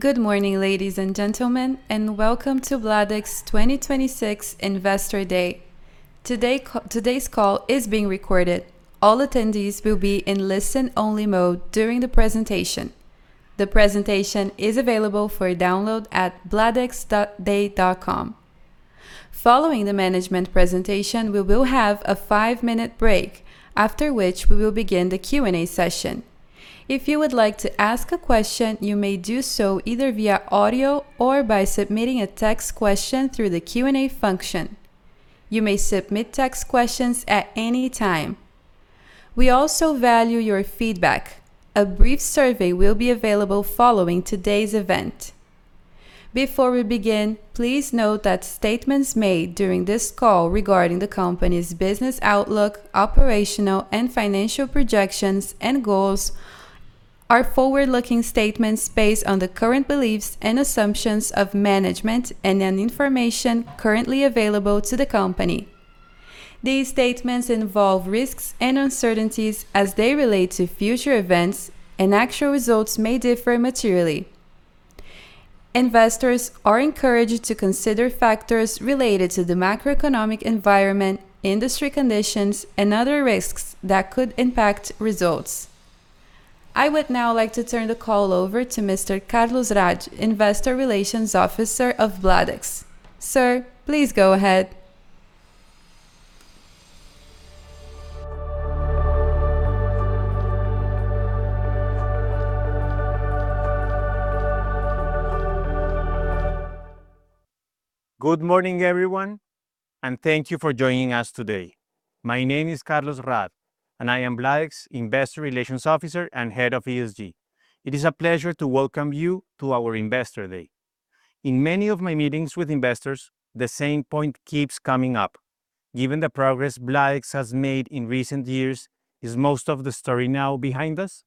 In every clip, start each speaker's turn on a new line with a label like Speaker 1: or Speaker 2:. Speaker 1: Good morning, ladies and gentlemen, and welcome to Bladex 2026 Investor Day. Today's call is being recorded. All attendees will be in listen only mode during the presentation. The presentation is available for download at bladexday.com. Following the management presentation, we will have a five-minute break, after which we will begin the Q&A session. If you would like to ask a question, you may do so either via audio or by submitting a text question through the Q&A function. You may submit text questions at any time. We also value your feedback. A brief survey will be available following today's event. Before we begin, please note that statements made during this call regarding the company's business outlook, operational, and financial projections and goals are forward-looking statements based on the current beliefs and assumptions of management and any information currently available to the company. These statements involve risks and uncertainties as they relate to future events and actual results may differ materially. Investors are encouraged to consider factors related to the macroeconomic environment, industry conditions, and other risks that could impact results. I would now like to turn the call over to Mr. Carlos Raad, Chief Investor Relations Officer of Bladex. Sir, please go ahead.
Speaker 2: Good morning, everyone, and thank you for joining us today. My name is Carlos Raad, and I am Bladex Investor Relations Officer and Head of ESG. It is a pleasure to welcome you to our Investor Day. In many of my meetings with investors, the same point keeps coming up. Given the progress Bladex has made in recent years, is most of the story now behind us?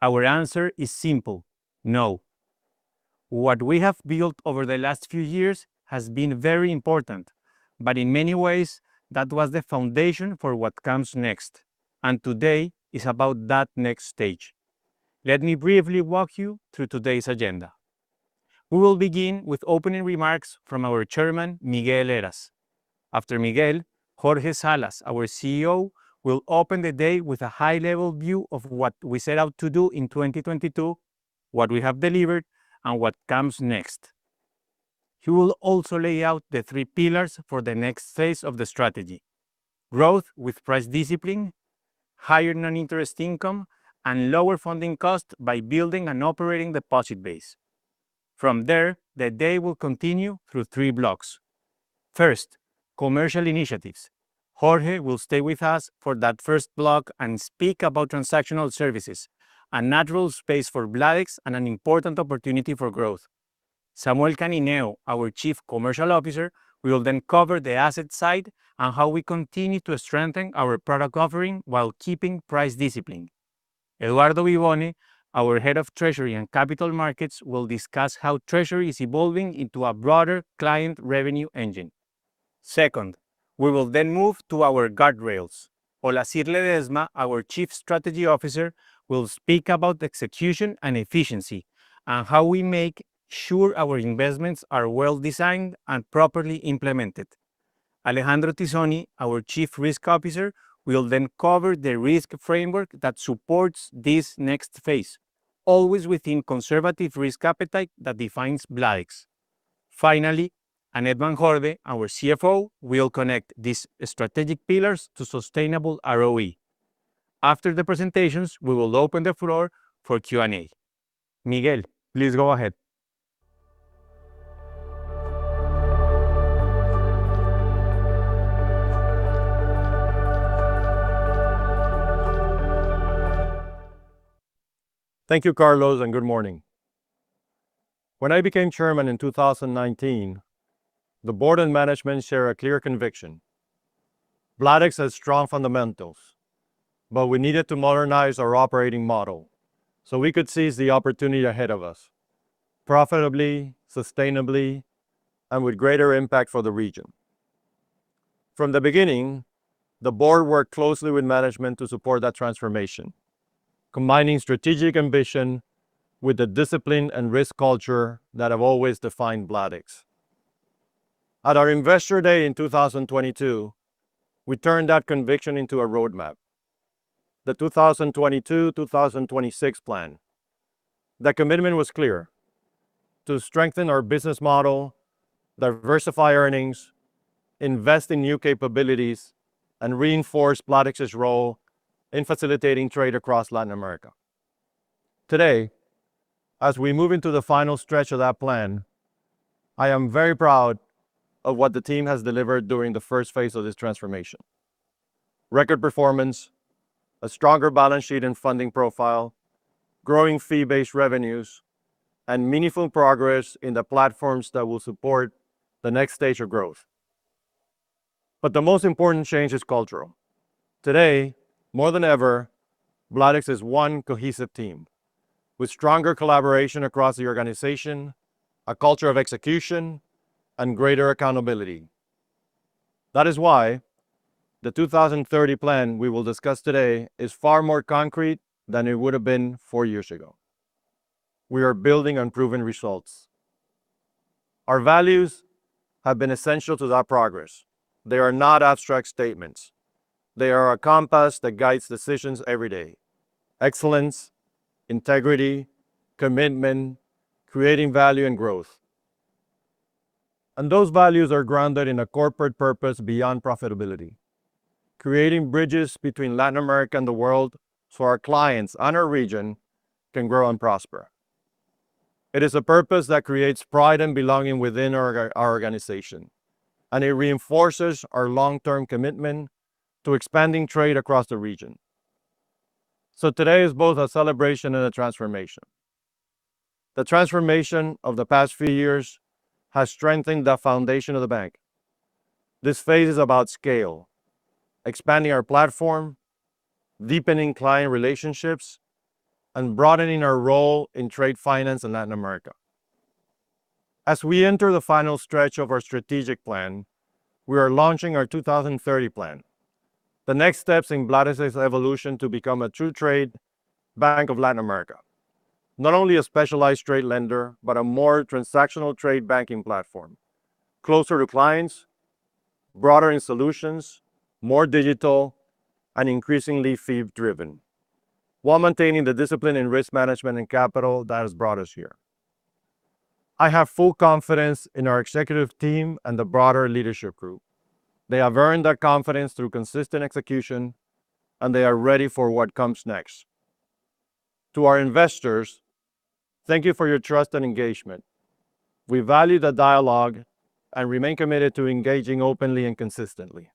Speaker 2: Our answer is simple. No. What we have built over the last few years has been very important, but in many ways, that was the foundation for what comes next, and today is about that next stage. Let me briefly walk you through today's agenda. We will begin with opening remarks from our Chairman, Miguel Heras. After Miguel, Jorge Salas, our CEO, will open the day with a high-level view of what we set out to do in 2022, what we have delivered, and what comes next. He will also lay out the three pillars for the next phase of the strategy. Growth with price discipline, higher non-interest income, and lower funding costs by building an operating deposit base. From there, the day will continue through three blocks. First, commercial initiatives. Jorge will stay with us for that first block and speak about transactional services, a natural space for Bladex and an important opportunity for growth. Samuel Canineu, our Chief Commercial Officer, will then cover the asset side and how we continue to strengthen our product offering while keeping price discipline. Eduardo Vivone, our Head of Treasury and Capital Markets, will discuss how treasury is evolving into a broader client revenue engine. Second, we will then move to our guardrails. Olazhir Ledezma, our Chief Strategy Officer, will speak about execution and efficiency and how we make sure our investments are well designed and properly implemented. Alejandro Tizzoni, our Chief Risk Officer, will then cover the risk framework that supports this next phase, always within conservative risk appetite that defines Bladex. Finally, Annette van Hoorde, our CFO, will connect these strategic pillars to sustainable ROE. After the presentations, we will open the floor for Q&A. Miguel, please go ahead.
Speaker 3: Thank you, Carlos, and good morning. When I became Chairman in 2019, the board and management shared a clear conviction. Bladex has strong fundamentals, but we needed to modernize our operating model so we could seize the opportunity ahead of us profitably, sustainably, and with greater impact for the region. From the beginning, the board worked closely with management to support that transformation, combining strategic ambition with the discipline and risk culture that have always defined Bladex. At our Investor Day in 2022, we turned that conviction into a roadmap, the 2022-2026 plan. That commitment was clear, to strengthen our business model, diversify earnings, invest in new capabilities, and reinforce Bladex's role in facilitating trade across Latin America. Today, as we move into the final stretch of that plan, I am very proud of what the team has delivered during the first phase of this transformation. Record performance, a stronger balance sheet and funding profile, growing fee-based revenues, and meaningful progress in the platforms that will support the next stage of growth. The most important change is cultural. Today, more than ever, Bladex is one cohesive team with stronger collaboration across the organization, a culture of execution, and greater accountability. That is why the 2030 plan we will discuss today is far more concrete than it would have been four years ago. We are building on proven results. Our values have been essential to that progress. They are not abstract statements. They are a compass that guides decisions every day. Excellence, integrity, commitment, creating value and growth. Those values are grounded in a corporate purpose beyond profitability, creating bridges between Latin America and the world so our clients and our region can grow and prosper. It is a purpose that creates pride and belonging within our organization, and it reinforces our long-term commitment to expanding trade across the region. Today is both a celebration and a transformation. The transformation of the past few years has strengthened the foundation of the bank. This phase is about scale, expanding our platform, deepening client relationships, and broadening our role in trade finance in Latin America. As we enter the final stretch of our strategic plan, we are launching our 2030 plan, the next steps in Bladex's evolution to become a true trade bank of Latin America, not only a specialized trade lender, but a more transactional trade banking platform, closer to clients, broader in solutions, more digital, and increasingly fee-driven, while maintaining the discipline in risk management and capital that has brought us here. I have full confidence in our executive team and the broader leadership group. They have earned that confidence through consistent execution, and they are ready for what comes next. To our investors, thank you for your trust and engagement. We value the dialogue and remain committed to engaging openly and consistently.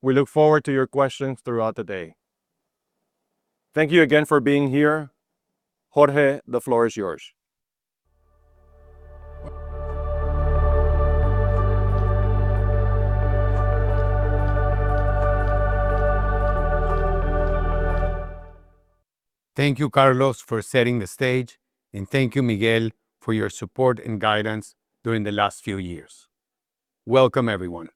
Speaker 3: We look forward to your questions throughout the day. Thank you again for being here. Jorge, the floor is yours.
Speaker 4: Thank you, Carlos, for setting the stage, and thank you, Miguel, for your support and guidance during the last few years. Welcome, everyone.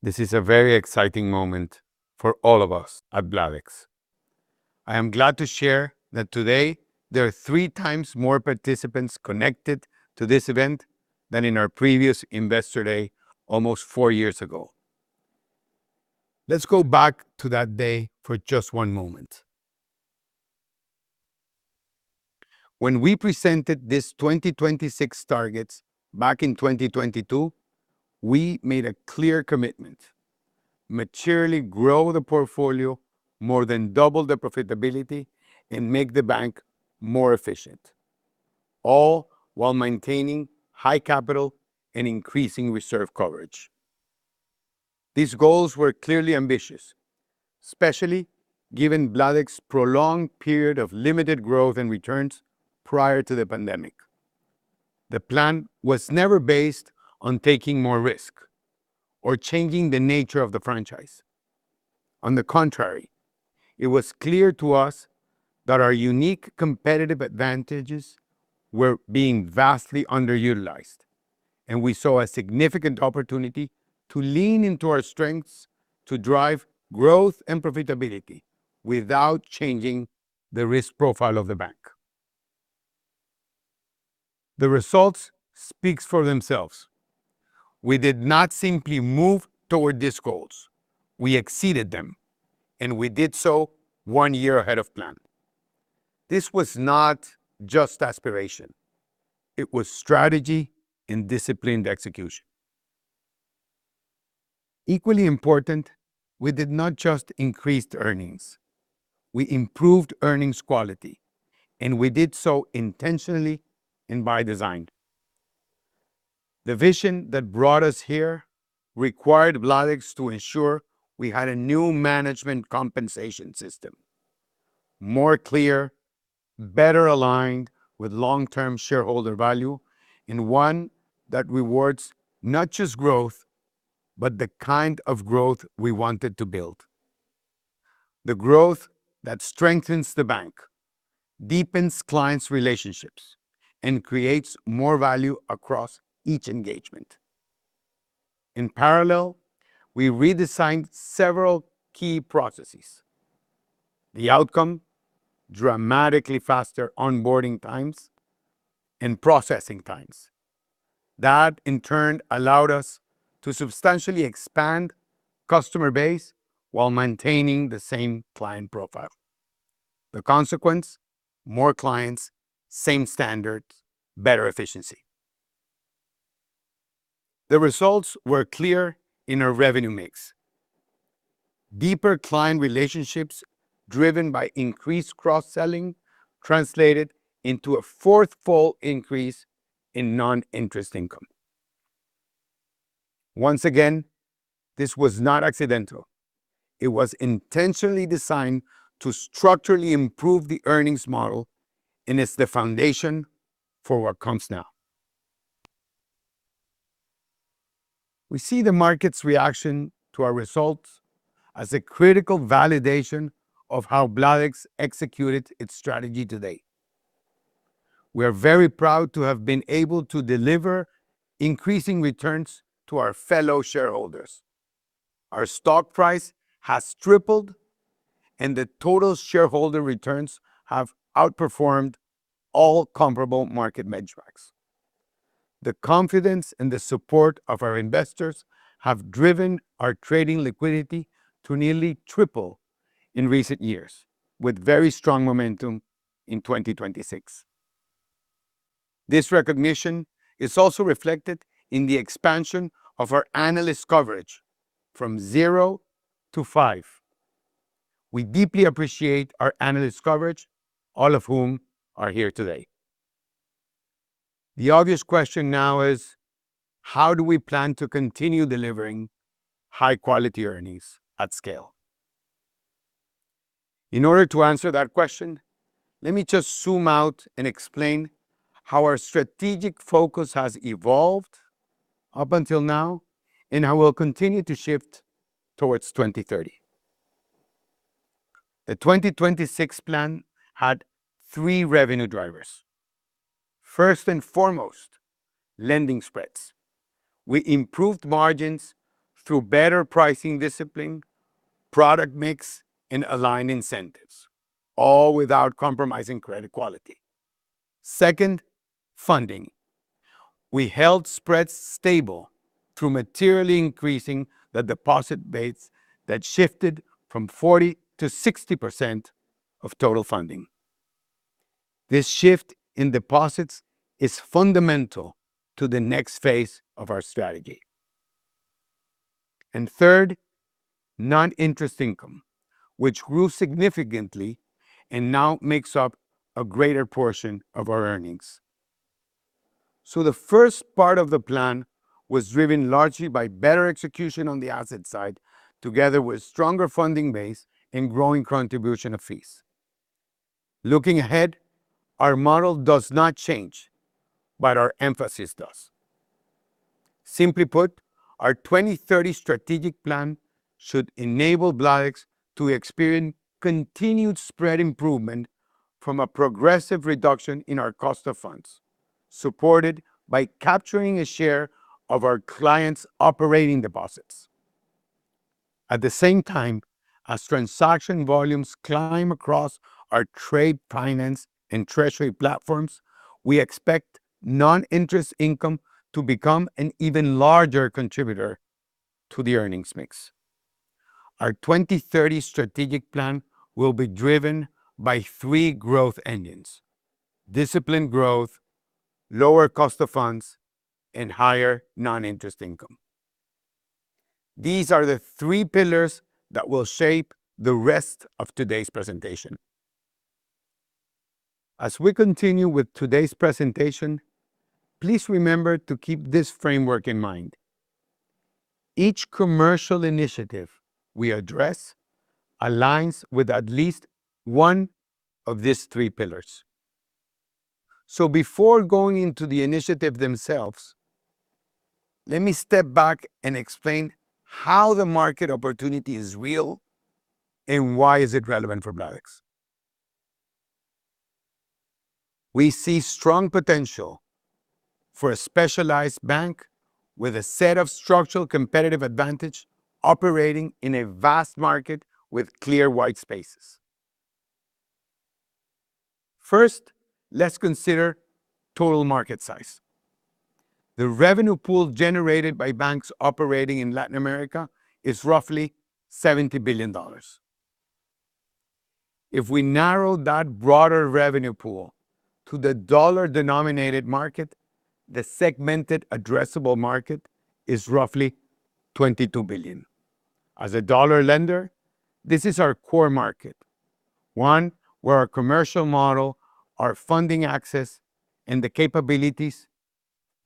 Speaker 4: This is a very exciting moment for all of us at Bladex. I am glad to share that today there are 3x more participants connected to this event than in our previous Investor Day almost four years ago. Let's go back to that day for just one moment. When we presented these 2026 targets back in 2022, we made a clear commitment, maturely grow the portfolio, more than double the profitability, and make the bank more efficient, all while maintaining high capital and increasing reserve coverage. These goals were clearly ambitious, especially given Bladex's prolonged period of limited growth and returns prior to the pandemic. The plan was never based on taking more risk or changing the nature of the franchise. On the contrary, it was clear to us that our unique competitive advantages were being vastly underutilized, and we saw a significant opportunity to lean into our strengths to drive growth and profitability without changing the risk profile of the bank. The results speak for themselves. We did not simply move toward these goals. We exceeded them, and we did so one year ahead of plan. This was not just aspiration. It was strategy and disciplined execution. Equally important, we did not just increase earnings. We improved earnings quality, and we did so intentionally and by design. The vision that brought us here required Bladex to ensure we had a new management compensation system, more clear, better aligned with long-term shareholder value, and one that rewards not just growth, but the kind of growth we wanted to build. The growth that strengthens the bank, deepens clients' relationships, and creates more value across each engagement. In parallel, we redesigned several key processes, the outcome dramatically faster onboarding times and processing times. That, in turn, allowed us to substantially expand customer base while maintaining the same client profile, the consequence more clients, same standards, better efficiency. The results were clear in our revenue mix. Deeper client relationships driven by increased cross-selling translated into a fourfold increase in non-interest income. Once again, this was not accidental. It was intentionally designed to structurally improve the earnings model, and it's the foundation for what comes now. We see the market's reaction to our results as a critical validation of how Bladex executed its strategy to date. We are very proud to have been able to deliver increasing returns to our fellow shareholders. Our stock price has tripled and the total shareholder returns have outperformed all comparable market benchmarks. The confidence and the support of our investors have driven our trading liquidity to nearly triple in recent years with very strong momentum in 2026. This recognition is also reflected in the expansion of our analyst coverage from zero to five. We deeply appreciate our analyst coverage, all of whom are here today. The obvious question now is how do we plan to continue delivering high quality earnings at scale? In order to answer that question, let me just zoom out and explain how our strategic focus has evolved up until now and how we'll continue to shift towards 2030. The 2026 plan had three revenue drivers. First and foremost, lending spreads. We improved margins through better pricing discipline, product mix, and aligned incentives, all without compromising credit quality. Second, funding. We held spreads stable through materially increasing the deposit base that shifted from 40 to 60% of total funding. This shift in deposits is fundamental to the next phase of our strategy. Third, non-interest income, which grew significantly and now makes up a greater portion of our earnings. The first part of the plan was driven largely by better execution on the asset side together with stronger funding base and growing contribution of fees. Looking ahead, our model does not change, but our emphasis does. Simply put, our 2030 strategic plan should enable Bladex to experience continued spread improvement from a progressive reduction in our cost of funds, supported by capturing a share of our clients operating deposits. At the same time, as transaction volumes climb across our trade finance and treasury platforms, we expect non-interest income to become an even larger contributor to the earnings mix. Our 2030 strategic plan will be driven by three growth engines, disciplined growth, lower cost of funds, and higher non-interest income. These are the three pillars that will shape the rest of today's presentation. As we continue with today's presentation, please remember to keep this framework in mind. Each commercial initiative we address aligns with at least one of these three pillars. Before going into the initiative themselves, let me step back and explain how the market opportunity is real and why is it relevant for Bladex. We see strong potential for a specialized bank with a set of structural competitive advantage operating in a vast market with clear white spaces. First, let's consider total market size. The revenue pool generated by banks operating in Latin America is roughly $70 billion. If we narrow that broader revenue pool to the dollar-denominated market, the segmented addressable market is roughly $22 billion. As a dollar lender, this is our core market, one where our commercial model, our funding access, and the capabilities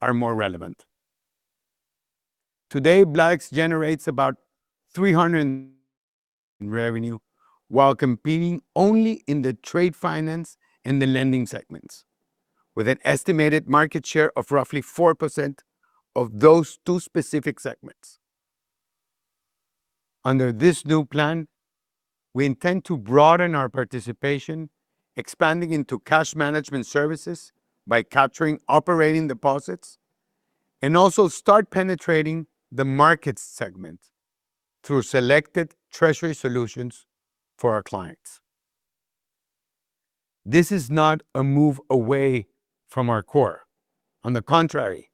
Speaker 4: are more relevant. Today, Bladex generates about $300 million in revenue while competing only in the trade finance and the lending segments, with an estimated market share of roughly 4% of those two specific segments. Under this new plan, we intend to broaden our participation, expanding into cash management services by capturing operating deposits, and also start penetrating the market segment through selected treasury solutions for our clients. This is not a move away from our core. On the contrary,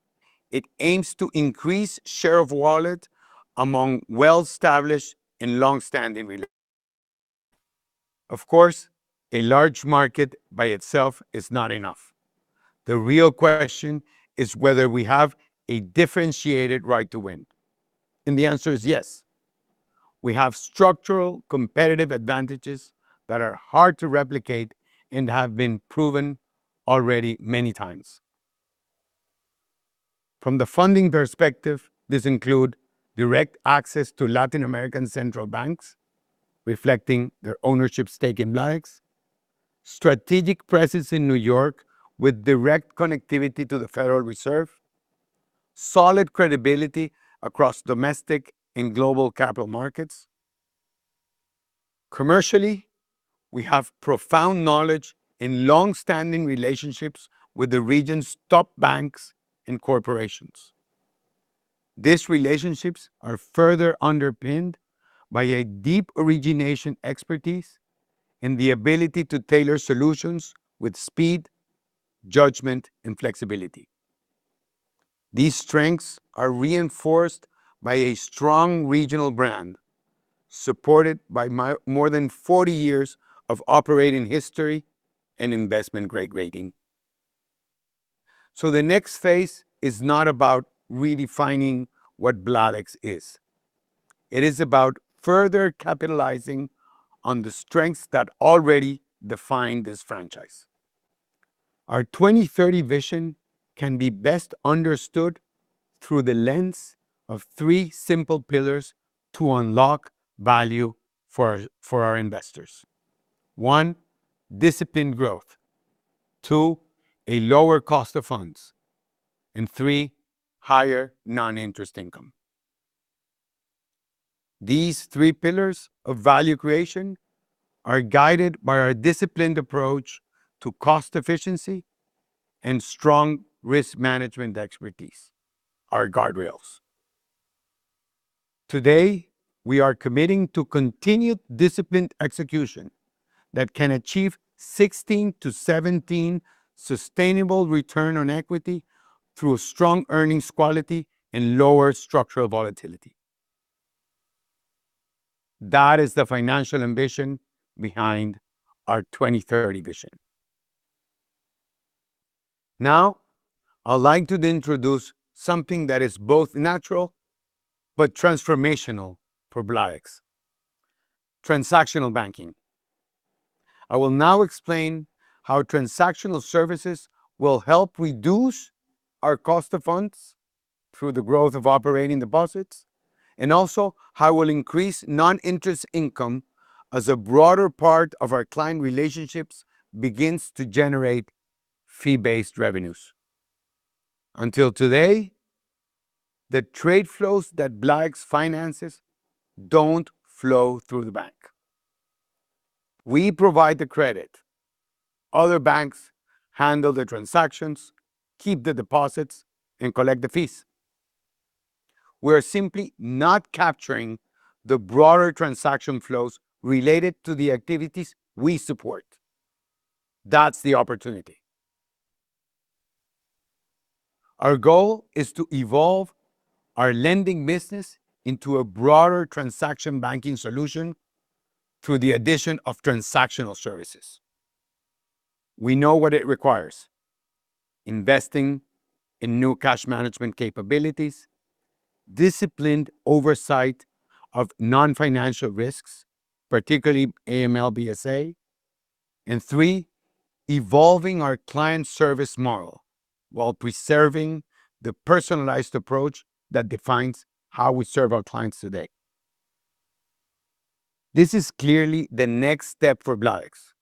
Speaker 4: it aims to increase share of wallet among well-established and long-standing. Of course, a large market by itself is not enough. The real question is whether we have a differentiated right to win, and the answer is yes. We have structural competitive advantages that are hard to replicate and have been proven already many times. From the funding perspective, this includes direct access to Latin American central banks, reflecting their ownership stake in Bladex, strategic presence in New York with direct connectivity to the Federal Reserve, solid credibility across domestic and global capital markets. Commercially we have profound knowledge in long-standing relationships with the region's top banks and corporations. These relationships are further underpinned by a deep origination expertise and the ability to tailor solutions with speed, judgment, and flexibility. These strengths are reinforced by a strong regional brand supported by more than 40 years of operating history and investment-grade rating. The next phase is not about redefining what Bladex is. It is about further capitalizing on the strengths that already define this franchise. Our 2030 vision can be best understood through the lens of three simple pillars to unlock value for our investors. One, disciplined growth. Two, a lower cost of funds. Three, higher non-interest income. These three pillars of value creation are guided by our disciplined approach to cost efficiency and strong risk management expertise, our guardrails. Today we are committing to continued disciplined execution that can achieve 16% to 17% sustainable return on equity through strong earnings quality and lower structural volatility. That is the financial ambition behind our 2030 vision. Now I'd like to introduce something that is both natural but transformational for Bladex, transactional banking. I will now explain how transactional services will help reduce our cost of funds through the growth of operating deposits, and also how we'll increase non-interest income as a broader part of our client relationships begins to generate fee-based revenues. Until today, the trade flows that Bladex finances don't flow through the bank. We provide the credit. Other banks handle the transactions, keep the deposits, and collect the fees. We're simply not capturing the broader transaction flows related to the activities we support. That's the opportunity. Our goal is to evolve our lending business into a broader transaction banking solution through the addition of transactional services. We know what it requires, investing in new cash management capabilities, disciplined oversight of non-financial risks, particularly AML/BSA. And three, evolving our client service model while preserving the personalized approach that defines how we serve our clients today. This is clearly the next step for Bladex,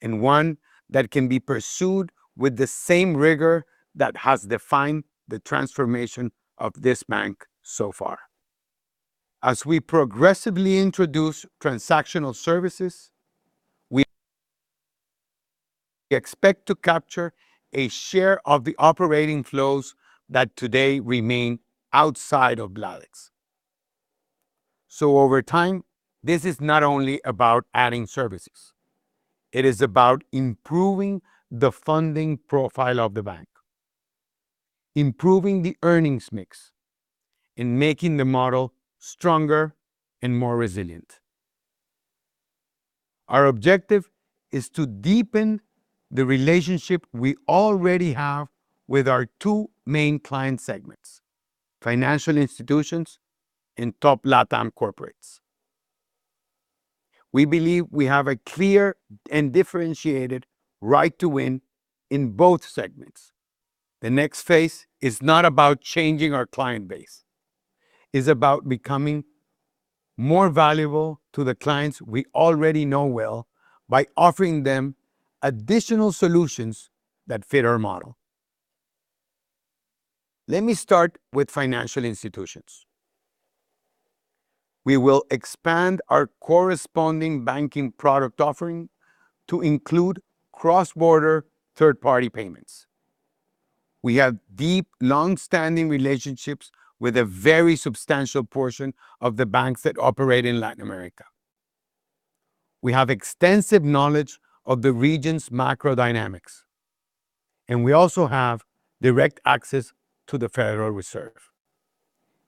Speaker 4: and one that can be pursued with the same rigor that has defined the transformation of this bank so far. As we progressively introduce transactional services, we expect to capture a share of the operating flows that today remain outside of Bladex. Over time, this is not only about adding services. It is about improving the funding profile of the bank, improving the earnings mix, and making the model stronger and more resilient. Our objective is to deepen the relationship we already have with our two main client segments, financial institutions and top LatAm corporates. We believe we have a clear and differentiated right to win in both segments. The next phase is not about changing our client base. It's about becoming more valuable to the clients we already know well by offering them additional solutions that fit our model. Let me start with financial institutions. We will expand our correspondent banking product offering to include cross-border third-party payments. We have deep, long-standing relationships with a very substantial portion of the banks that operate in Latin America. We have extensive knowledge of the region's macro dynamics, and we also have direct access to the Federal Reserve.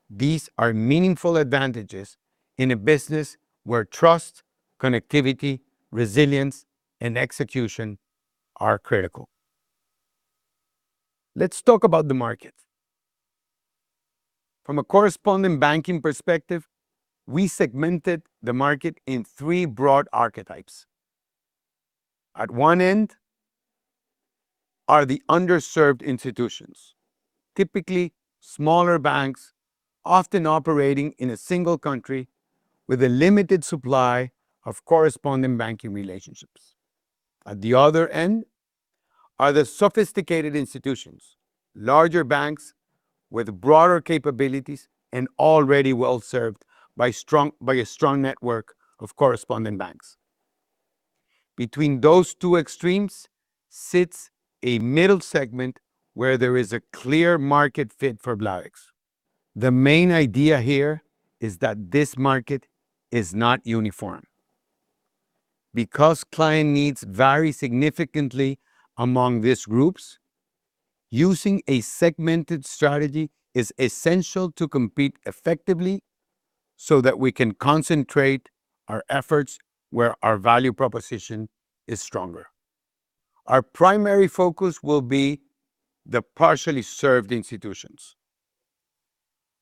Speaker 4: These are meaningful advantages in a business where trust, connectivity, resilience, and execution are critical. Let's talk about the market. From a correspondent banking perspective, we segmented the market in three broad archetypes. At one end are the underserved institutions, typically smaller banks often operating in a single country with a limited supply of correspondent banking relationships. At the other end are the sophisticated institutions, larger banks with broader capabilities and already well served by a strong network of correspondent banks. Between those two extremes sits a middle segment where there is a clear market fit for Bladex. The main idea here is that this market is not uniform. Because client needs vary significantly among these groups, using a segmented strategy is essential to compete effectively so that we can concentrate our efforts where our value proposition is stronger. Our primary focus will be the partially served institutions.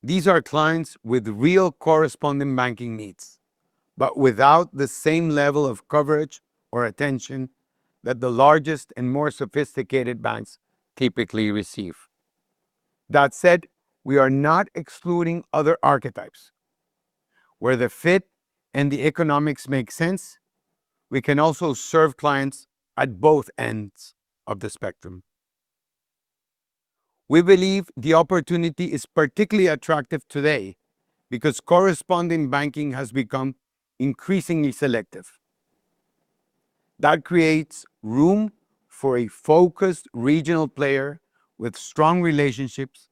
Speaker 4: These are clients with real correspondent banking needs, but without the same level of coverage or attention that the largest and more sophisticated banks typically receive. That said, we are not excluding other archetypes. Where the fit and the economics make sense, we can also serve clients at both ends of the spectrum. We believe the opportunity is particularly attractive today because corresponding banking has become increasingly selective. That creates room for a focused regional player with strong relationships,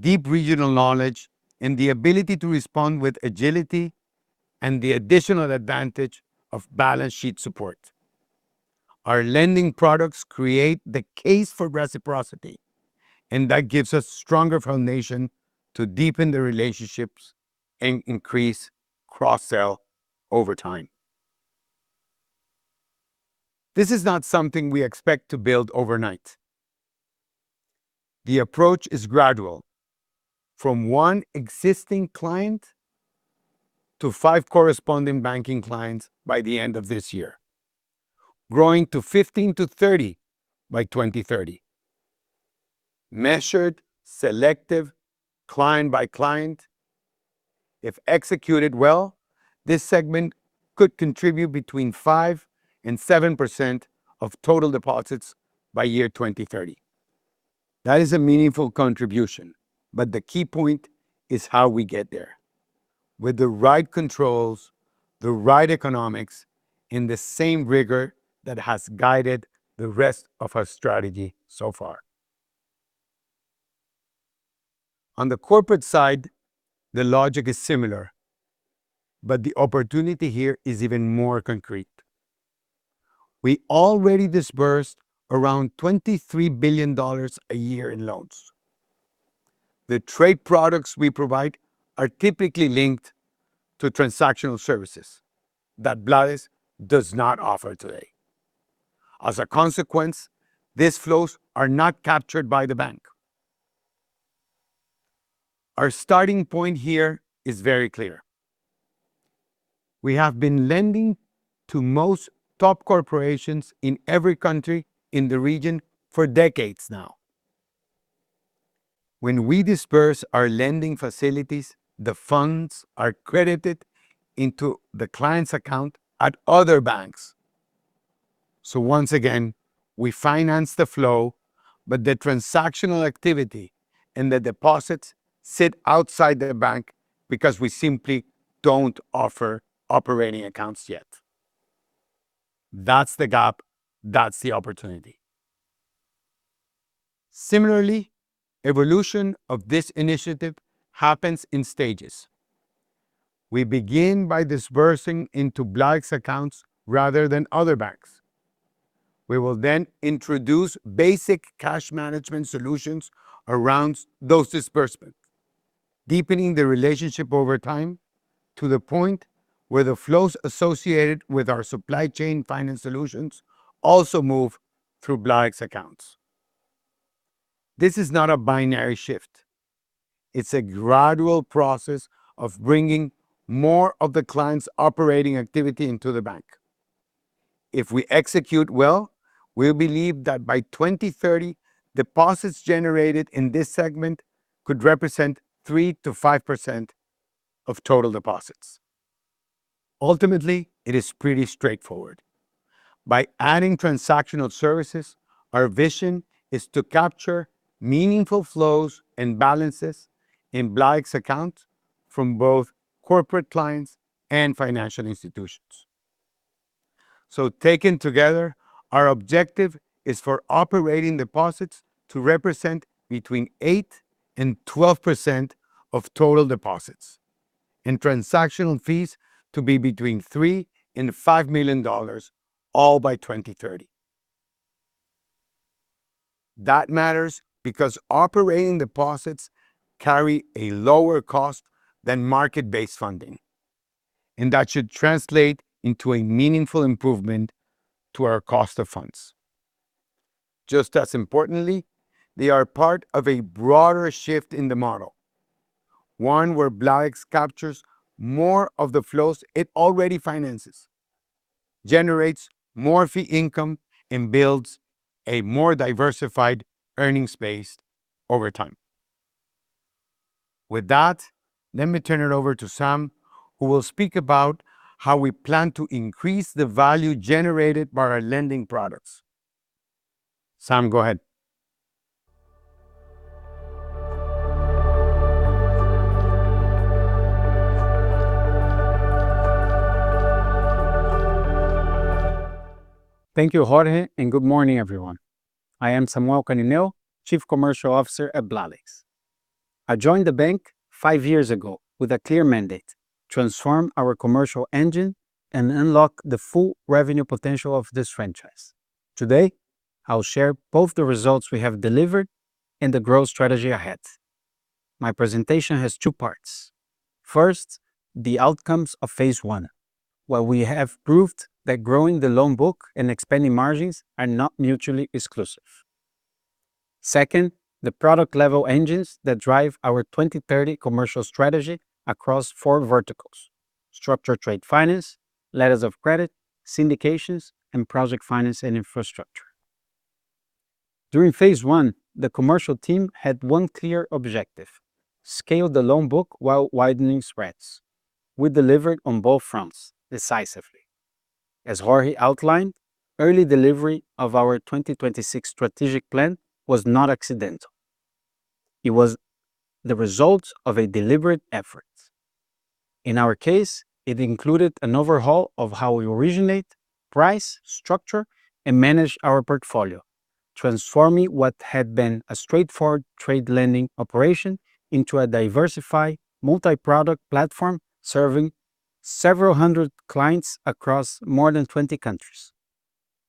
Speaker 4: deep regional knowledge, and the ability to respond with agility and the additional advantage of balance sheet support. Our lending products create the case for reciprocity, and that gives us stronger foundation to deepen the relationships and increase cross-sell over time. This is not something we expect to build overnight. The approach is gradual from one existing client to five corresponding banking clients by the end of this year, growing to 15 to 30 by 2030. Measured, selective, client by client. If executed well, this segment could contribute between 5% and 7% of total deposits by year 2030. That is a meaningful contribution, but the key point is how we get there with the right controls, the right economics, and the same rigor that has guided the rest of our strategy so far. On the corporate side, the logic is similar, but the opportunity here is even more concrete. We already disbursed around $23 billion a year in loans. The trade products we provide are typically linked to transactional services that Bladex does not offer today. As a consequence, these flows are not captured by the bank. Our starting point here is very clear. We have been lending to most top corporations in every country in the region for decades now. When we disburse our lending facilities, the funds are credited into the client's account at other banks. Once again, we finance the flow, but the transactional activity and the deposits sit outside the bank because we simply don't offer operating accounts yet. That's the gap. That's the opportunity. Similarly, evolution of this initiative happens in stages. We begin by disbursing into Bladex accounts rather than other banks. We will then introduce basic cash management solutions around those disbursements, deepening the relationship over time to the point where the flows associated with our supply chain finance solutions also move through Bladex accounts. This is not a binary shift. It's a gradual process of bringing more of the client's operating activity into the bank. If we execute well, we believe that by 2030, deposits generated in this segment could represent 3% to 5% of total deposits. Ultimately, it is pretty straightforward. By adding transactional services, our vision is to capture meaningful flows and balances in Bladex accounts from both corporate clients and financial institutions. Taken together, our objective is for operating deposits to represent between 8% and 12% of total deposits, and transactional fees to be between $3 million and $5 million, all by 2030. That matters because operating deposits carry a lower cost than market-based funding, and that should translate into a meaningful improvement to our cost of funds. Just as importantly, they are part of a broader shift in the model. One where Bladex captures more of the flows it already finances, generates more fee income, and builds a more diversified earnings base over time. With that, let me turn it over to Sam, who will speak about how we plan to increase the value generated by our lending products. Sam, go ahead.
Speaker 5: Thank you, Jorge, and good morning, everyone. I am Samuel Canineu, Chief Commercial Officer at Bladex. I joined the bank five years ago with a clear mandate: transform our commercial engine and unlock the full revenue potential of this franchise. Today, I'll share both the results we have delivered and the growth strategy ahead. My presentation has two parts. First, the outcomes of phase one, where we have proved that growing the loan book and expanding margins are not mutually exclusive. Second, the product-level engines that drive our 20-30 commercial strategy across four verticals, structured trade finance, letters of credit, syndications, and project finance and infrastructure. During phase I, the commercial team had one clear objective, scale the loan book while widening spreads. We delivered on both fronts decisively. As Jorge outlined, early delivery of our 2026 strategic plan was not accidental. It was the result of a deliberate effort. In our case, it included an overhaul of how we originate, price, structure, and manage our portfolio, transforming what had been a straightforward trade lending operation into a diversified multi-product platform serving several hundred clients across more than 20 countries.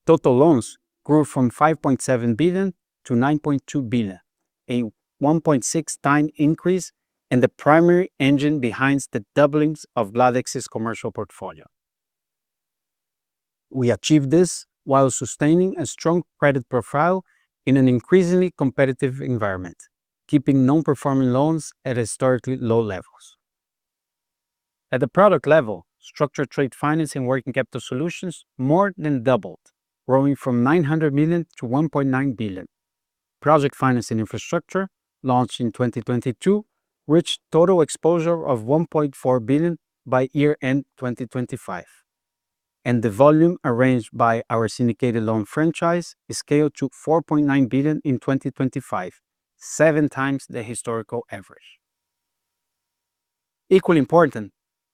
Speaker 5: Total loans grew from $5.7 billion to $9.2 billion, a 1.6x increase and the primary engine behind the doubling of Bladex's commercial portfolio. We achieved this while sustaining a strong credit profile in an increasingly competitive environment, keeping non-performing loans at historically low levels. At the product level, structured trade finance and working capital solutions more than doubled, growing from $900 million to $1.9 billion. Project finance and infrastructure, launched in 2022, reached total exposure of $1.4 billion by year-end 2025, and the volume arranged by our syndicated loan franchise scaled to $4.9 billion in 2025, 7x the historical average. Equally important,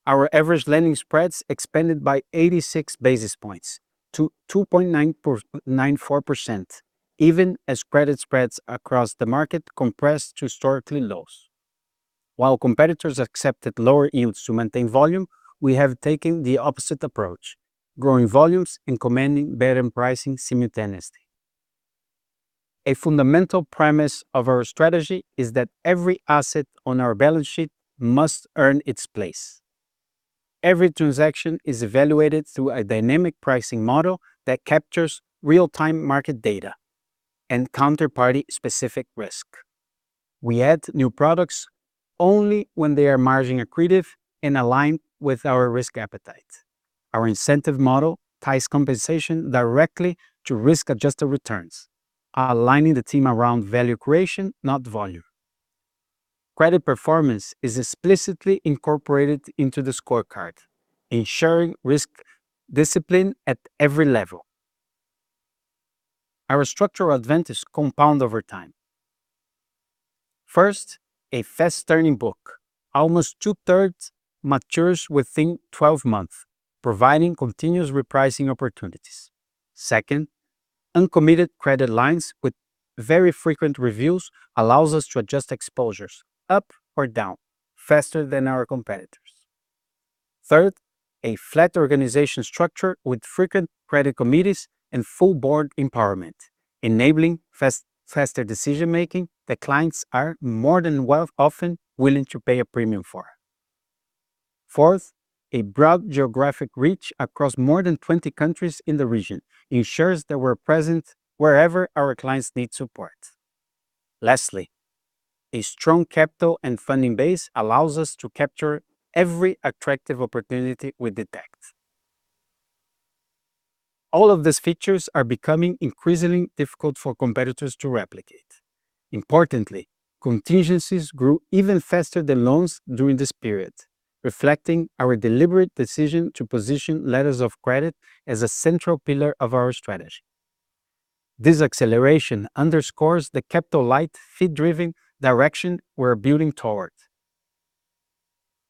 Speaker 5: our average lending spreads expanded by 86 basis points to 2.94%, even as credit spreads across the market compressed to historical lows. While competitors accepted lower yields to maintain volume, we have taken the opposite approach, growing volumes and commanding better pricing simultaneously. A fundamental premise of our strategy is that every asset on our balance sheet must earn its place. Every transaction is evaluated through a dynamic pricing model that captures real-time market data and counterparty-specific risk. We add new products only when they are margin accretive and aligned with our risk appetite. Our incentive model ties compensation directly to risk-adjusted returns, aligning the team around value creation, not volume. Credit performance is explicitly incorporated into the scorecard, ensuring risk discipline at every level. Our structural advantages compound over time. First, a fast-turning book. Almost two-thirds matures within 12 months, providing continuous repricing opportunities. Second, uncommitted credit lines with very frequent reviews allow us to adjust exposures up or down faster than our competitors. Third, a flat organization structure with frequent credit committees and full board empowerment, enabling fast decision-making that clients are more than willing to pay a premium for. Fourth, a broad geographic reach across more than 20 countries in the region ensures that we're present wherever our clients need support. Lastly, a strong capital and funding base allows us to capture every attractive opportunity we detect. All of these features are becoming increasingly difficult for competitors to replicate. Importantly, contingencies grew even faster than loans during this period, reflecting our deliberate decision to position letters of credit as a central pillar of our strategy. This acceleration underscores the capital-light, fee-driven direction we're building toward.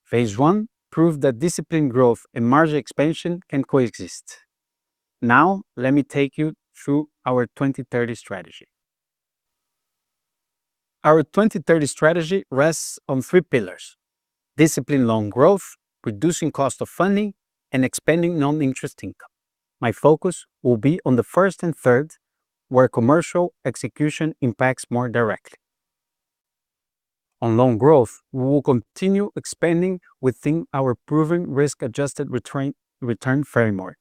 Speaker 5: Phase I proved that disciplined growth and margin expansion can coexist. Now let me take you through our 2030 strategy. Our 2030 strategy rests on three pillars, disciplined loan growth, reducing cost of funding, and expanding non-interest income. My focus will be on the first and third, where commercial execution impacts more directly. On loan growth, we will continue expanding within our proven risk-adjusted return framework,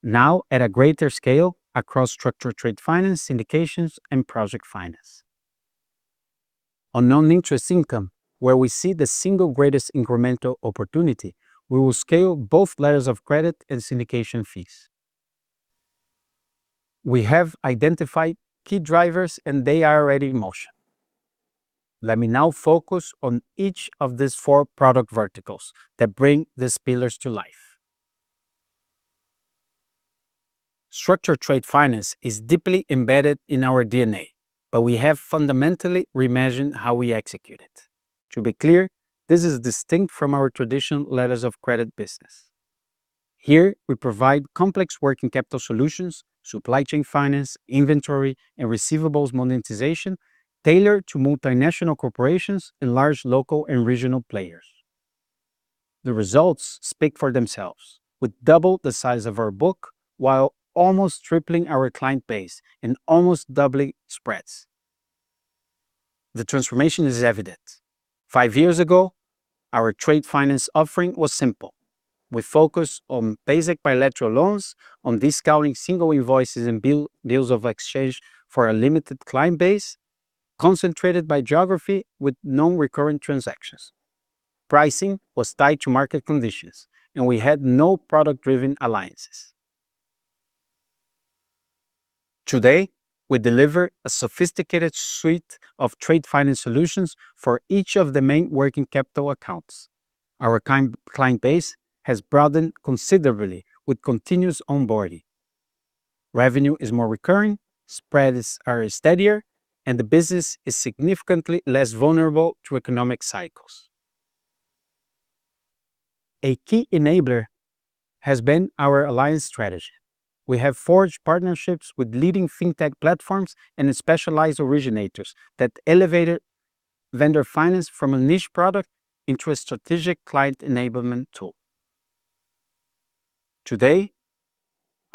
Speaker 5: now at a greater scale across structured trade finance, syndications, and project finance. On non-interest income, where we see the single greatest incremental opportunity, we will scale both Letters of Credit and syndication fees. We have identified key drivers, and they are already in motion. Let me now focus on each of these four product verticals that bring these pillars to life. Structured trade finance is deeply embedded in our DNA, but we have fundamentally reimagined how we execute it. To be clear, this is distinct from our traditional Letters of Credit business. Here, we provide complex working capital solutions, supply chain finance, inventory, and receivables monetization tailored to multinational corporations and large local and regional players. The results speak for themselves. We've doubled the size of our book while almost tripling our client base and almost doubling spreads. The transformation is evident. Five years ago, our trade finance offering was simple. We focused on basic bilateral loans, on discounting single invoices and bills of exchange for a limited client base, concentrated by geography with non-recurrent transactions. Pricing was tied to market conditions, and we had no product-driven alliances. Today, we deliver a sophisticated suite of trade finance solutions for each of the main working capital accounts. Our client base has broadened considerably with continuous onboarding. Revenue is more recurring, spreads are steadier, and the business is significantly less vulnerable to economic cycles. A key enabler has been our alliance strategy. We have forged partnerships with leading fintech platforms and specialized originators that elevated vendor finance from a niche product into a strategic client enablement tool. Today,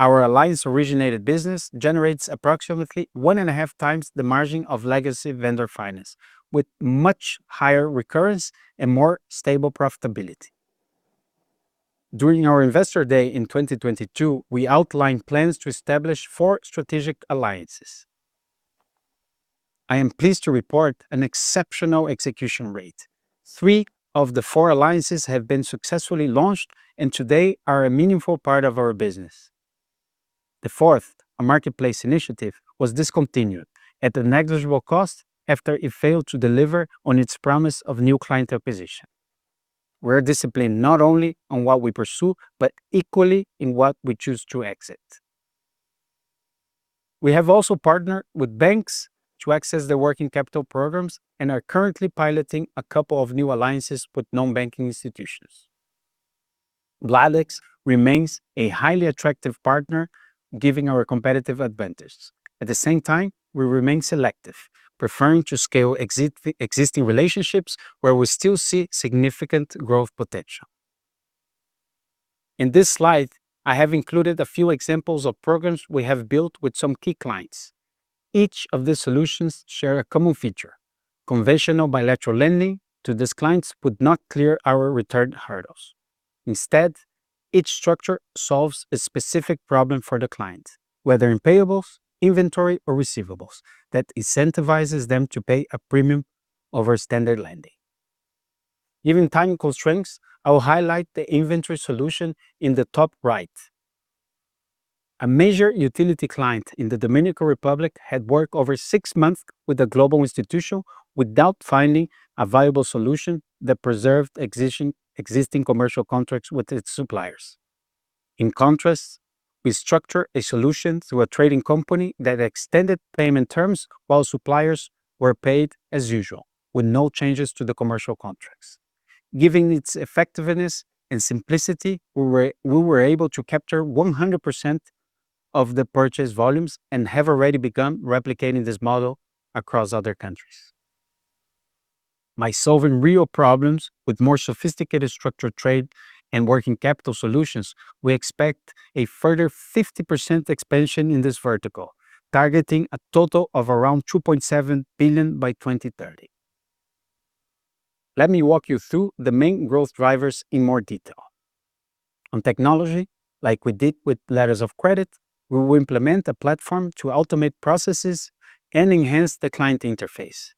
Speaker 5: our alliance-originated business generates approximately 1.5x the margin of legacy vendor finance, with much higher recurrence and more stable profitability. During our Investor Day in 2022, we outlined plans to establish four strategic alliances. I am pleased to report an exceptional execution rate. Three of the four alliances have been successfully launched and today are a meaningful part of our business. The fourth, a marketplace initiative, was discontinued at a negligible cost after it failed to deliver on its promise of new client acquisition. We're disciplined not only on what we pursue, but equally in what we choose to exit. We have also partnered with banks to access their working capital programs and are currently piloting a couple of new alliances with non-banking institutions. Bladex remains a highly attractive partner, giving our competitive advantage. At the same time, we remain selective, preferring to scale existing relationships where we still see significant growth potential. In this slide, I have included a few examples of programs we have built with some key clients. Each of these solutions share a common feature. Conventional bilateral lending to these clients would not clear our return hurdles. Instead, each structure solves a specific problem for the client, whether in payables, inventory, or receivables, that incentivizes them to pay a premium over standard lending. Given time constraints, I will highlight the inventory solution in the top right. A major utility client in the Dominican Republic had worked over six months with a global institution without finding a viable solution that preserved existing commercial contracts with its suppliers. In contrast, we structured a solution through a trading company that extended payment terms while suppliers were paid as usual, with no changes to the commercial contracts. Given its effectiveness and simplicity, we were able to capture 100% of the purchase volumes and have already begun replicating this model across other countries. By solving real problems with more sophisticated structured trade and working capital solutions, we expect a further 50% expansion in this vertical, targeting a total of around $2.7 billion by 2030. Let me walk you through the main growth drivers in more detail. On technology, like we did with letters of credit, we will implement a platform to automate processes and enhance the client interface.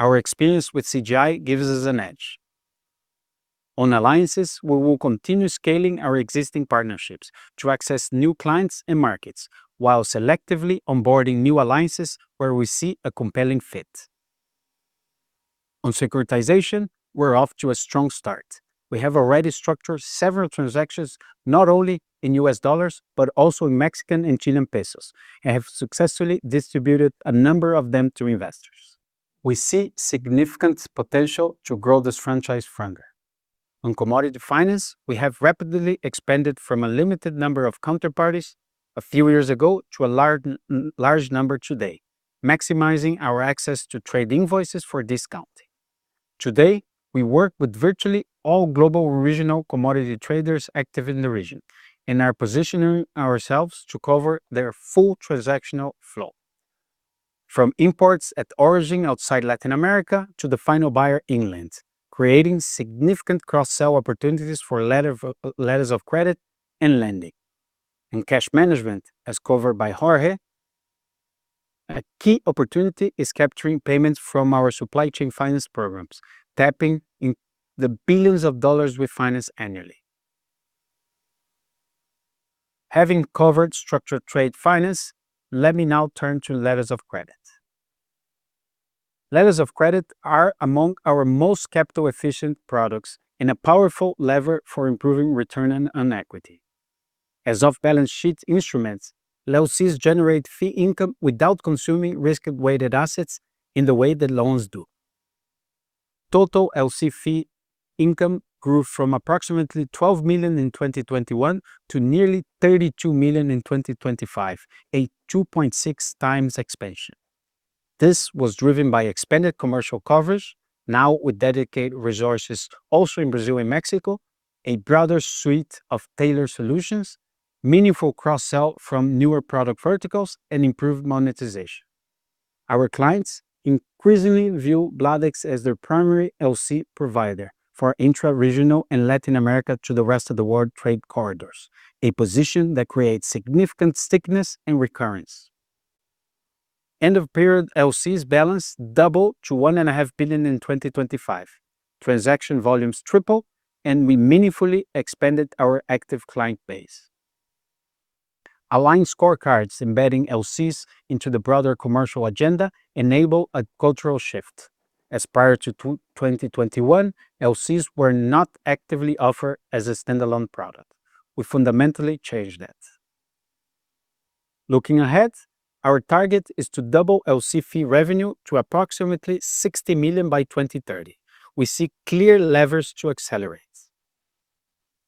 Speaker 5: Our experience with CGI gives us an edge. On alliances, we will continue scaling our existing partnerships to access new clients and markets while selectively onboarding new alliances where we see a compelling fit. On securitization, we're off to a strong start. We have already structured several transactions, not only in U.S. dollars, but also in Mexican and Chilean pesos, and have successfully distributed a number of them to investors. We see significant potential to grow this franchise further. On commodity finance, we have rapidly expanded from a limited number of counterparties a few years ago to a large number today, maximizing our access to trade invoices for discounting. Today, we work with virtually all global regional commodity traders active in the region and are positioning ourselves to cover their full transactional flow. From imports at origin outside Latin America to the final buyer inland, creating significant cross-sell opportunities for letters of credit and lending. In cash management, as covered by Jorge. A key opportunity is capturing payments from our supply chain finance programs, tapping in the billions of dollars we finance annually. Having covered structured trade finance, let me now turn to Letters of Credit. Letters of Credit are among our most capital efficient products and a powerful lever for improving return on equity. As off-balance sheet instruments, LCs generate fee income without consuming risk-weighted assets in the way that loans do. Total LC fee income grew from approximately $12 million in 2021 to nearly $32 million in 2025, a 2.6x expansion. This was driven by expanded commercial coverage, now with dedicated resources also in Brazil and Mexico, a broader suite of tailored solutions, meaningful cross-sell from newer product verticals, and improved monetization. Our clients increasingly view Bladex as their primary LC provider for intra-regional and Latin America to the rest of the world trade corridors, a position that creates significant stickiness and recurrence. End of period LCs balance doubled to $1.5 billion in 2025. Transaction volumes tripled, and we meaningfully expanded our active client base. Aligned scorecards embedding LCs into the broader commercial agenda enable a cultural shift, as prior to 2021, LCs were not actively offered as a standalone product. We fundamentally changed that. Looking ahead, our target is to double LC fee revenue to approximately $60 million by 2030. We see clear levers to accelerate.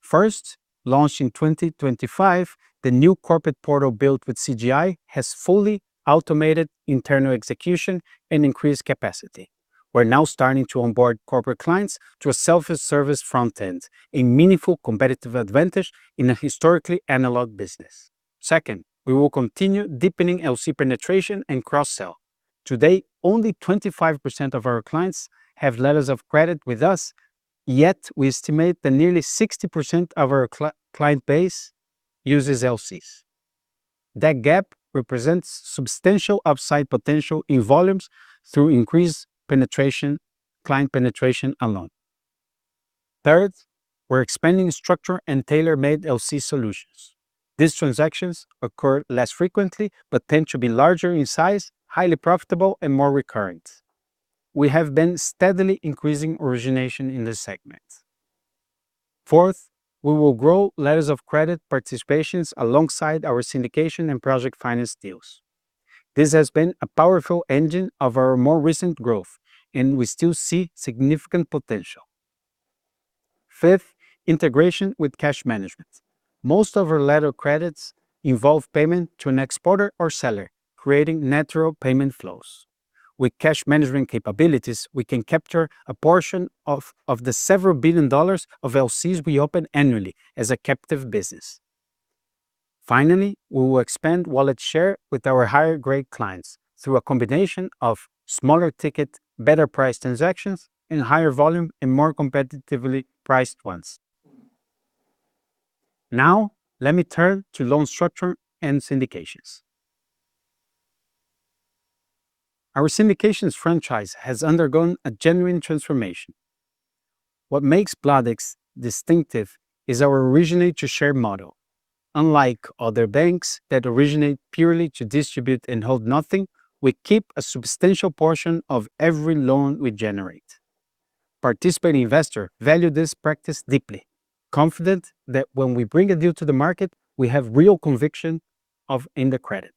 Speaker 5: First, launched in 2025, the new corporate portal built with CGI has fully automated internal execution and increased capacity. We're now starting to onboard corporate clients to a self-service front end, a meaningful competitive advantage in a historically analog business. Second, we will continue deepening LC penetration and cross-sell. Today, only 25% of our clients have letters of credit with us, yet we estimate that nearly 60% of our client base uses LCs. That gap represents substantial upside potential in volumes through increased penetration, client penetration alone. Third, we're expanding structured and tailor-made LC solutions. These transactions occur less frequently, but tend to be larger in size, highly profitable, and more recurrent. We have been steadily increasing origination in this segment. Fourth, we will grow letters of credit participations alongside our syndications and project finance deals. This has been a powerful engine of our more recent growth, and we still see significant potential. Fifth, integration with cash management. Most of our letters of credit involve payment to an exporter or seller, creating natural payment flows. With cash management capabilities, we can capture a portion of the several billion dollars of LCs we open annually as a captive business. Finally, we will expand wallet share with our higher grade clients through a combination of smaller ticket, better priced transactions and higher volume and more competitively priced ones. Now let me turn to loan structure and syndications. Our syndications franchise has undergone a genuine transformation. What makes Bladex distinctive is our originate to share model. Unlike other banks that originate purely to distribute and hold nothing, we keep a substantial portion of every loan we generate. Participating investors value this practice deeply, confident that when we bring a deal to the market, we have real conviction in the credit.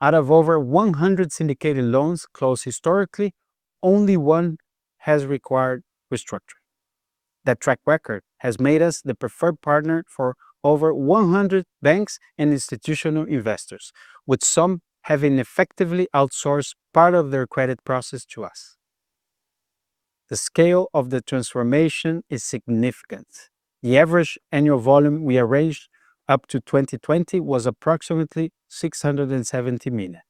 Speaker 5: Out of over 100 syndicated loans closed historically, only one has required restructuring. That track record has made us the preferred partner for over 100 banks and institutional investors, with some having effectively outsourced part of their credit process to us. The scale of the transformation is significant. The average annual volume we arranged up to 2020 was approximately $670 million.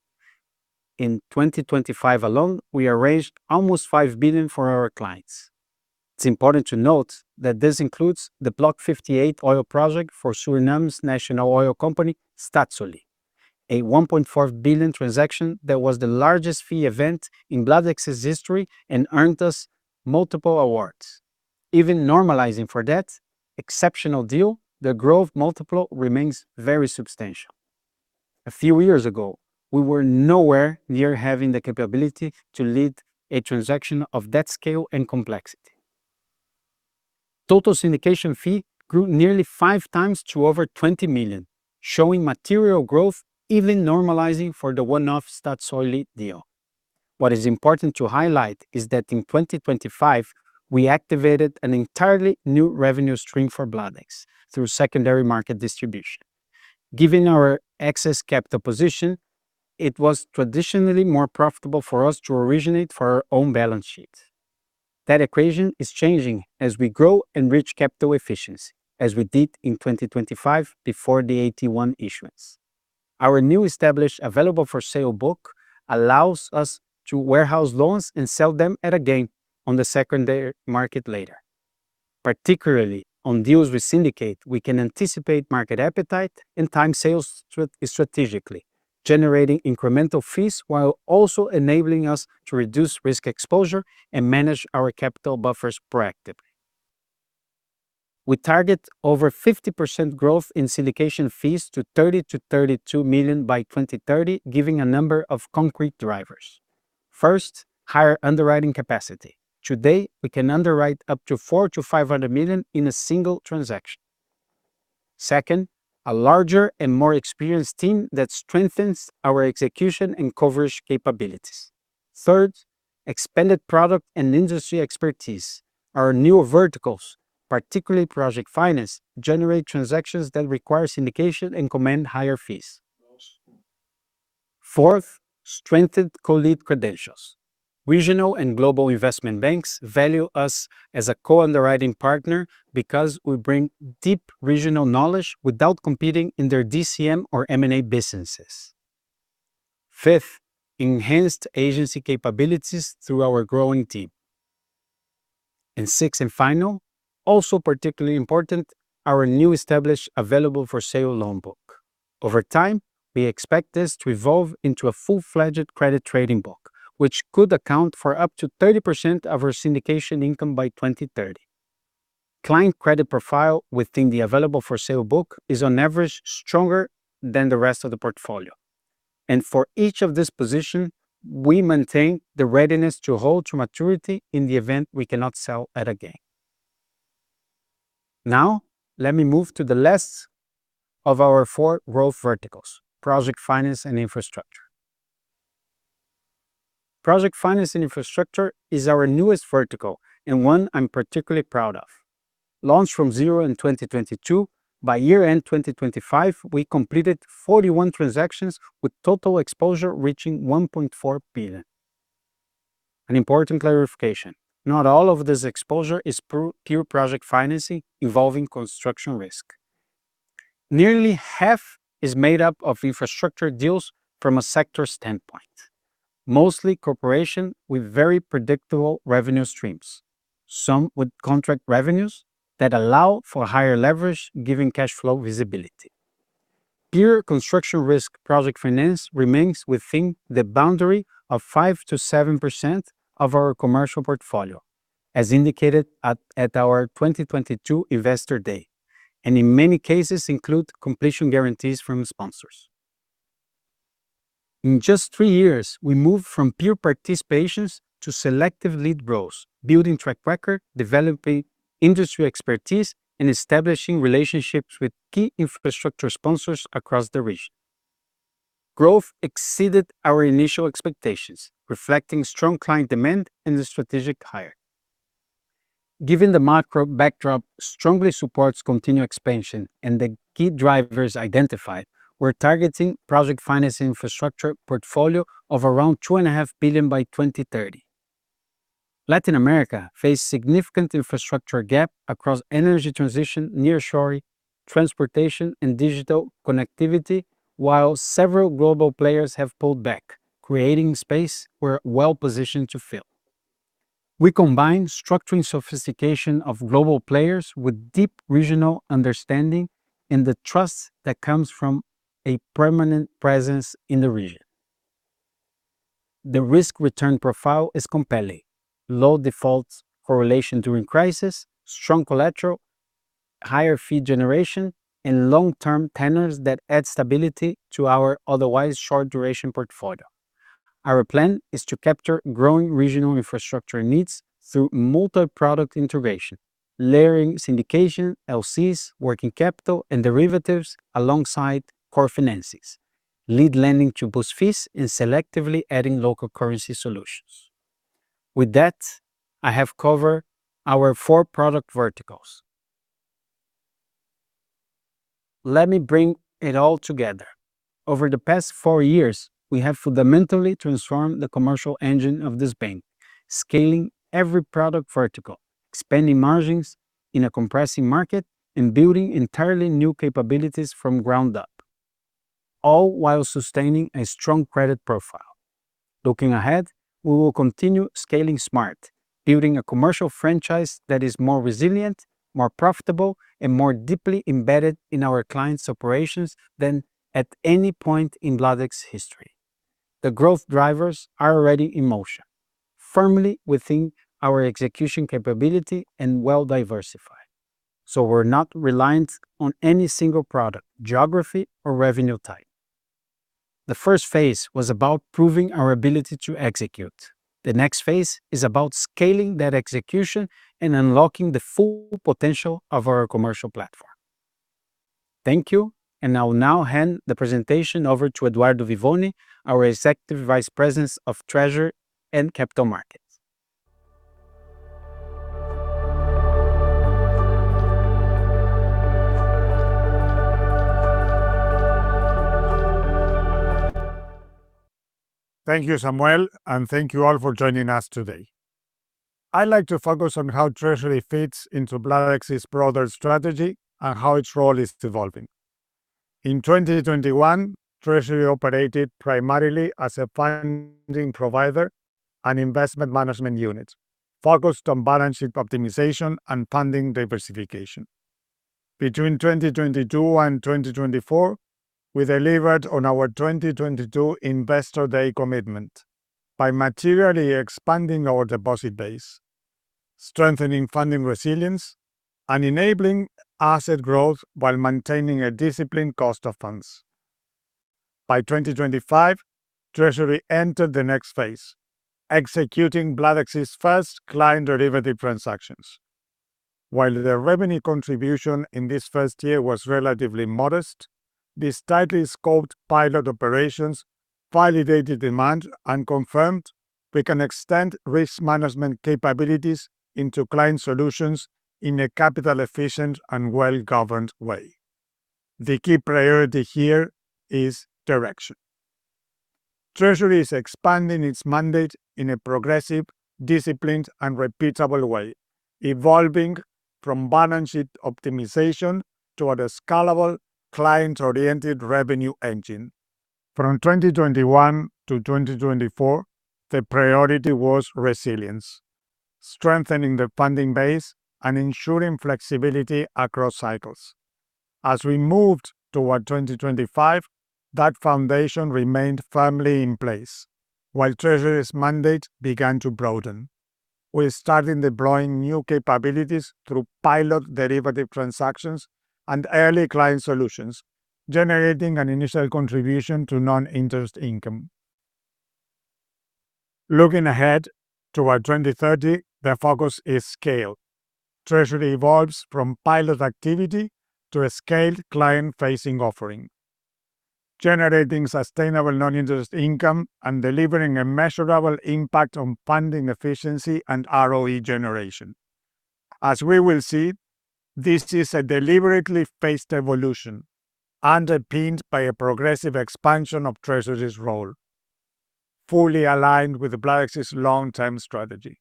Speaker 5: In 2025 alone, we arranged almost $5 billion for our clients. It's important to note that this includes the Block 58 oil project for Suriname's national oil company, Staatsolie, a $1.4 billion transaction that was the largest fee event in Bladex's history and earned us multiple awards. Even normalizing for that exceptional deal, the growth multiple remains very substantial. A few years ago, we were nowhere near having the capability to lead a transaction of that scale and complexity. Total syndication fee grew nearly five times to over $20 million, showing material growth even normalizing for the one-off Staatsolie deal. What is important to highlight is that in 2025, we activated an entirely new revenue stream for Bladex through secondary market distribution. Given our excess capital position, it was traditionally more profitable for us to originate for our own balance sheet. That equation is changing as we grow and reach capital efficiency, as we did in 2025 before the AT1 issuance. Our new established available-for-sale book allows us to warehouse loans and sell them at a gain on the secondary market later. Particularly on deals we syndicate, we can anticipate market appetite and time sales strategically, generating incremental fees, while also enabling us to reduce risk exposure and manage our capital buffers proactively. We target over 50% growth in syndication fees to $30 to $32 million by 2030, giving a number of concrete drivers. First, higher underwriting capacity. Today, we can underwrite up to $400 to $500 million in a single transaction. Second, a larger and more experienced team that strengthens our execution and coverage capabilities. Third, expanded product and industry expertise. Our new verticals, particularly project finance, generate transactions that require syndication and command higher fees. Fourth, strengthened co-lead credentials. Regional and global investment banks value us as a co-underwriting partner because we bring deep regional knowledge without competing in their DCM or M&A businesses. Fifth, enhanced agency capabilities through our growing team. Sixth and final, also particularly important, our new established Available-for-Sale loan book. Over time, we expect this to evolve into a full-fledged credit trading book, which could account for up to 30% of our syndication income by 2030. Client credit profile within the Available-for-Sale book is on average stronger than the rest of the portfolio. For each of these positions, we maintain the readiness to hold to maturity in the event we cannot sell at a gain. Now, let me move to the last of our four growth verticals, project finance and infrastructure. Project finance and infrastructure is our newest vertical, and one I'm particularly proud of. Launched from zero in 2022, by year-end 2025, we completed 41 transactions with total exposure reaching $1.4 billion. An important clarification, not all of this exposure is pure project financing involving construction risk. Nearly half is made up of infrastructure deals from a sector standpoint. Mostly corporate with very predictable revenue streams, some with contract revenues that allow for higher leverage given cash flow visibility. Pure construction risk project finance remains within the boundary of 5% to 7% of our commercial portfolio, as indicated at our 2022 Investor Day. In many cases include completion guarantees from sponsors. In just three years, we moved from pure participations to selective lead roles, building track record, developing industry expertise, and establishing relationships with key infrastructure sponsors across the region. Growth exceeded our initial expectations, reflecting strong client demand and the strategic hire. Given the macro backdrop strongly supports continued expansion and the key drivers identified, we're targeting project financing infrastructure portfolio of around $2.5 billion by 2030. Latin America faces significant infrastructure gap across energy transition, near shoring, transportation, and digital connectivity, while several global players have pulled back, creating space we're well-positioned to fill. We combine structuring sophistication of global players with deep regional understanding and the trust that comes from a permanent presence in the region. The risk-return profile is compelling. Low defaults correlation during crisis, strong collateral, higher fee generation, and long-term tenors that add stability to our otherwise short-duration portfolio. Our plan is to capture growing regional infrastructure needs through multi-product integration, layering syndication, LCs, working capital, and derivatives alongside core financings, lead lending to boost fees, and selectively adding local currency solutions. With that, I have covered our four product verticals. Let me bring it all together. Over the past four years, we have fundamentally transformed the commercial engine of this bank, scaling every product vertical, expanding margins in a compressing market, and building entirely new capabilities from ground up, all while sustaining a strong credit profile. Looking ahead, we will continue scaling smart, building a commercial franchise that is more resilient, more profitable, and more deeply embedded in our clients' operations than at any point in Bladex history. The growth drivers are already in motion, firmly within our execution capability and well-diversified. We're not reliant on any single product, geography, or revenue type. The first phase was about proving our ability to execute. The next phase is about scaling that execution and unlocking the full potential of our commercial platform. Thank you, and I will now hand the presentation over to Eduardo Vivone, our Executive Vice President of Treasury and Capital Markets.
Speaker 6: Thank you, Samuel, and thank you all for joining us today. I'd like to focus on how treasury fits into Bladex's broader strategy and how its role is evolving. In 2021, Treasury operated primarily as a funding provider and investment management unit focused on balance sheet optimization and funding diversification. Between 2022 and 2024, we delivered on our 2022 Investor Day commitment by materially expanding our deposit base, strengthening funding resilience, and enabling asset growth while maintaining a disciplined cost of funds. By 2025, Treasury entered the next phase, executing Bladex's first client derivative transactions. While the revenue contribution in this first year was relatively modest, these tightly scoped pilot operations validated demand and confirmed we can extend risk management capabilities into client solutions in a capital efficient and well-governed way. The key priority here is direction. Treasury is expanding its mandate in a progressive, disciplined, and repeatable way, evolving from balance sheet optimization toward a scalable, client-oriented revenue engine. From 2021 to 2024, the priority was resilience, strengthening the funding base, and ensuring flexibility across cycles. As we moved toward 2025, that foundation remained firmly in place while Treasury's mandate began to broaden. We're starting deploying new capabilities through pilot derivative transactions and early client solutions, generating an initial contribution to non-interest income. Looking ahead toward 2030, the focus is scale. Treasury evolves from pilot activity to a scaled client-facing offering, generating sustainable non-interest income and delivering a measurable impact on funding efficiency and ROE generation. As we will see, this is a deliberately paced evolution underpinned by a progressive expansion of Treasury's role, fully aligned with Bladex's long-term strategy.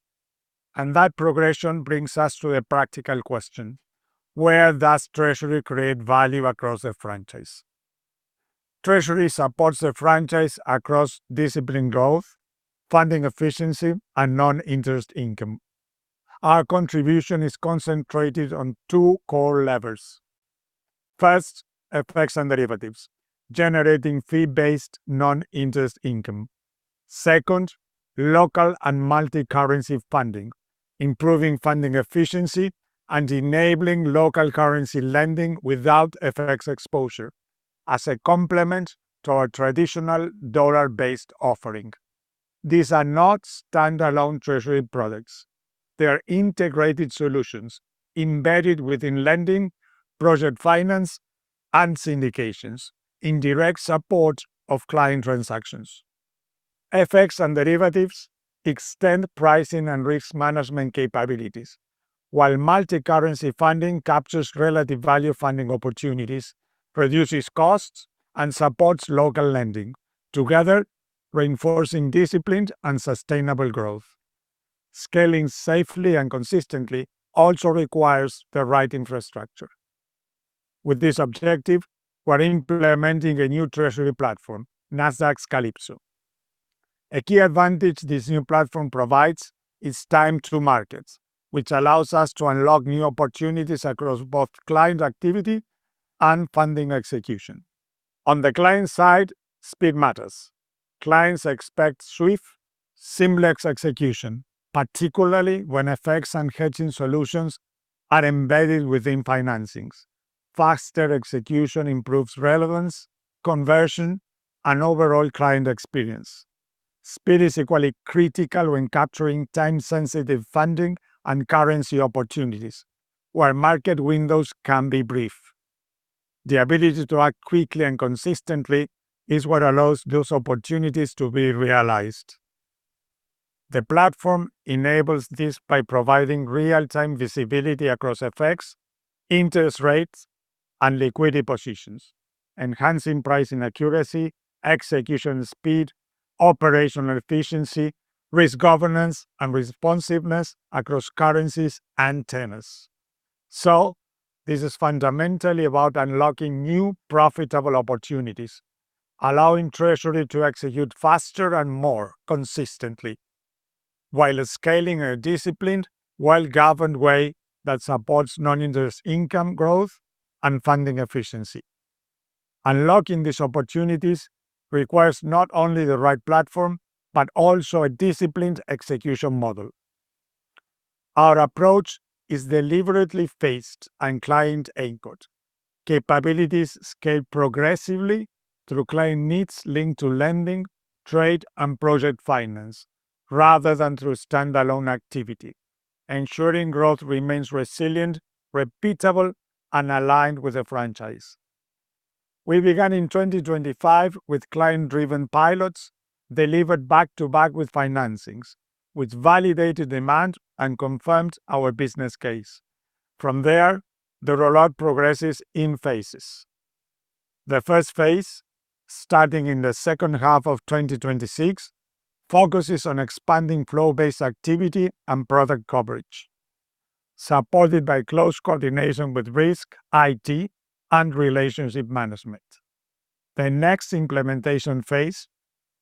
Speaker 6: That progression brings us to the practical question: Where does Treasury create value across the franchise? Treasury supports the franchise across disciplined growth, funding efficiency, and non-interest income. Our contribution is concentrated on two core levers. First, FX and derivatives, generating fee-based non-interest income. Second, local and multicurrency funding, improving funding efficiency, and enabling local currency lending without FX exposure as a complement to our traditional dollar-based offering. These are not standalone Treasury products. They're integrated solutions embedded within lending, project finance, and syndications in direct support of client transactions. FX and derivatives extend pricing and risk management capabilities. While multicurrency funding captures relative value funding opportunities, reduces costs, and supports local lending, together reinforcing disciplined and sustainable growth. Scaling safely and consistently also requires the right infrastructure. With this objective, we're implementing a new treasury platform, Nasdaq's Calypso. A key advantage this new platform provides is time to markets, which allows us to unlock new opportunities across both client activity and funding execution. On the client side, speed matters. Clients expect swift, seamless execution, particularly when FX and hedging solutions are embedded within financings. Faster execution improves relevance, conversion, and overall client experience. Speed is equally critical when capturing time-sensitive funding and currency opportunities where market windows can be brief. The ability to act quickly and consistently is what allows those opportunities to be realized. The platform enables this by providing real-time visibility across FX, interest rates, and liquidity positions, enhancing pricing accuracy, execution speed, operational efficiency, risk governance, and responsiveness across currencies and tenors. This is fundamentally about unlocking new profitable opportunities, allowing Treasury to execute faster and more consistently while scaling a disciplined, well-governed way that supports non-interest income growth and funding efficiency. Unlocking these opportunities requires not only the right platform, but also a disciplined execution model. Our approach is deliberately phased and client-anchored. Capabilities scale progressively through client needs linked to lending, trade, and project finance rather than through standalone activity, ensuring growth remains resilient, repeatable, and aligned with the franchise. We began in 2025 with client-driven pilots delivered back-to-back with financings, which validated demand and confirmed our business case. From there, the rollout progresses in phases. The first phase, starting in the second half of 2026, focuses on expanding flow-based activity and product coverage, supported by close coordination with risk, IT, and relationship management. The next implementation phase,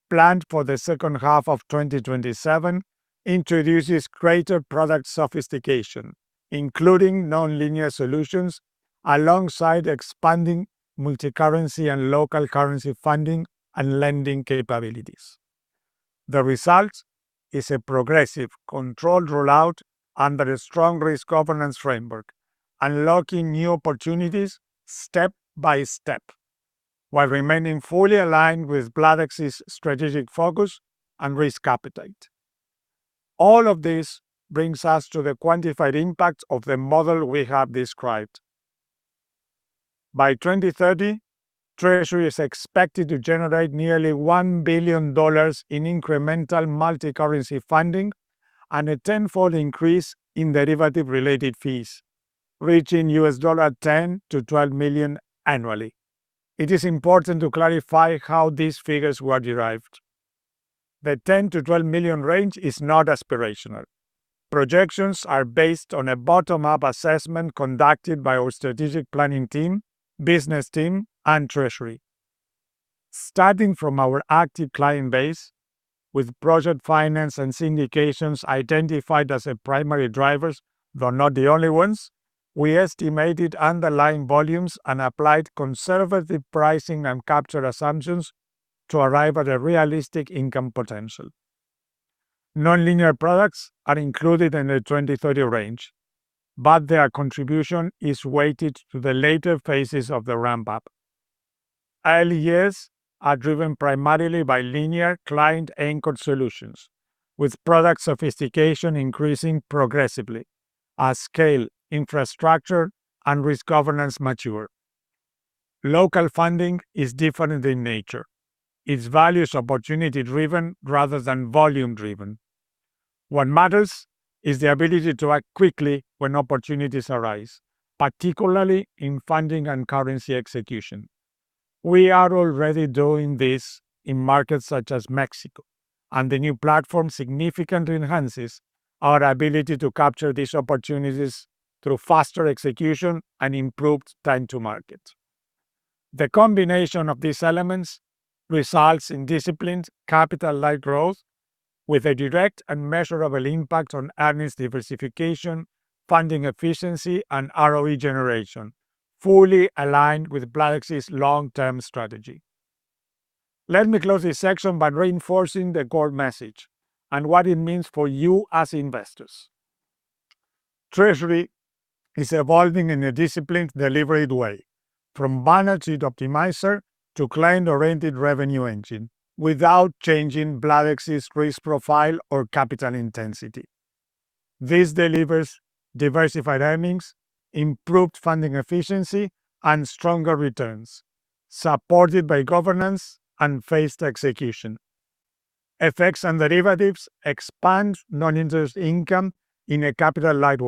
Speaker 6: planned for the second half of 2027, introduces greater product sophistication, including nonlinear solutions alongside expanding multicurrency and local currency funding and lending capabilities. The result is a progressive controlled rollout under a strong risk governance framework, unlocking new opportunities step by step while remaining fully aligned with Bladex's strategic focus and risk appetite. All of this brings us to the quantified impact of the model we have described. By 2030, treasury is expected to generate nearly $1 billion in incremental multicurrency funding and a tenfold increase in derivative-related fees, reaching $10 to $12 million annually. It is important to clarify how these figures were derived. The $10 to $12 million range is not aspirational. Projections are based on a bottom-up assessment conducted by our strategic planning team, business team, and treasury. Starting from our active client base with project finance and syndications identified as the primary drivers, though not the only ones, we estimated underlying volumes and applied conservative pricing and capture assumptions to arrive at a realistic income potential. Nonlinear products are included in the 2030 range, but their contribution is weighted to the later phases of the ramp-up. Early years are driven primarily by linear client anchored solutions, with product sophistication increasing progressively as scale, infrastructure, and risk governance mature. Local funding is different in nature. Its value is opportunity-driven rather than volume-driven. What matters is the ability to act quickly when opportunities arise, particularly in funding and currency execution. We are already doing this in markets such as Mexico, and the new platform significantly enhances our ability to capture these opportunities through faster execution and improved time to market. The combination of these elements results in disciplined capital light growth with a direct and measurable impact on earnings diversification, funding efficiency, and ROE generation, fully aligned with Bladex's long-term strategy. Let me close this section by reinforcing the core message and what it means for you as investors. Treasury is evolving in a disciplined, deliberate way from balance sheet optimizer to client-oriented revenue engine without changing Bladex's risk profile or capital intensity. This delivers diversified earnings, improved funding efficiency, and stronger returns, supported by governance and phased execution. FX and derivatives expand non-interest income in a capital light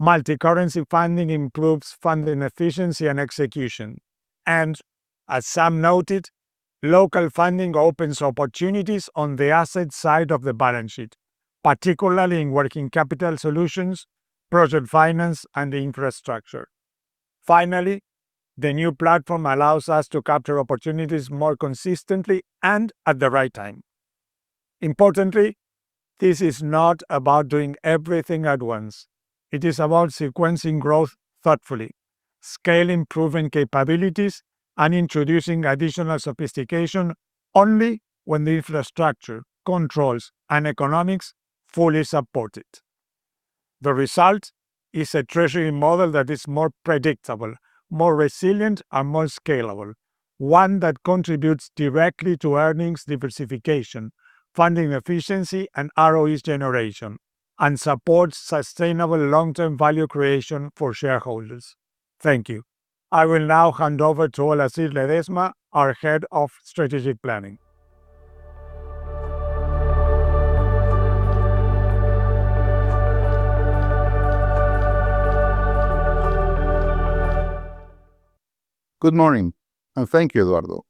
Speaker 6: way. Multicurrency funding improves funding efficiency and execution. As Sam noted, local funding opens opportunities on the asset side of the balance sheet, particularly in working capital solutions, project finance, and infrastructure. Finally, the new platform allows us to capture opportunities more consistently and at the right time. Importantly, this is not about doing everything at once. It is about sequencing growth thoughtfully, scaling proven capabilities, and introducing additional sophistication only when the infrastructure, controls, and economics fully support it. The result is a treasury model that is more predictable, more resilient, and more scalable. One that contributes directly to earnings diversification, funding efficiency, and ROE generation, and supports sustainable long-term value creation for shareholders. Thank you. I will now hand over to Olazhir Ledezma, our Head of Strategic Planning.
Speaker 7: Good morning, and thank you, Eduardo.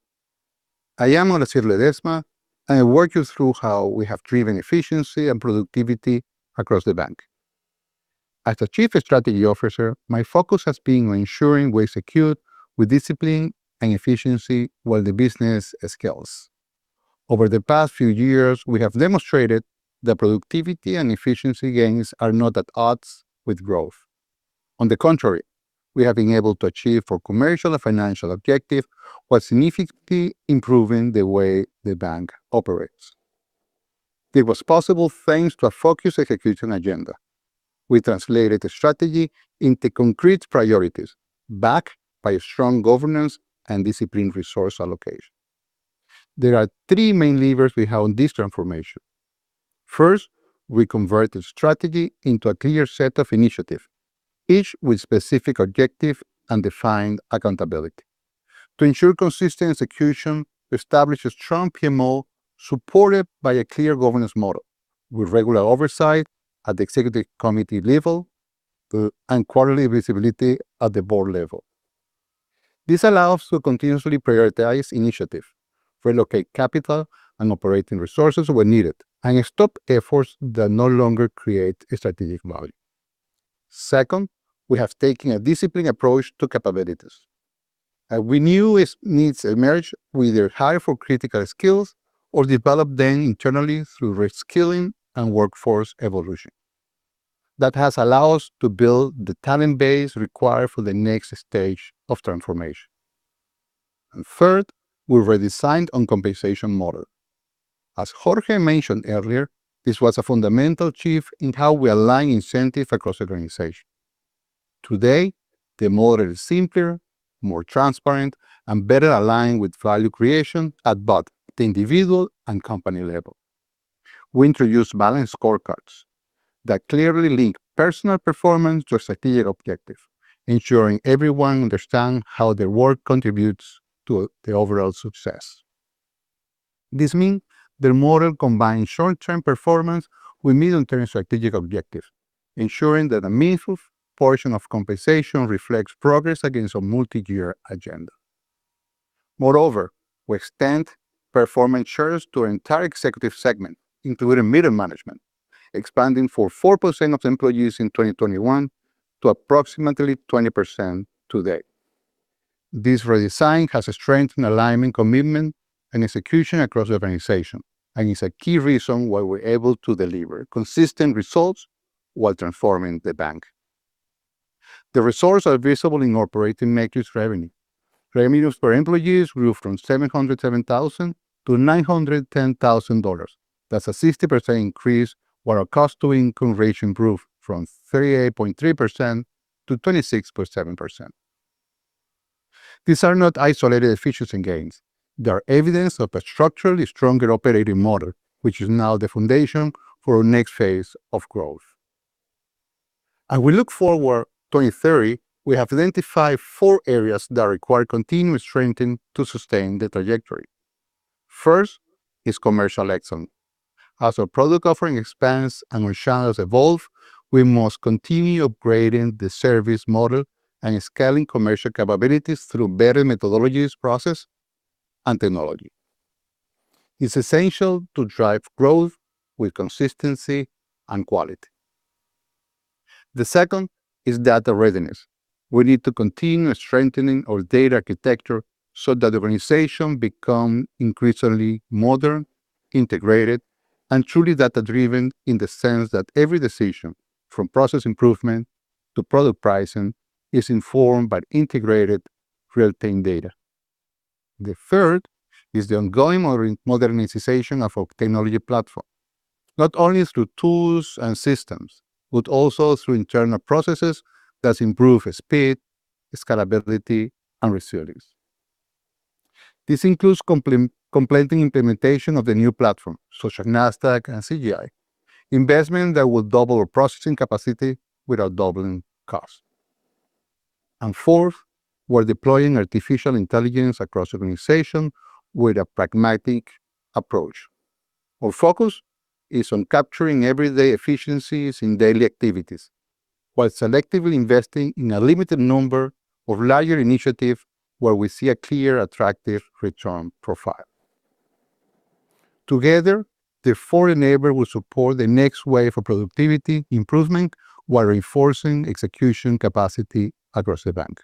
Speaker 7: I am Olazhir Ledezma, and I'll walk you through how we have driven efficiency and productivity across the bank. As the Chief Strategy Officer, my focus has been on ensuring we execute with discipline and efficiency while the business scales. Over the past few years, we have demonstrated that productivity and efficiency gains are not at odds with growth. On the contrary, we have been able to achieve our commercial and financial objective while significantly improving the way the bank operates. It was possible thanks to a focused execution agenda. We translated the strategy into concrete priorities backed by a strong governance and disciplined resource allocation. There are three main levers we have in this transformation. First, we converted strategy into a clear set of initiatives, each with specific objective and defined accountability. To ensure consistent execution, we established a strong PMO supported by a clear governance model with regular oversight at the executive committee level and quarterly visibility at the board level. This allows us to continuously prioritize initiatives, reallocate capital and operating resources when needed, and stop efforts that no longer create strategic value. Second, we have taken a disciplined approach to capabilities. As we knew, we'd need to either hire for critical skills or develop them internally through reskilling and workforce evolution. That has allowed us to build the talent base required for the next stage of transformation. Third, we redesigned our compensation model. As Jorge mentioned earlier, this was a fundamental shift in how we align incentives across the organization. Today, the model is simpler, more transparent, and better aligned with value creation at both the individual and company level. We introduced balanced scorecards that clearly link personal performance to a strategic objective, ensuring everyone understands how their work contributes to the overall success. This means the model combines short-term performance with mid and long-term strategic objectives, ensuring that a meaningful portion of compensation reflects progress against a multi-year agenda. Moreover, we extended performance shares to our entire executive segment, including middle management, expanding from 4% of the employees in 2021 to approximately 20% today. This redesign has strengthened alignment, commitment, and execution across the organization, and is a key reason why we're able to deliver consistent results while transforming the bank. The results are visible in operating metrics revenue. Revenues per employee grew from $707,000 to $910,000. That's a 60% increase, while our cost to income ratio improved from 38.3% to 26.7%. These are not isolated efficiency gains. They are evidence of a structurally stronger operating model, which is now the foundation for our next phase of growth. As we look forward to 2030, we have identified four areas that require continuous strengthening to sustain the trajectory. First is commercial excellence. As our product offering expands and our channels evolve, we must continue upgrading the service model and scaling commercial capabilities through better methodologies, process, and technology. It's essential to drive growth with consistency and quality. The second is data readiness. We need to continue strengthening our data architecture so that the organization become increasingly modern, integrated, and truly data-driven in the sense that every decision from process improvement to product pricing is informed by integrated real-time data. The third is the ongoing modernization of our technology platform, not only through tools and systems, but also through internal processes that improve speed, scalability, and resilience. This includes completing implementation of the new platform, such as Nasdaq and CGI, investment that will double our processing capacity without doubling cost. Fourth, we're deploying artificial intelligence across the organization with a pragmatic approach. Our focus is on capturing everyday efficiencies in daily activities, while selectively investing in a limited number of larger initiatives where we see a clear, attractive return profile. Together, the four enablers will support the next wave of productivity improvement while reinforcing execution capacity across the bank.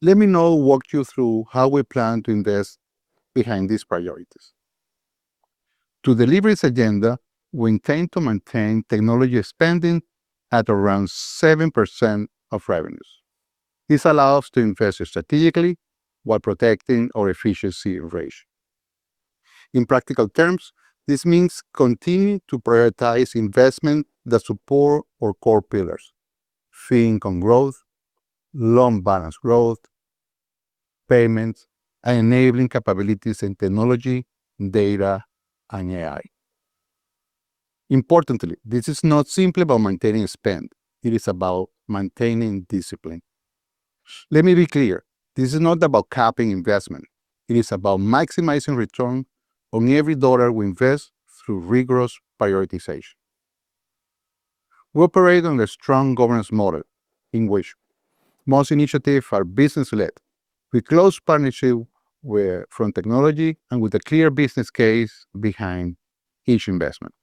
Speaker 7: Let me now walk you through how we plan to invest behind these priorities. To deliver this agenda, we intend to maintain technology spending at around 7% of revenues. This allow us to invest strategically while protecting our efficiency ratio. In practical terms, this means continuing to prioritize investment that support our core pillars, fee income growth, loan balance growth, payments, and enabling capabilities in technology, data, and AI. Importantly, this is not simply about maintaining spend, it is about maintaining discipline. Let me be clear, this is not about capping investment, it is about maximizing return on every dollar we invest through rigorous prioritization. We operate on a strong governance model in which most initiatives are business-led with close partnership from technology and with a clear business case behind each investment.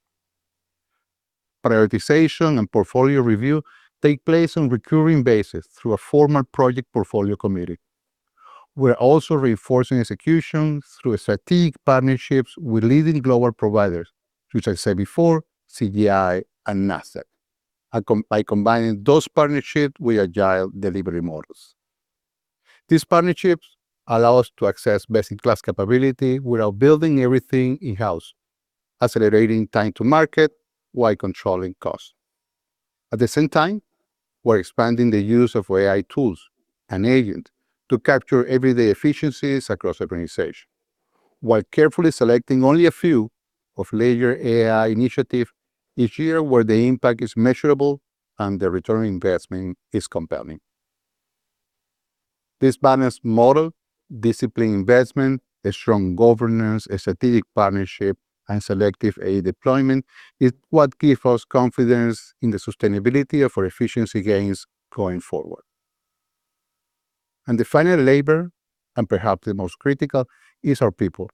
Speaker 7: Prioritization and portfolio review take place on recurring basis through a formal project portfolio committee. We're also reinforcing execution through strategic partnerships with leading global providers, which I said before, CGI and Nasdaq, and by combining those partnerships with agile delivery models. These partnerships allow us to access best-in-class capability without building everything in-house, accelerating time to market while controlling costs. At the same time, we're expanding the use of AI tools and agent to capture everyday efficiencies across the organization, while carefully selecting only a few of larger AI initiative each year where the impact is measurable and the return on investment is compelling. This balanced model. Disciplined investment, a strong governance, a strategic partnership, and selective AI deployment is what give us confidence in the sustainability of our efficiency gains going forward. The final pillar, and perhaps the most critical, is our people.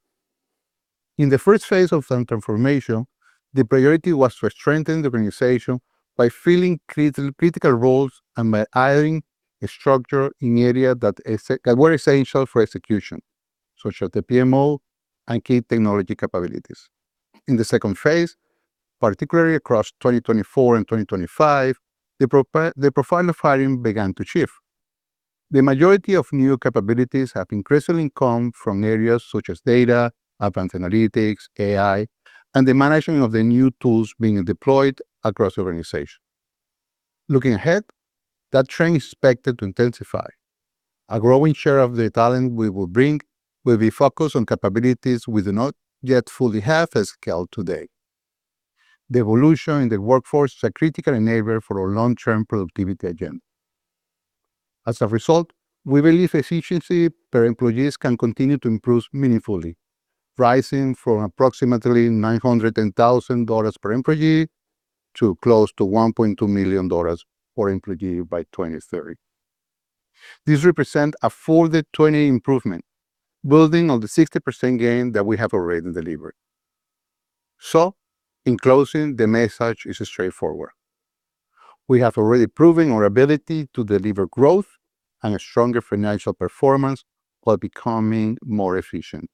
Speaker 7: In the first phase of the transformation, the priority was to strengthen the organization by filling critical roles and by adding a structure in area that were essential for execution, such as the PMO and key technology capabilities. In the second phase, particularly across 2024 and 2025, the profile of hiring began to shift. The majority of new capabilities have increasingly come from areas such as data, advanced analytics, AI, and the management of the new tools being deployed across the organization. Looking ahead, that trend is expected to intensify. A growing share of the talent we will bring will be focused on capabilities we do not yet fully have at scale today. The evolution in the workforce is a critical enabler for our long-term productivity agenda. As a result, we believe efficiency per employees can continue to improve meaningfully, rising from approximately $900,000 per employee to close to $1.2 million per employee by 2030. This represent a 40% improvement, building on the 60% gain that we have already delivered. In closing, the message is straightforward. We have already proven our ability to deliver growth and a stronger financial performance while becoming more efficient.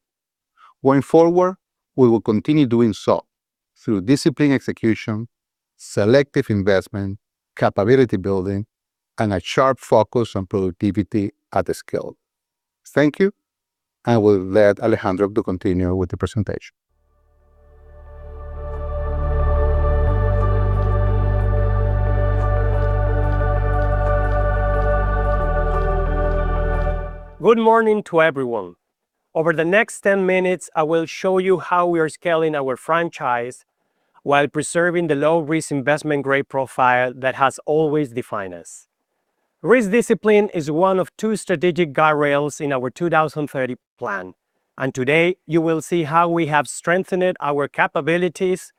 Speaker 7: Going forward, we will continue doing so through disciplined execution, selective investment, capability building, and a sharp focus on productivity at scale. Thank you, and I will let Alejandro to continue with the presentation.
Speaker 8: Good morning to everyone. Over the next 10 minutes, I will show you how we are scaling our franchise while preserving the low-risk investment grade profile that has always defined us. Risk discipline is one of two strategic guide rails in our 2030 plan, and today you will see how we have strengthened our capabilities,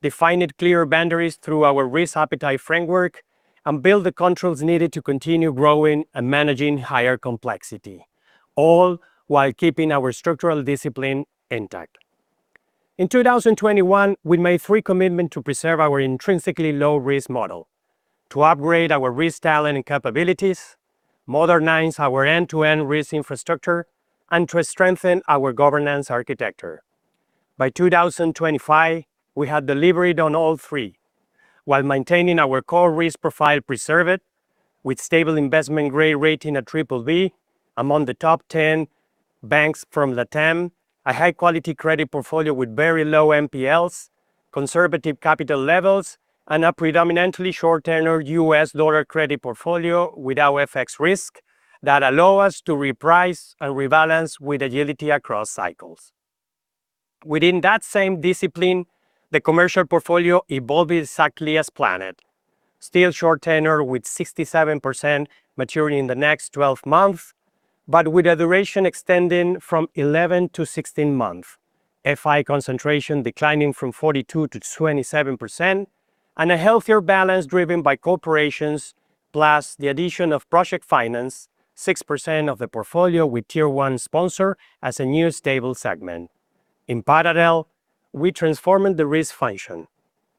Speaker 8: defined clear boundaries through our risk appetite framework, and build the controls needed to continue growing and managing higher complexity, all while keeping our structural discipline intact. In 2021, we made three commitments to preserve our intrinsically low risk model, to upgrade our risk talent and capabilities, modernize our end-to-end risk infrastructure, and to strengthen our governance architecture. By 2025, we have delivered on all three while maintaining our core risk profile preserved with stable investment grade rating at BBB, among the top 10 banks from LATAM, a high quality credit portfolio with very low NPLs, conservative capital levels, and a predominantly short tenor U.S. dollar credit portfolio with our FX risk that allow us to reprice and rebalance with agility across cycles. Within that same discipline, the commercial portfolio evolved exactly as planned. Still short tenor with 67% maturing in the next 12 months, but with a duration extending from 11 to 16 months, FI concentration declining from 42% to 27%, and a healthier balance driven by corporations, plus the addition of project finance, 6% of the portfolio with Tier 1 sponsor as a new stable segment. In parallel, we transformed the risk function.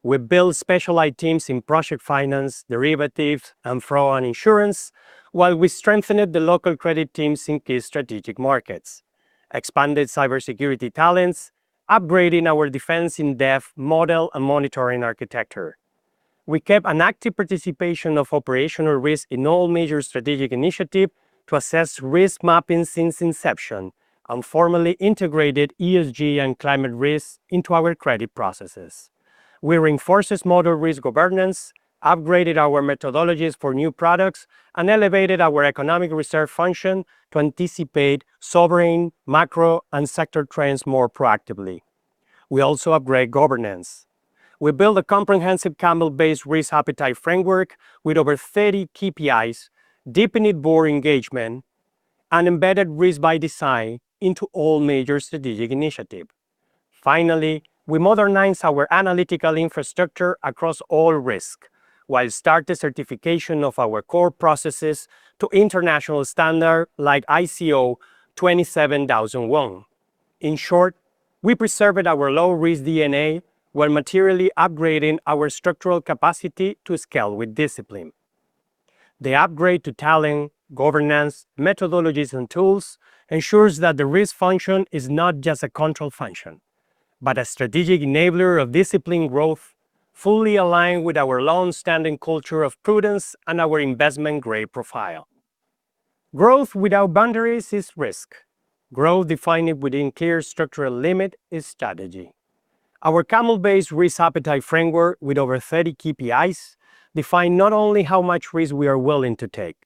Speaker 8: We built specialized teams in project finance, derivatives, and fraud and insurance, while we strengthened the local credit teams in key strategic markets, expanded cybersecurity talents, upgrading our defense-in-depth model and monitoring architecture. We kept an active participation of operational risk in all major strategic initiative to assess risk mapping since inception, and formally integrated ESG and climate risks into our credit processes. We reinforced model risk governance, upgraded our methodologies for new products, and elevated our economic reserve function to anticipate sovereign, macro, and sector trends more proactively. We also upgrade governance. We built a comprehensive CAMEL-based risk appetite framework with over 30 KPIs, deepened board engagement, and embedded risk by design into all major strategic initiative. Finally, we modernized our analytical infrastructure across all risk, while start the certification of our core processes to international standard like ISO 27001. In short, we preserved our low risk DNA while materially upgrading our structural capacity to scale with discipline. The upgrade to talent, governance, methodologies, and tools ensures that the risk function is not just a control function, but a strategic enabler of disciplined growth, fully aligned with our long-standing culture of prudence and our investment-grade profile. Growth without boundaries is risk. Growth defined within clear structural limit is strategy. Our CAMEL-based risk appetite framework with over 30 KPIs defines not only how much risk we are willing to take,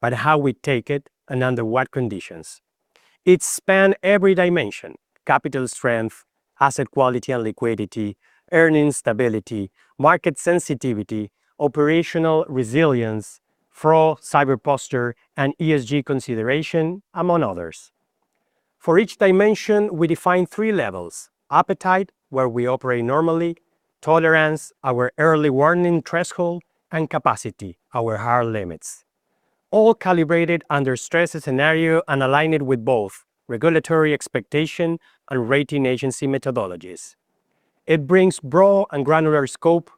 Speaker 8: but how we take it and under what conditions. It spans every dimension, capital strength, asset quality and liquidity, earnings stability, market sensitivity, operational resilience, fraud, cyber posture, and ESG consideration, among others. For each dimension, we define three levels. Appetite, where we operate normally. Tolerance, our early warning threshold. And capacity, our hard limits. All calibrated under stress scenario and aligned with both regulatory expectation and rating agency methodologies. It brings broad and granular scope,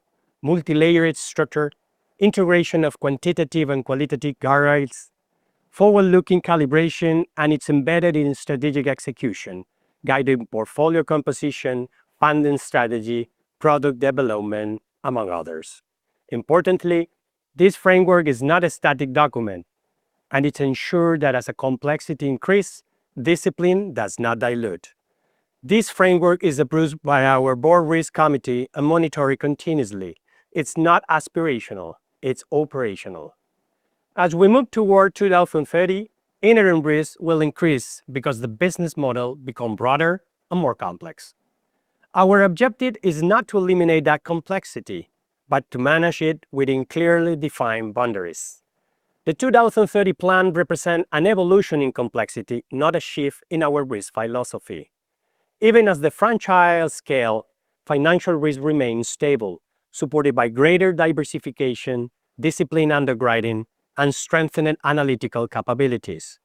Speaker 8: multilayered structure, integration of quantitative and qualitative guardrails, forward-looking calibration, and it's embedded in strategic execution, guiding portfolio composition, funding strategy, product development, among others. Importantly, this framework is not a static document, and it ensure that as a complexity increase, discipline does not dilute. This framework is approved by our Board Risk Committee and monitored continuously. It's not aspirational, it's operational. As we move toward 2030, inherent risk will increase because the business model become broader and more complex. Our objective is not to eliminate that complexity, but to manage it within clearly defined boundaries. The 2030 plan represent an evolution in complexity, not a shift in our risk philosophy. Even as the franchise scales, financial risk remains stable, supported by greater diversification, disciplined underwriting, and strengthened analytical capabilities.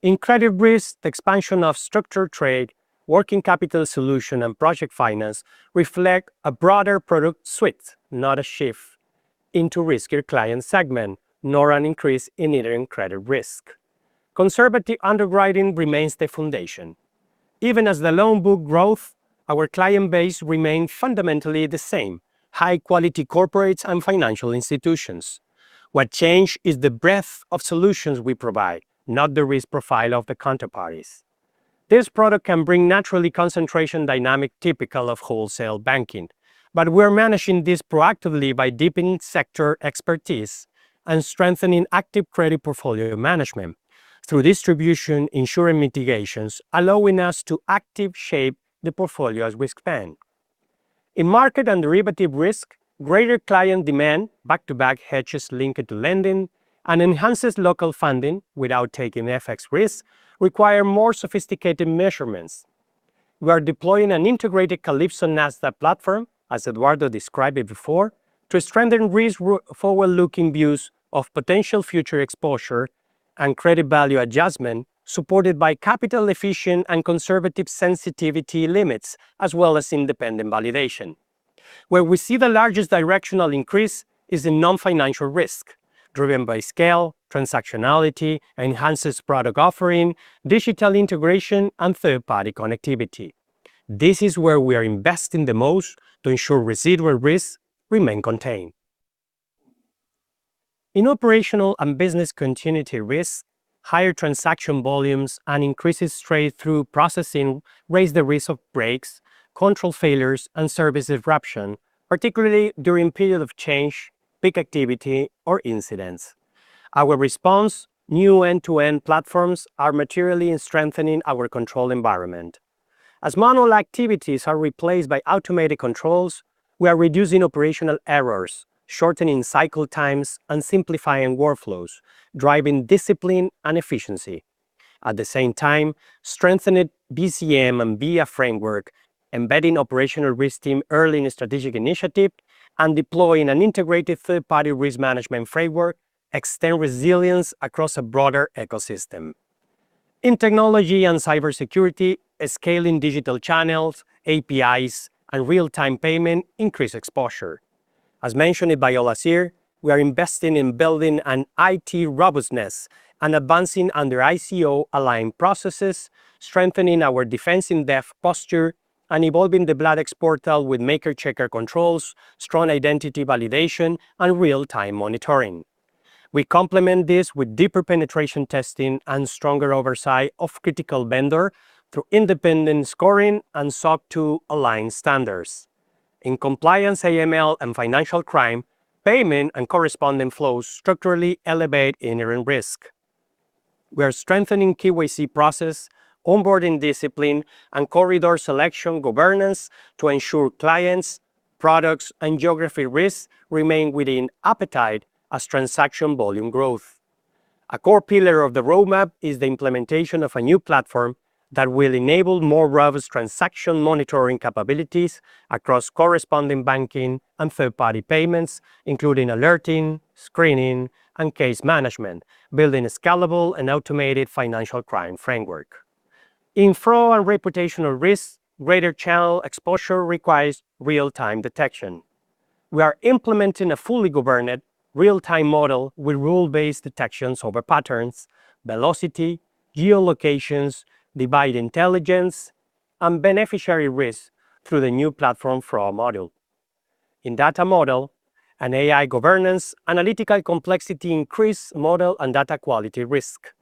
Speaker 8: In credit risk, expansion of structured trade, working capital solutions, and project finance reflect a broader product suite, not a shift into riskier client segments, nor an increase in inherent credit risk. Conservative underwriting remains the foundation. Even as the loan book grows, our client base remains fundamentally the same, high-quality corporates and financial institutions. What changed is the breadth of solutions we provide, not the risk profile of the counterparties. This product can bring natural concentration dynamics typical of wholesale banking. We're managing this proactively by deepening sector expertise and strengthening active credit portfolio management through diversification, ensuring mitigations, allowing us to actively shape the portfolio as we expand. In market and derivative risk, greater client demand, back-to-back hedges linked to lending, and enhanced local funding without taking FX risk, require more sophisticated measurements. We are deploying an integrated Calypso Nasdaq platform, as Eduardo described it before, to strengthen risk forward-looking views of potential future exposure and credit valuation adjustment, supported by capital-efficient and conservative sensitivity limits as well as independent validation. Where we see the largest directional increase is in non-financial risk, driven by scale, transactionality, enhanced product offering, digital integration, and third-party connectivity. This is where we are investing the most to ensure residual risks remain contained. In operational and business continuity risks, higher transaction volumes and increased straight-through processing raise the risk of breaks, control failures, and service interruption, particularly during periods of change, peak activity, or incidents. Our response, new end-to-end platforms are materially strengthening our control environment. As manual activities are replaced by automated controls, we are reducing operational errors, shortening cycle times, and simplifying workflows, driving discipline and efficiency. At the same time, strengthened BCM and BIA framework, embedding operational risk team early in strategic initiative and deploying an integrated third-party risk management framework extend resilience across a broader ecosystem. In technology and cybersecurity, scaling digital channels, APIs, and real-time payment increase exposure. As mentioned by Olazhir, we are investing in building an IT robustness and advancing under ISO-aligned processes, strengthening our defense in-depth posture, and evolving the Bladex portal with maker checker controls, strong identity validation, and real-time monitoring. We complement this with deeper penetration testing and stronger oversight of critical vendor through independent scoring and SOC 2-aligned standards. In compliance, AML, and financial crime, payment and corresponding flows structurally elevate interim risk. We are strengthening KYC process, onboarding discipline, and corridor selection governance to ensure clients, products, and geographic risks remain within appetite as transaction volume growth. A core pillar of the roadmap is the implementation of a new platform that will enable more robust transaction monitoring capabilities across corresponding banking and third-party payments, including alerting, screening, and case management, building a scalable and automated financial crime framework. In fraud and reputational risk, greater channel exposure requires real-time detection. We are implementing a fully governed real-time model with rule-based detections over patterns, velocity, geolocations, device intelligence, and beneficiary risk through the new platform fraud model. In data model and AI governance, analytical complexity increases model and data quality risk.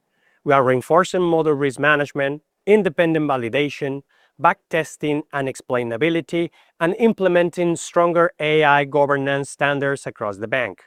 Speaker 8: We are reinforcing model risk management, independent validation, back testing and explainability, and implementing stronger AI governance standards across the bank.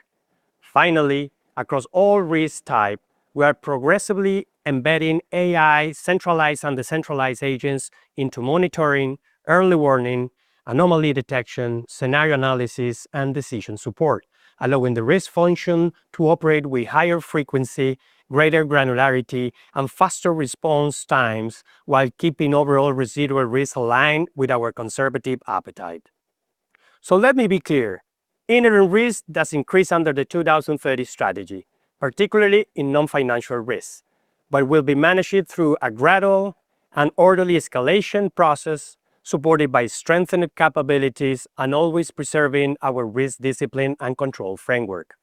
Speaker 8: Finally, across all risk type, we are progressively embedding AI, centralized and decentralized agents into monitoring early warning anomaly detection, scenario analysis, and decision support allowing the risk function to operate with higher frequency, greater granularity, and faster response times while keeping overall residual risk aligned with our conservative appetite. Let me be clear, interim risk does increase under the 2030 strategy, particularly in non-financial risks. We'll be managed through a gradual and orderly escalation process supported by strengthened capabilities and always preserving our risk discipline and control framework.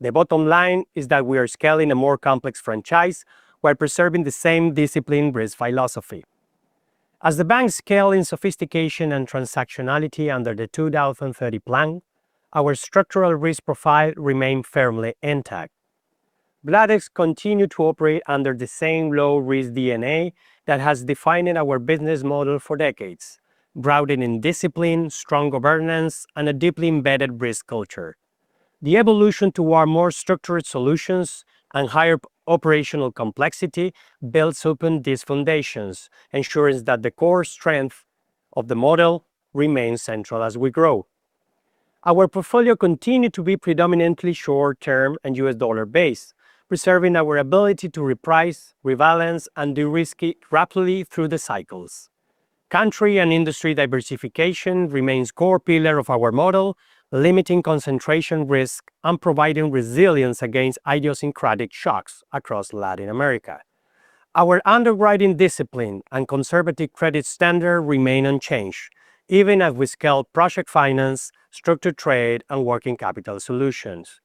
Speaker 8: The bottom line is that we are scaling a more complex franchise while preserving the same discipline risk philosophy. As the bank scales in sophistication and transactionality under the 2030 plan, our structural risk profile remains firmly intact. Bladex continues to operate under the same low-risk DNA that has defined our business model for decades, grounded in discipline, strong governance, and a deeply embedded risk culture. The evolution to our more structured solutions and higher operational complexity builds upon these foundations, ensuring that the core strength of the model remains central as we grow. Our portfolio continues to be predominantly short-term and U.S. dollar-based, preserving our ability to reprice, rebalance, and de-risk it rapidly through the cycles. Country and industry diversification remains core pillar of our model, limiting concentration risk, and providing resilience against idiosyncratic shocks across Latin America. Our underwriting discipline and conservative credit standard remain unchanged even as we scale project finance, structured trade, and working capital solutions.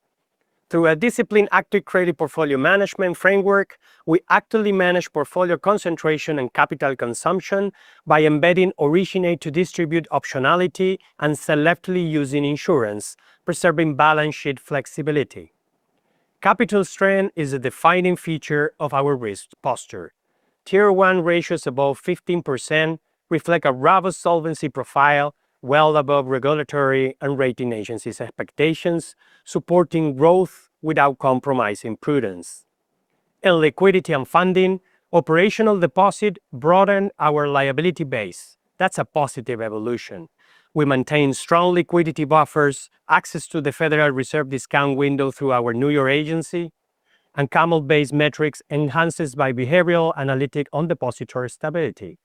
Speaker 8: Through a disciplined active credit portfolio management framework, we actively manage portfolio concentration and capital consumption by embedding originate to distribute optionality and selectively using insurance, preserving balance sheet flexibility. Capital strength is a defining feature of our risk posture. Tier 1 ratios above 15% reflect a robust solvency profile well above regulatory and rating agencies expectations, supporting growth without compromising prudence. In liquidity and funding, operational deposits broaden our liability base. That's a positive evolution. We maintain strong liquidity buffers, access to the Federal Reserve discount window through our New York agency, and CAMEL-based metrics enhanced by behavioral analytics and depository stability.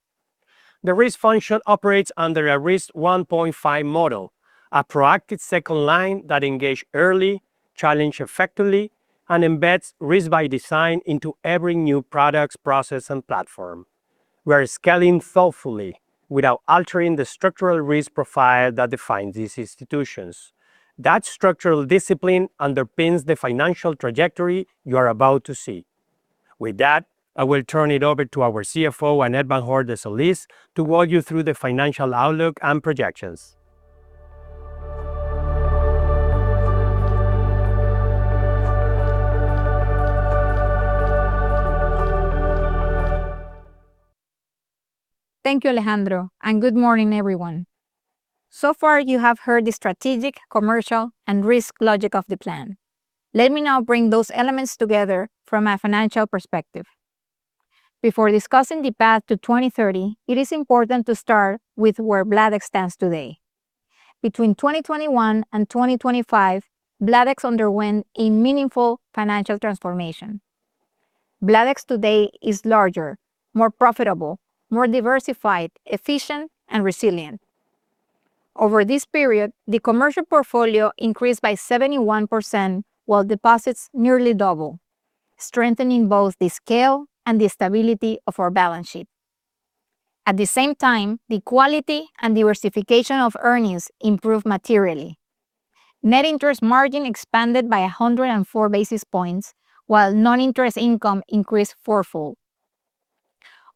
Speaker 8: The risk function operates under a risk 1.5 model, a proactive second line that engages early, challenges effectively, and embeds risk by design into every new product, process, and platform. We are scaling thoughtfully without altering the structural risk profile that defines these institutions. That structural discipline underpins the financial trajectory you are about to see. With that, I will turn it over to our CFO, Annette van Hoorde de Solís, to walk you through the financial outlook and projections.
Speaker 9: Thank you, Alejandro, and good morning, everyone. So far you have heard the strategic, commercial, and risk logic of the plan. Let me now bring those elements together from a financial perspective. Before discussing the path to 2030, it is important to start with where Bladex stands today. Between 2021 and 2025, Bladex underwent a meaningful financial transformation. Bladex today is larger, more profitable, more diversified, efficient, and resilient. Over this period, the commercial portfolio increased by 71%, while deposits nearly double, strengthening both the scale and the stability of our balance sheet. At the same time, the quality and diversification of earnings improved materially. Net interest margin expanded by 104 basis points while non-interest income increased fourfold.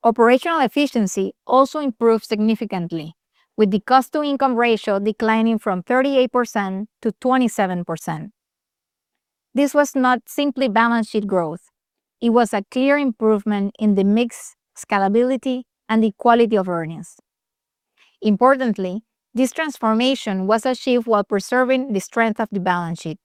Speaker 9: Operational efficiency also improved significantly with the cost to income ratio declining from 38% to 27%. This was not simply balance sheet growth, it was a clear improvement in the mix scalability and the quality of earnings. Importantly, this transformation was achieved while preserving the strength of the balance sheet.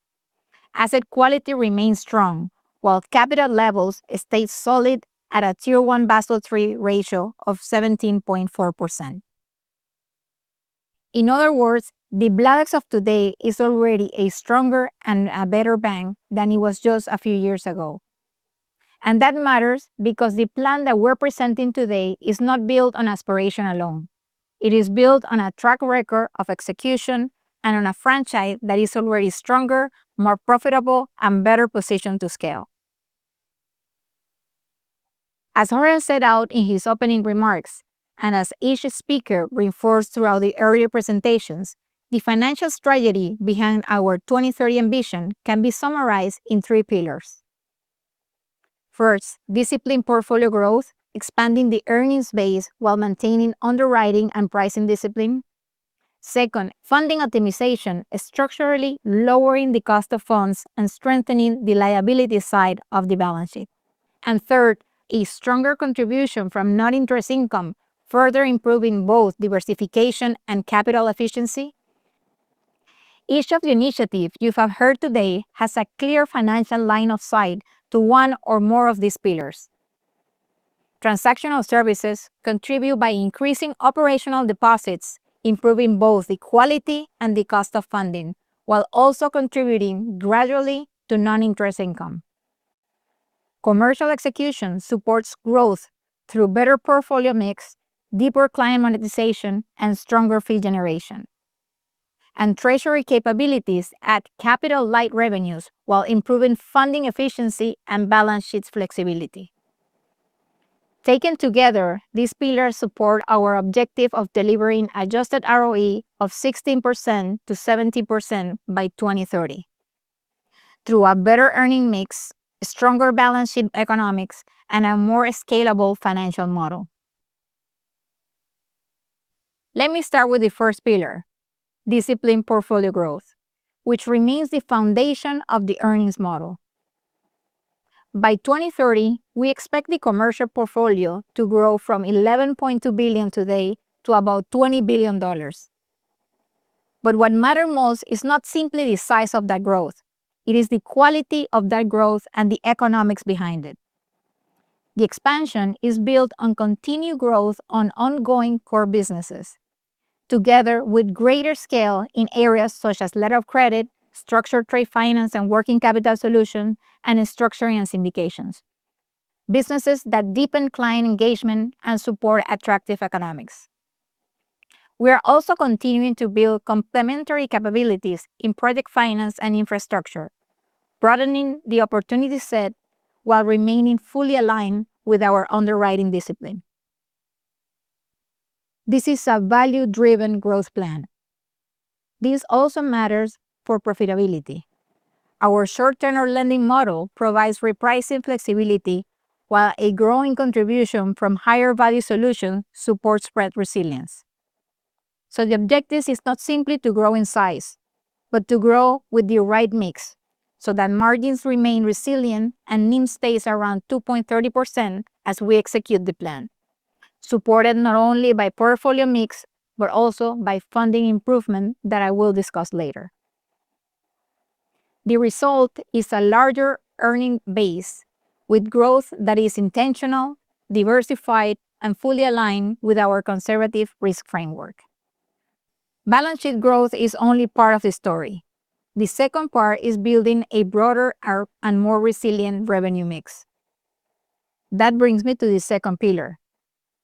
Speaker 9: Asset quality remains strong while capital levels stayed solid at a Tier 1 Basel III ratio of 17.4%. In other words, the Bladex of today is already a stronger and a better bank than it was just a few years ago, and that matters because the plan that we're presenting today is not built on aspiration alone. It is built on a track record of execution and on a franchise that is already stronger, more profitable, and better positioned to scale. As Jorge set out in his opening remarks, and as each speaker reinforced throughout the earlier presentations, the financial strategy behind our 2030 ambition can be summarized in three pillars. First, disciplined portfolio growth, expanding the earnings base while maintaining underwriting and pricing discipline. Second, funding optimization, structurally lowering the cost of funds and strengthening the liability side of the balance sheet. Third, a stronger contribution from non-interest income, further improving both diversification and capital efficiency. Each of the initiatives you have heard today has a clear financial line of sight to one or more of these pillars. Transactional services contribute by increasing operational deposits, improving both the quality and the cost of funding, while also contributing gradually to non-interest income. Commercial execution supports growth through better portfolio mix, deeper client monetization, and stronger fee generation. Treasury capabilities add capital-light revenues while improving funding efficiency and balance sheet flexibility. Taken together, these pillars support our objective of delivering adjusted ROE of 16% to 17% by 2030 through a better earning mix, stronger balance sheet economics, and a more scalable financial model. Let me start with the first pillar, disciplined portfolio growth, which remains the foundation of the earnings model. By 2030, we expect the commercial portfolio to grow from $11.2 billion today to about $20 billion. What matters most is not simply the size of that growth, it is the quality of that growth and the economics behind it. The expansion is built on continued growth on ongoing core businesses together with greater scale in areas such as letter of credit, structured trade finance and working capital solution, and structuring and syndications, businesses that deepen client engagement and support attractive economics. We are also continuing to build complementary capabilities in project finance and infrastructure, broadening the opportunity set while remaining fully aligned with our underwriting discipline. This is a value-driven growth plan. This also matters for profitability. Our short-term lending model provides repricing flexibility while a growing contribution from higher value solutions supports spread resilience. The objective is not simply to grow in size, but to grow with the right mix so that margins remain resilient and NIM stays around 2.30% as we execute the plan, supported not only by portfolio mix, but also by funding improvement that I will discuss later. The result is a larger earning base with growth that is intentional, diversified, and fully aligned with our conservative risk framework. Balance sheet growth is only part of the story. The second part is building a broader and more resilient revenue mix. That brings me to the second pillar,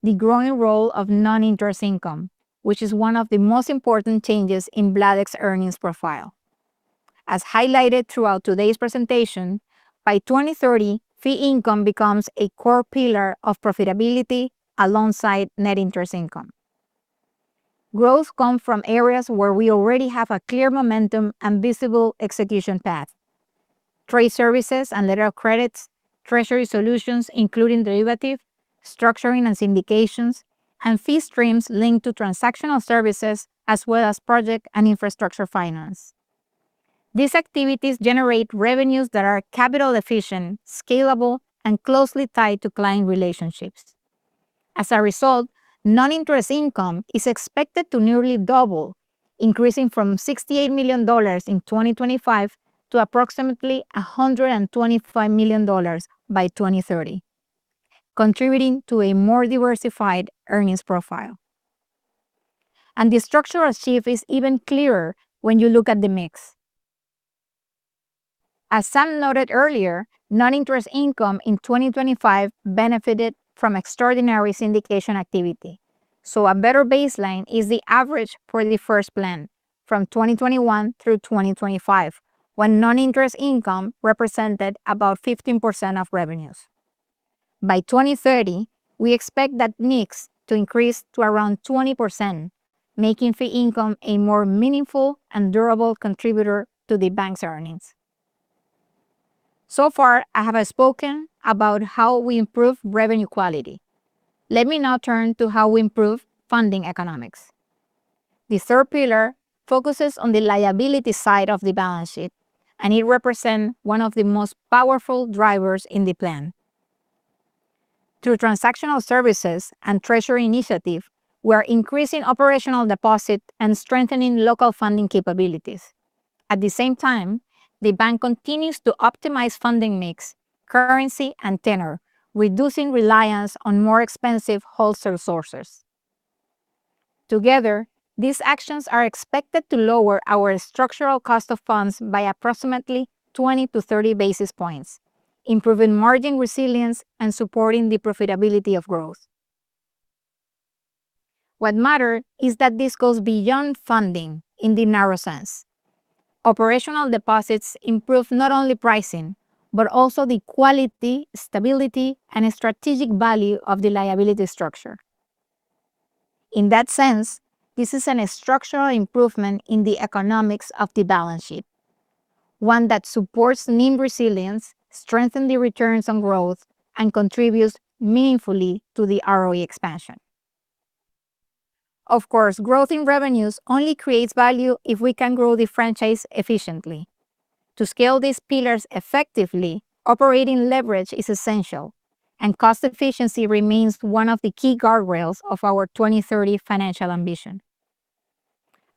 Speaker 9: the growing role of non-interest income, which is one of the most important changes in Bladex's earnings profile. As highlighted throughout today's presentation, by 2030, fee income becomes a core pillar of profitability alongside net interest income. Growth comes from areas where we already have a clear momentum and visible execution path, trade services and letters of credit, treasury solutions, including derivatives, structuring and syndications, and fee streams linked to transactional services as well as project and infrastructure finance. These activities generate revenues that are capital efficient, scalable, and closely tied to client relationships. As a result, non-interest income is expected to nearly double, increasing from $68 million in 2025 to approximately $125 million by 2030, contributing to a more diversified earnings profile. The structural shift is even clearer when you look at the mix. As Sam noted earlier, non-interest income in 2025 benefited from extraordinary syndication activity, so a better baseline is the average for the first plan from 2021 through 2025, when non-interest income represented about 15% of revenues. By 2030, we expect that mix to increase to around 20%, making fee income a more meaningful and durable contributor to the bank's earnings. So far, I have spoken about how we improve revenue quality. Let me now turn to how we improve funding economics. The third pillar focuses on the liability side of the balance sheet, and it represents one of the most powerful drivers in the plan. Through transactional services and treasury initiatives, we are increasing operational deposits and strengthening local funding capabilities. At the same time, the bank continues to optimize funding mix, currency, and tenor, reducing reliance on more expensive wholesale sources. Together, these actions are expected to lower our structural cost of funds by approximately 20 to 30 basis points, improving margin resilience and supporting the profitability of growth. What matters is that this goes beyond funding in the narrow sense. Operational deposits improve not only pricing, but also the quality, stability, and strategic value of the liability structure. In that sense, this is a structural improvement in the economics of the balance sheet, one that supports NIM resilience, strengthens the returns on growth, and contributes meaningfully to the ROE expansion. Of course, growth in revenues only creates value if we can grow the franchise efficiently. To scale these pillars effectively, operating leverage is essential, and cost efficiency remains one of the key guardrails of our 2030 financial ambition.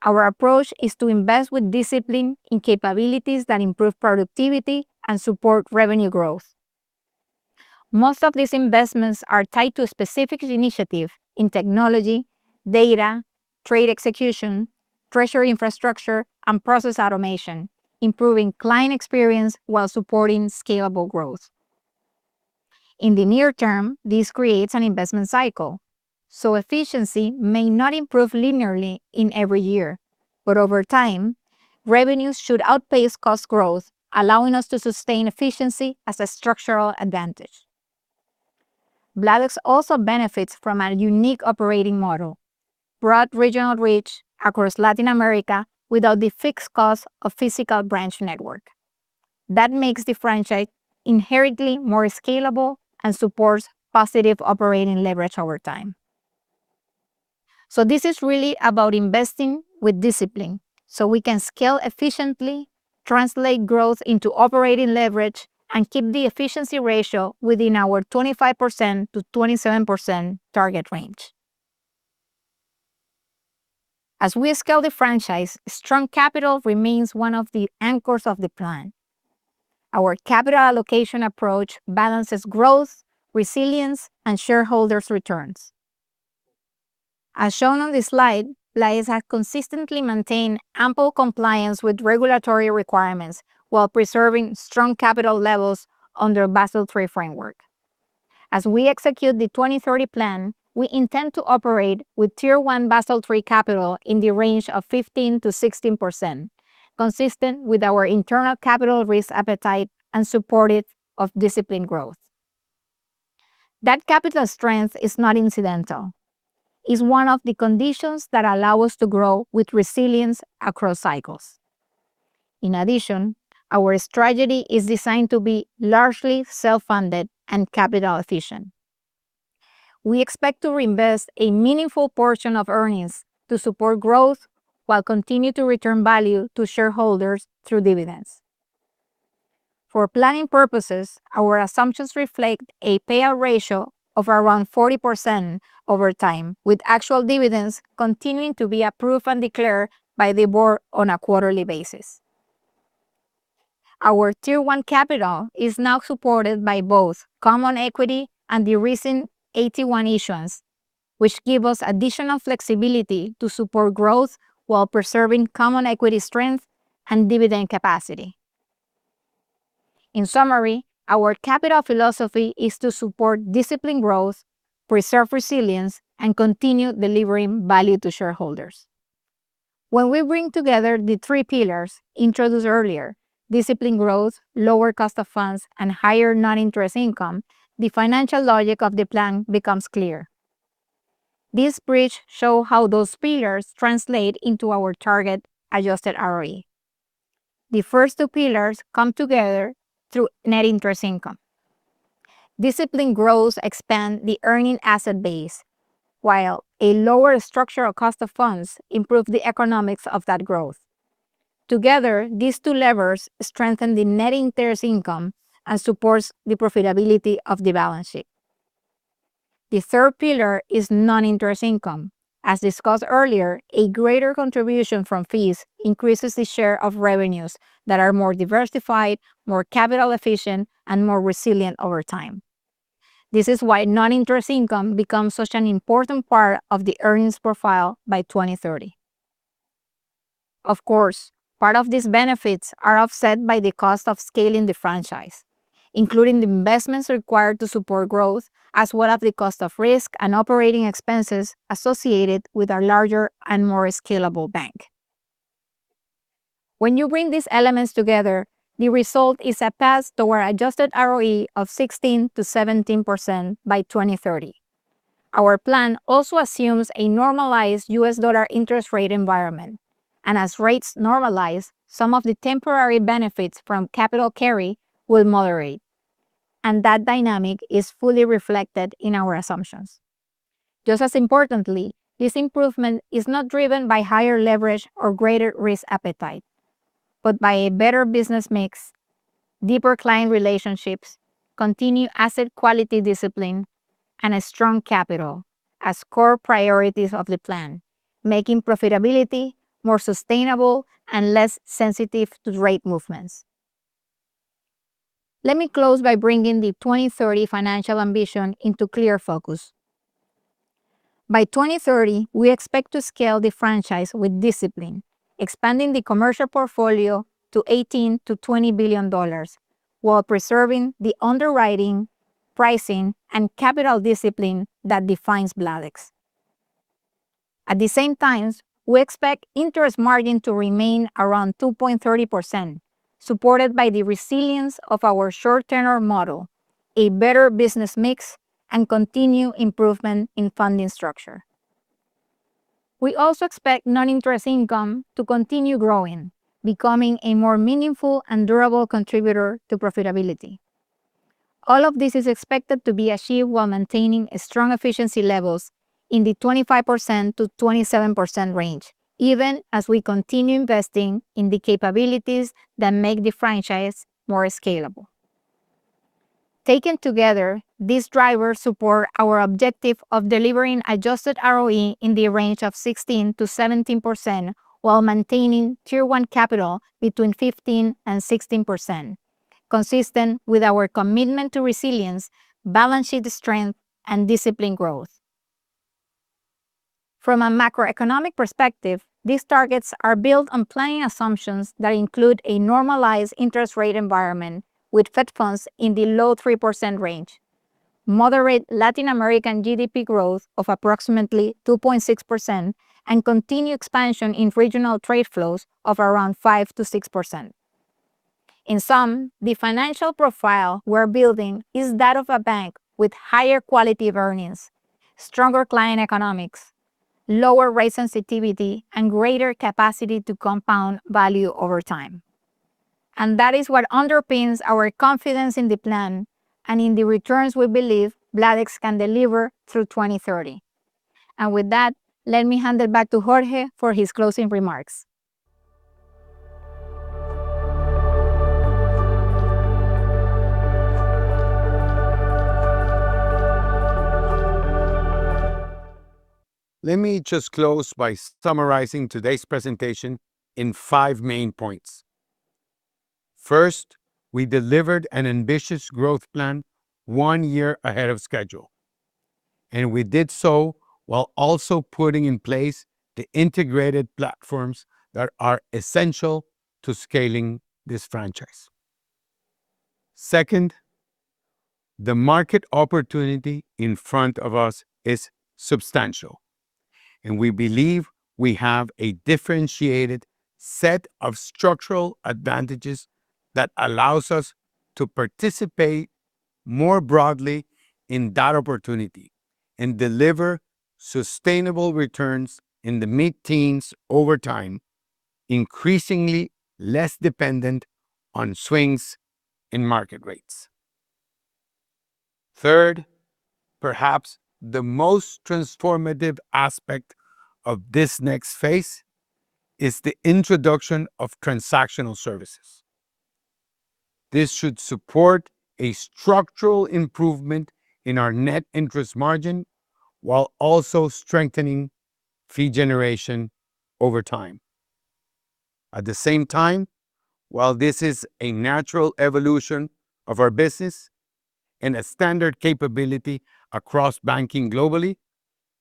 Speaker 9: Our approach is to invest with discipline in capabilities that improve productivity and support revenue growth. Most of these investments are tied to a specific initiative in technology, data, trade execution, treasury infrastructure, and process automation, improving client experience while supporting scalable growth. In the near term, this creates an investment cycle, so efficiency may not improve linearly in every year, but over time, revenues should outpace cost growth, allowing us to sustain efficiency as a structural advantage. Bladex also benefits from a unique operating model, broad regional reach across Latin America without the fixed cost of physical branch network. That makes the franchise inherently more scalable and supports positive operating leverage over time. This is really about investing with discipline so we can scale efficiently, translate growth into operating leverage, and keep the efficiency ratio within our 25% to 27% target range. As we scale the franchise, strong capital remains one of the anchors of the plan. Our capital allocation approach balances growth, resilience, and shareholders' returns. As shown on this slide, Bladex has consistently maintained ample compliance with regulatory requirements while preserving strong capital levels under Basel III framework. As we execute the 2030 plan, we intend to operate with Tier 1 Basel III capital in the range of 15% to 16%, consistent with our internal capital risk appetite and supportive of disciplined growth. That capital strength is not incidental. It's one of the conditions that allow us to grow with resilience across cycles. In addition, our strategy is designed to be largely self-funded and capital efficient. We expect to reinvest a meaningful portion of earnings to support growth while continuing to return value to shareholders through dividends. For planning purposes, our assumptions reflect a payout ratio of around 40% over time, with actual dividends continuing to be approved and declared by the Board on a quarterly basis. Our Tier 1 capital is now supported by both common equity and the recent AT1 issuance, which give us additional flexibility to support growth while preserving common equity strength and dividend capacity. In summary, our capital philosophy is to support disciplined growth, preserve resilience, and continue delivering value to shareholders. When we bring together the three pillars introduced earlier, disciplined growth, lower cost of funds, and higher non-interest income, the financial logic of the plan becomes clear. This bridge show how those pillars translate into our target adjusted ROE. The first two pillars come together through net interest income. Disciplined growth expand the earning asset base, while a lower structural cost of funds improve the economics of that growth. Together, these two levers strengthen the net interest income and supports the profitability of the balance sheet. The third pillar is non-interest income. As discussed earlier, a greater contribution from fees increases the share of revenues that are more diversified, more capital efficient, and more resilient over time. This is why non-interest income becomes such an important part of the earnings profile by 2030. Of course, part of these benefits are offset by the cost of scaling the franchise, including the investments required to support growth, as well as the cost of risk and operating expenses associated with our larger and more scalable bank. When you bring these elements together, the result is a path toward adjusted ROE of 16% to 17% by 2030. Our plan also assumes a normalized U.S. dollar interest rate environment, and as rates normalize, some of the temporary benefits from capital carry will moderate, and that dynamic is fully reflected in our assumptions. Just as importantly, this improvement is not driven by higher leverage or greater risk appetite, but by a better business mix, deeper client relationships, continued asset quality discipline, and a strong capital as core priorities of the plan, making profitability more sustainable and less sensitive to rate movements. Let me close by bringing the 2030 financial ambition into clear focus. By 2030, we expect to scale the franchise with discipline, expanding the commercial portfolio to $18 to $20 billion, while preserving the underwriting, pricing, and capital discipline that defines Bladex. At the same time, we expect interest margin to remain around 2.30%, supported by the resilience of our short tenure model, a better business mix, and continued improvement in funding structure. We also expect non-interest income to continue growing, becoming a more meaningful and durable contributor to profitability. All of this is expected to be achieved while maintaining a strong efficiency levels in the 25% to 27% range, even as we continue investing in the capabilities that make the franchise more scalable. Taken together, these drivers support our objective of delivering adjusted ROE in the range of 16%-17% while maintaining Tier 1 capital between 15% and 16%, consistent with our commitment to resilience, balance sheet strength, and disciplined growth. From a macroeconomic perspective, these targets are built on planning assumptions that include a normalized interest rate environment with Fed funds in the low 3% range, moderate Latin American GDP growth of approximately 2.6%, and continued expansion in regional trade flows of around 5% to 6%. In sum, the financial profile we're building is that of a bank with higher quality of earnings, stronger client economics, lower rate sensitivity, and greater capacity to compound value over time. That is what underpins our confidence in the plan and in the returns we believe Bladex can deliver through 2030. With that, let me hand it back to Jorge for his closing remarks.
Speaker 4: Let me just close by summarizing today's presentation in five main points. First, we delivered an ambitious growth plan one year ahead of schedule, and we did so while also putting in place the integrated platforms that are essential to scaling this franchise. Second, the market opportunity in front of us is substantial, and we believe we have a differentiated set of structural advantages that allows us to participate more broadly in that opportunity and deliver sustainable returns in the mid-teens over time, increasingly less dependent on swings in market rates. Third, perhaps the most transformative aspect of this next phase is the introduction of transactional services. This should support a structural improvement in our net interest margin while also strengthening fee generation over time. At the same time, while this is a natural evolution of our business and a standard capability across banking globally,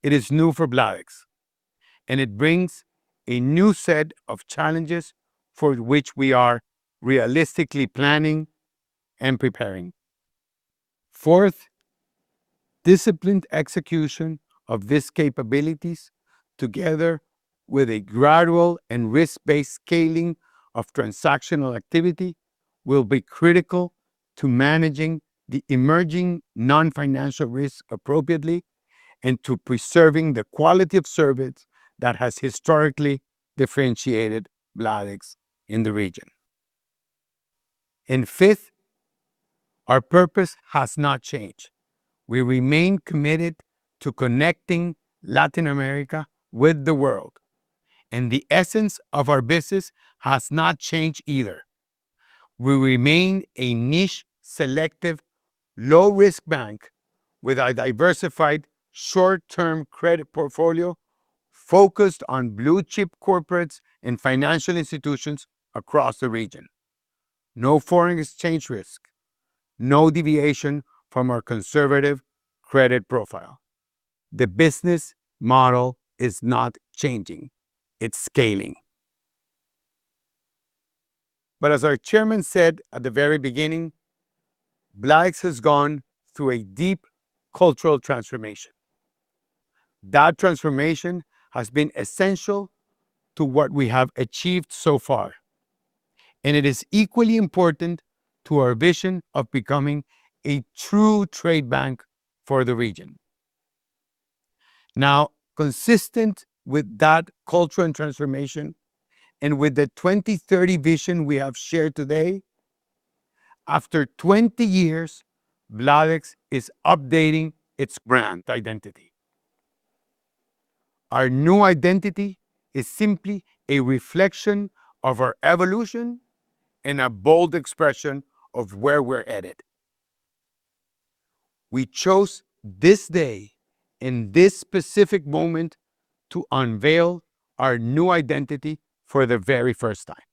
Speaker 4: it is new for Bladex, and it brings a new set of challenges for which we are realistically planning and preparing. Fourth, disciplined execution of these capabilities, together with a gradual and risk-based scaling of transactional activity, will be critical to managing the emerging non-financial risk appropriately and to preserving the quality of service that has historically differentiated Bladex in the region. Fifth, our purpose has not changed. We remain committed to connecting Latin America with the world, and the essence of our business has not changed either. We remain a niche, selective, low-risk bank with a diversified short-term credit portfolio focused on blue-chip corporates and financial institutions across the region. No foreign exchange risk, no deviation from our conservative credit profile. The business model is not changing. It's scaling. As our chairman said at the very beginning, Bladex has gone through a deep cultural transformation. That transformation has been essential to what we have achieved so far, and it is equally important to our vision of becoming a true trade bank for the region. Now, consistent with that cultural transformation and with the 2030 vision we have shared today, after 20 years, Bladex is updating its brand identity. Our new identity is simply a reflection of our evolution and a bold expression of where we're headed. We chose this day and this specific moment to unveil our new identity for the very first time.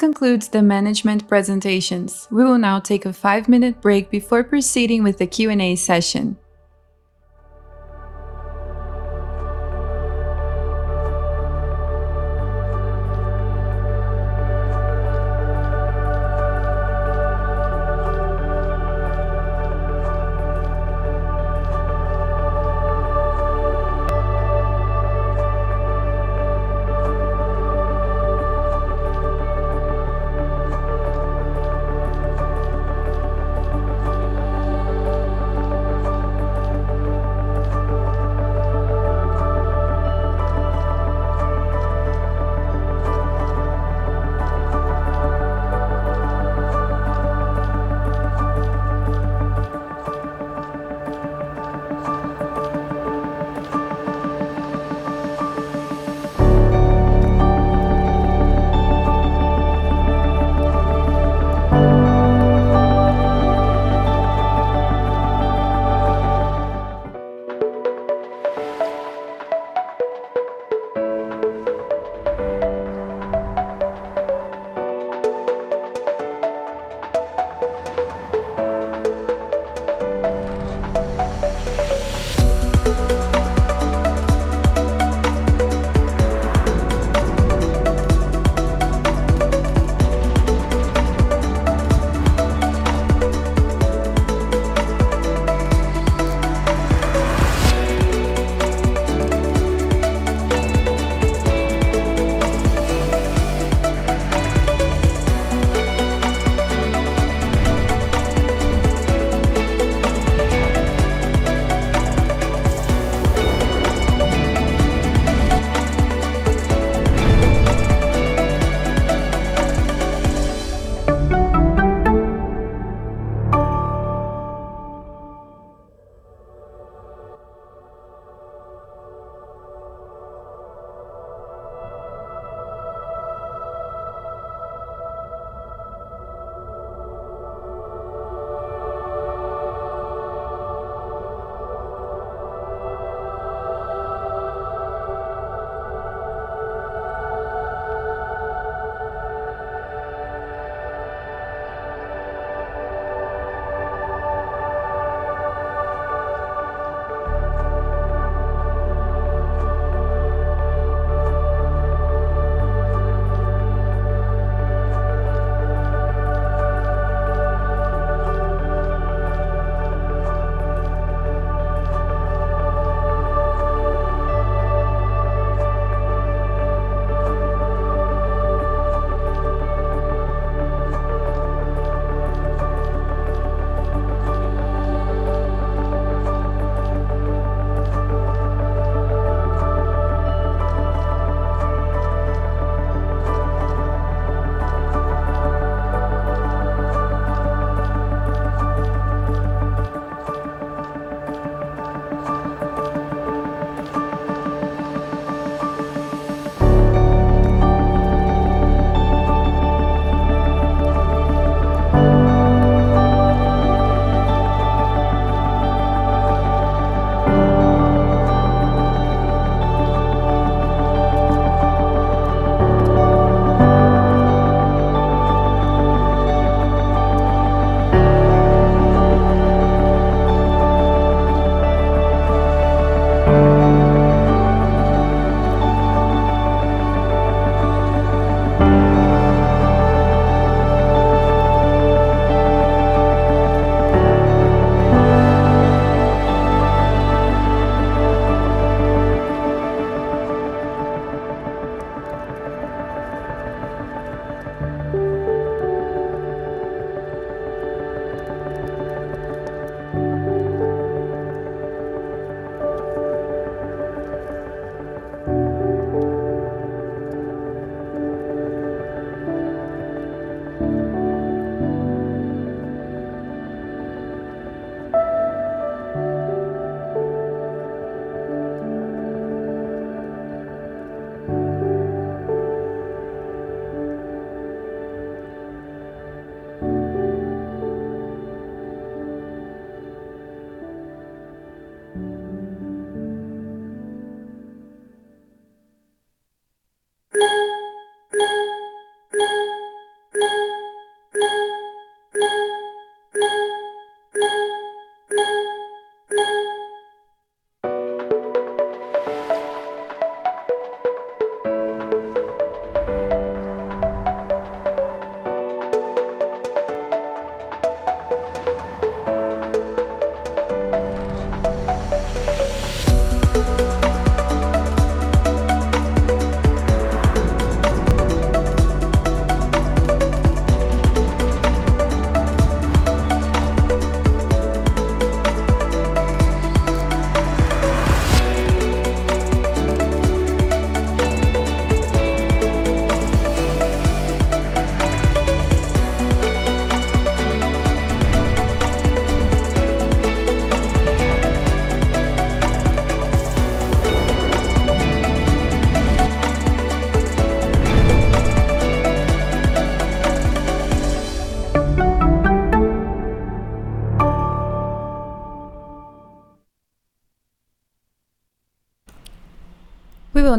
Speaker 1: This concludes the management presentations. We will now take a five minute break before proceeding with the Q&A session.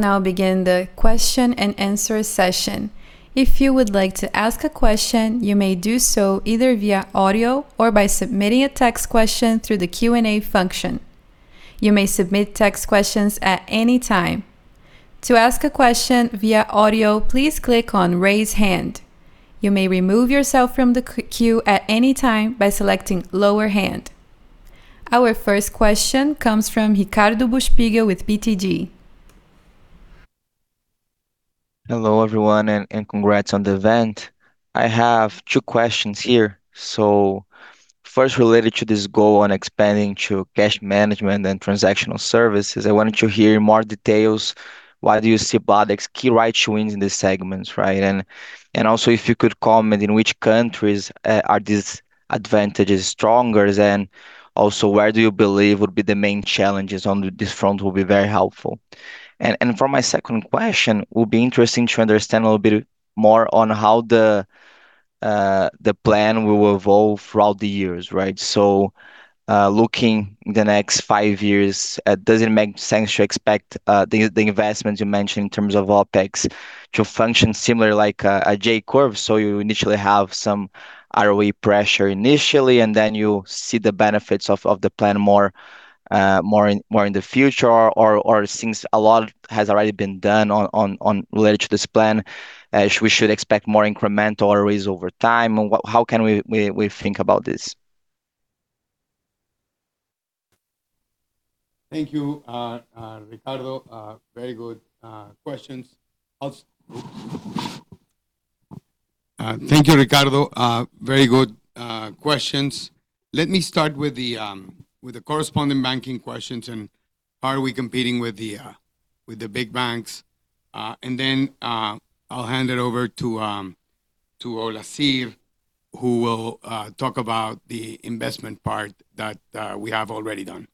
Speaker 1: We will now begin the question-and-answer session. If you would like to ask a question, you may do so either via audio or by submitting a text question through the Q&A function. You may submit text questions at any time. To ask a question via audio, please click on raise hand. You may remove yourself from the queue at any time by selecting lower hand. Our first question comes from Ricardo Buchpiguel with BTG.
Speaker 10: Hello, everyone, and congrats on the event. I have two questions here. First related to this goal on expanding to cash management and transactional services, I wanted to hear more details. Why do you see Bladex as key right now in these segments, right? Also, if you could comment in which countries are these advantages stronger? Also, where do you believe would be the main challenges on this front? That will be very helpful. For my second question, it would be interesting to understand a little bit more on how the plan will evolve throughout the years, right? Looking at the next five years, does it make sense to expect the investments you mentioned in terms of OpEx to function similar like a J-curve? You initially have some ROE pressure initially, and then you see the benefits of the plan more in the future or since a lot has already been done on related to this plan, we should expect more incremental raise over time? Or what, how can we think about this?
Speaker 4: Thank you, Ricardo. Very good questions. Let me start with the corresponding banking questions and how are we competing with the big banks. Then I'll hand it over to Olazhir, who will talk about the investment part that we have already done.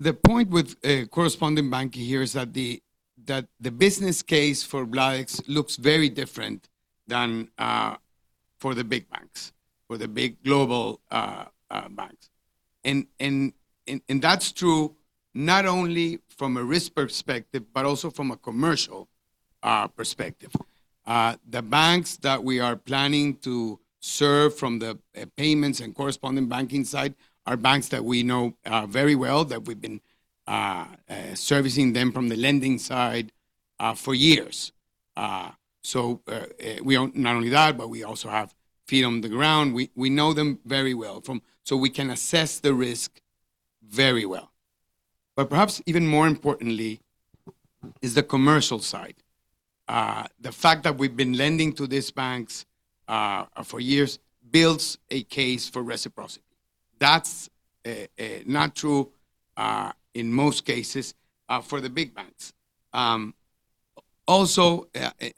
Speaker 4: The point with a corresponding bank here is that the business case for Bladex looks very different than for the big banks, for the big global banks. That's true not only from a risk perspective, but also from a commercial perspective. The banks that we are planning to serve from the payments and corresponding banking side are banks that we know very well, that we've been servicing them from the lending side for years. Not only that, but we also have feet on the ground. We know them very well. We can assess the risk very well. Perhaps even more importantly is the commercial side. The fact that we've been lending to these banks for years builds a case for reciprocity. That's not true in most cases for the big banks. Also,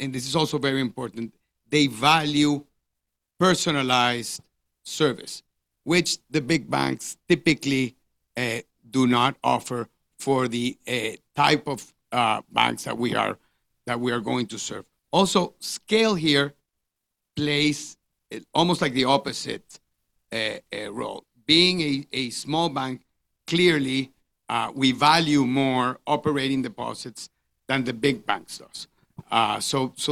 Speaker 4: and this is also very important, they value personalized service, which the big banks typically do not offer for the type of banks that we are going to serve. Also, scale here plays almost like the opposite role. Being a small bank, clearly, we value more operating deposits than the big banks does.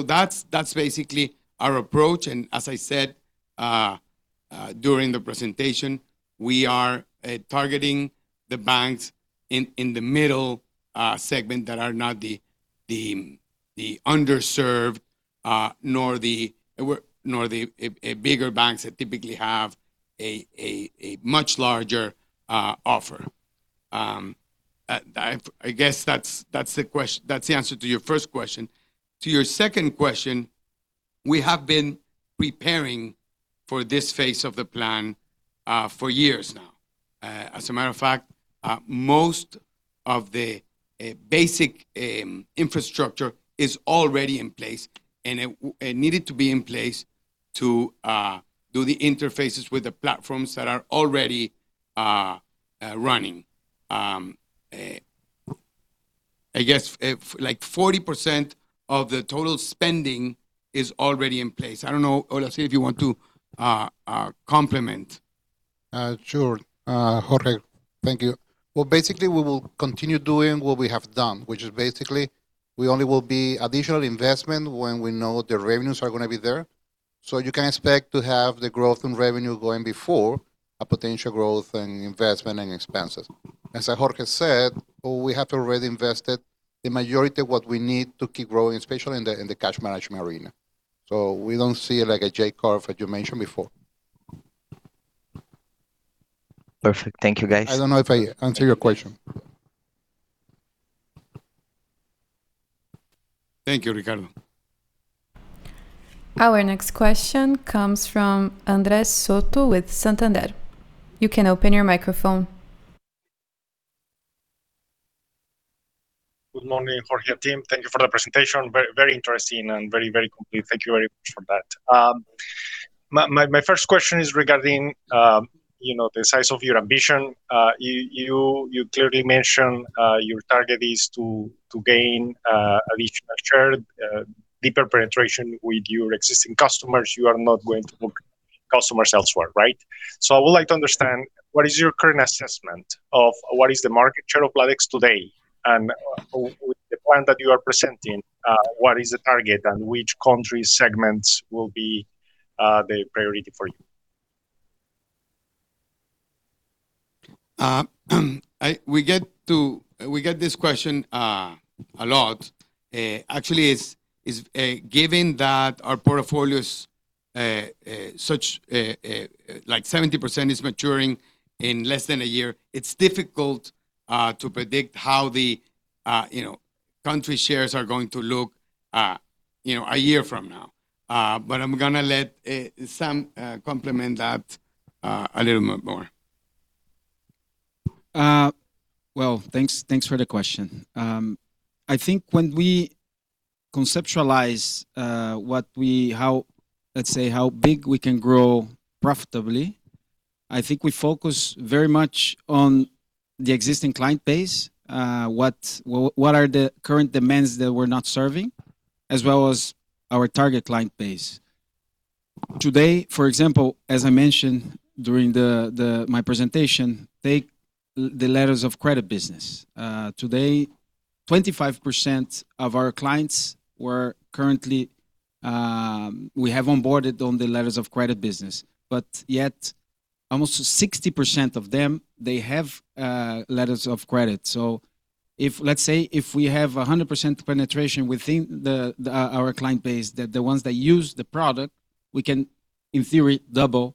Speaker 4: That's basically our approach. As I said during the presentation, we are targeting the banks in the middle segment that are not the underserved nor the bigger banks that typically have a much larger offer. I guess that's the answer to your first question. To your second question, we have been preparing for this phase of the plan for years now. As a matter of fact, most of the basic infrastructure is already in place, and it needed to be in place to do the interfaces with the platforms that are already running. I guess, like 40% of the total spending is already in place. I don't know, Olazhir, if you want to complement.
Speaker 7: Jorge, thank you. Well, basically, we will continue doing what we have done, which is basically we only will be additional investment when we know the revenues are gonna be there. You can expect to have the growth in revenue going before a potential growth in investment and expenses. As Jorge said, we have already invested the majority of what we need to keep growing, especially in the cash management arena. We don't see like a J-curve as you mentioned before.
Speaker 10: Perfect. Thank you, guys.
Speaker 7: I don't know if I answered your question.
Speaker 4: Thank you, Ricardo.
Speaker 1: Our next question comes from Andres Soto with Santander. You can open your microphone
Speaker 11: Good morning, Jorge team. Thank you for the presentation. Very, very interesting and very, very complete. Thank you very much for that. My first question is regarding, you know, the size of your ambition. You clearly mention your target is to gain at least a shared deeper penetration with your existing customers. You are not going to look customers elsewhere, right? I would like to understand what is your current assessment of what is the market share of Bladex today, and with the plan that you are presenting, what is the target and which country segments will be the priority for you?
Speaker 4: We get this question a lot. Actually it's given that our portfolio's 70% is maturing in less than a year, it's difficult to predict how the you know, country shares are going to look you know, a year from now. But I'm gonna let Sam complement that a little bit more.
Speaker 5: Well, thanks for the question. I think when we conceptualize, let's say, how big we can grow profitably, I think we focus very much on the existing client base, what are the current demands that we're not serving, as well as our target client base. Today, for example, as I mentioned during my presentation, take the letters of credit business. Today, 25% of our clients we currently have onboarded on the letters of credit business, but yet almost 60% of them have letters of credit. If, let's say, if we have 100% penetration within our client base, the ones that use the product, we can in theory double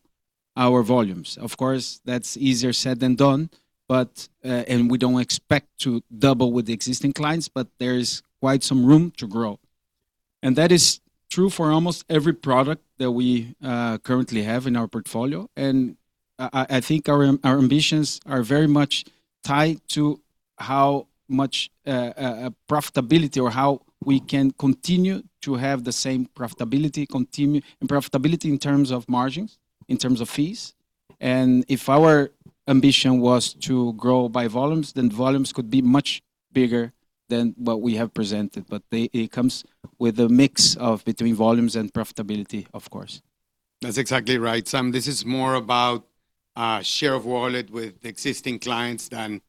Speaker 5: our volumes. Of course, that's easier said than done, but we don't expect to double with the existing clients, but there is quite some room to grow. That is true for almost every product that we currently have in our portfolio. I think our ambitions are very much tied to how much profitability or how we can continue to have the same profitability, continue profitability in terms of margins, in terms of fees. If our ambition was to grow by volumes, then volumes could be much bigger than what we have presented. It comes with a mix of between volumes and profitability, of course.
Speaker 4: That's exactly right, Sam. This is more about share of wallet with existing clients than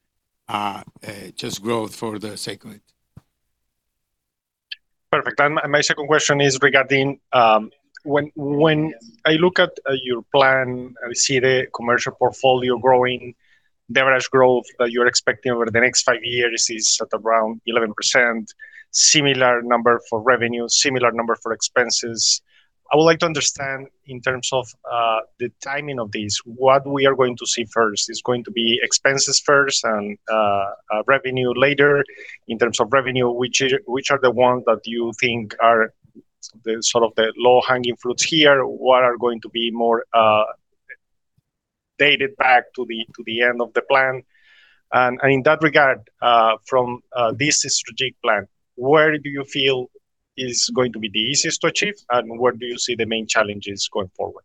Speaker 4: just growth for the sake of it.
Speaker 11: Perfect. My second question is regarding when I look at your plan, I see the commercial portfolio growing. The average growth that you're expecting over the next five years is at around 11%. Similar number for revenue, similar number for expenses. I would like to understand in terms of the timing of this, what we are going to see first. Is going to be expenses first and revenue later? In terms of revenue, which are the ones that you think are the sort of the low-hanging fruits here? What are going to be more pushed back to the end of the plan? In that regard, from this strategic plan, where do you feel is going to be the easiest to achieve, and where do you see the main challenges going forward?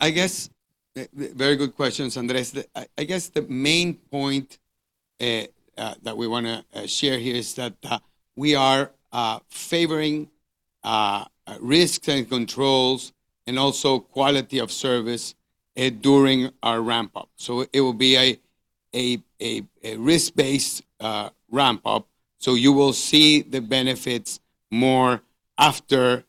Speaker 4: I guess very good questions, Andres. I guess the main point that we wanna share here is that we are favoring risks and controls and also quality of service during our ramp-up. It will be a risk-based ramp-up, so you will see the benefits more after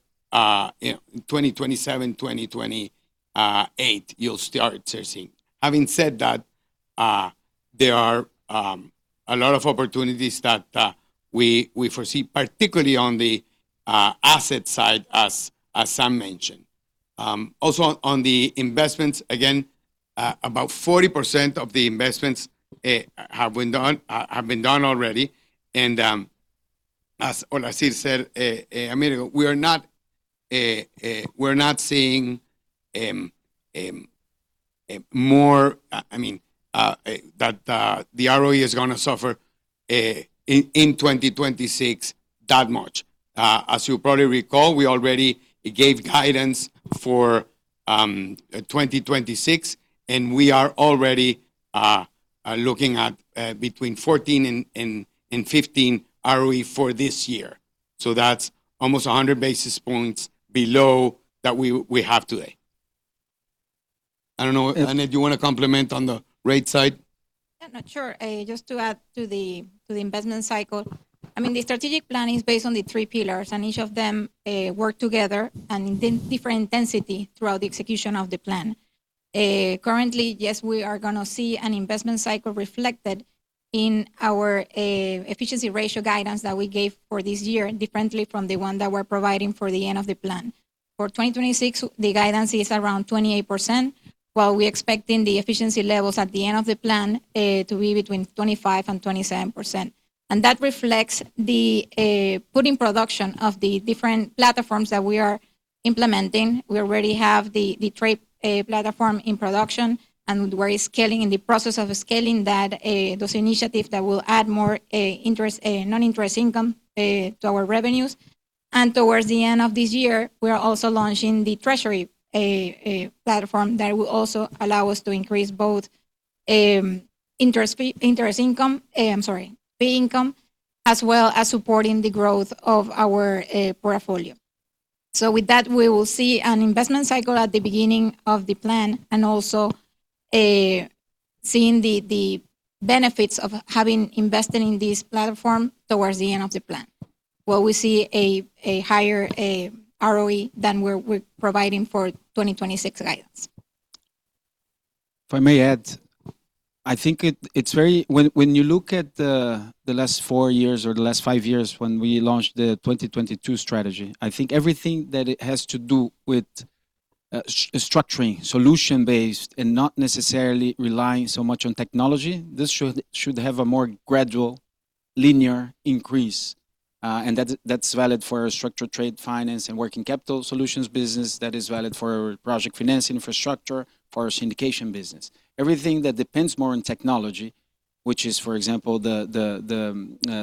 Speaker 4: you know, 2027, 2028, you'll start seeing. Having said that, there are a lot of opportunities that we foresee, particularly on the asset side as Sam mentioned. Also on the investments, again, about 40% of the investments have been done already. As Olazhir said a minute ago, we're not seeing I mean that the ROE is gonna suffer in 2026 that much. As you probably recall, we already gave guidance for 2026, and we are already looking at between 14 and 15 ROE for this year. That's almost 100 basis points below what we have today. I don't know, Annette, you want to comment on the rate side?
Speaker 9: Yeah, no, sure. Just to add to the investment cycle. I mean, the strategic plan is based on the three pillars, and each of them work together and in different intensity throughout the execution of the plan. Currently, yes, we are gonna see an investment cycle reflected in our efficiency ratio guidance that we gave for this year differently from the one that we're providing for the end of the plan. For 2026, the guidance is around 28%, while we're expecting the efficiency levels at the end of the plan to be between 25% and 27%. That reflects the putting into production of the different platforms that we are implementing. We already have the trade platform in production, and we're in the process of scaling those initiatives that will add more non-interest income to our revenues. Towards the end of this year, we are also launching the treasury platform that will also allow us to increase both interest fee, interest income, I'm sorry, fee income, as well as supporting the growth of our portfolio. With that, we will see an investment cycle at the beginning of the plan, and also seeing the benefits of having invested in this platform towards the end of the plan, where we see a higher ROE than we're providing for 2026 guidance.
Speaker 5: If I may add, I think it's very. When you look at the last four years or the last five years when we launched the 2022 strategy, I think everything that it has to do with structuring, solution-based, and not necessarily relying so much on technology, this should have a more gradual linear increase. That's valid for our structured trade finance and working capital solutions business. That is valid for our project finance infrastructure, for our syndication business. Everything that depends more on technology, which is, for example, the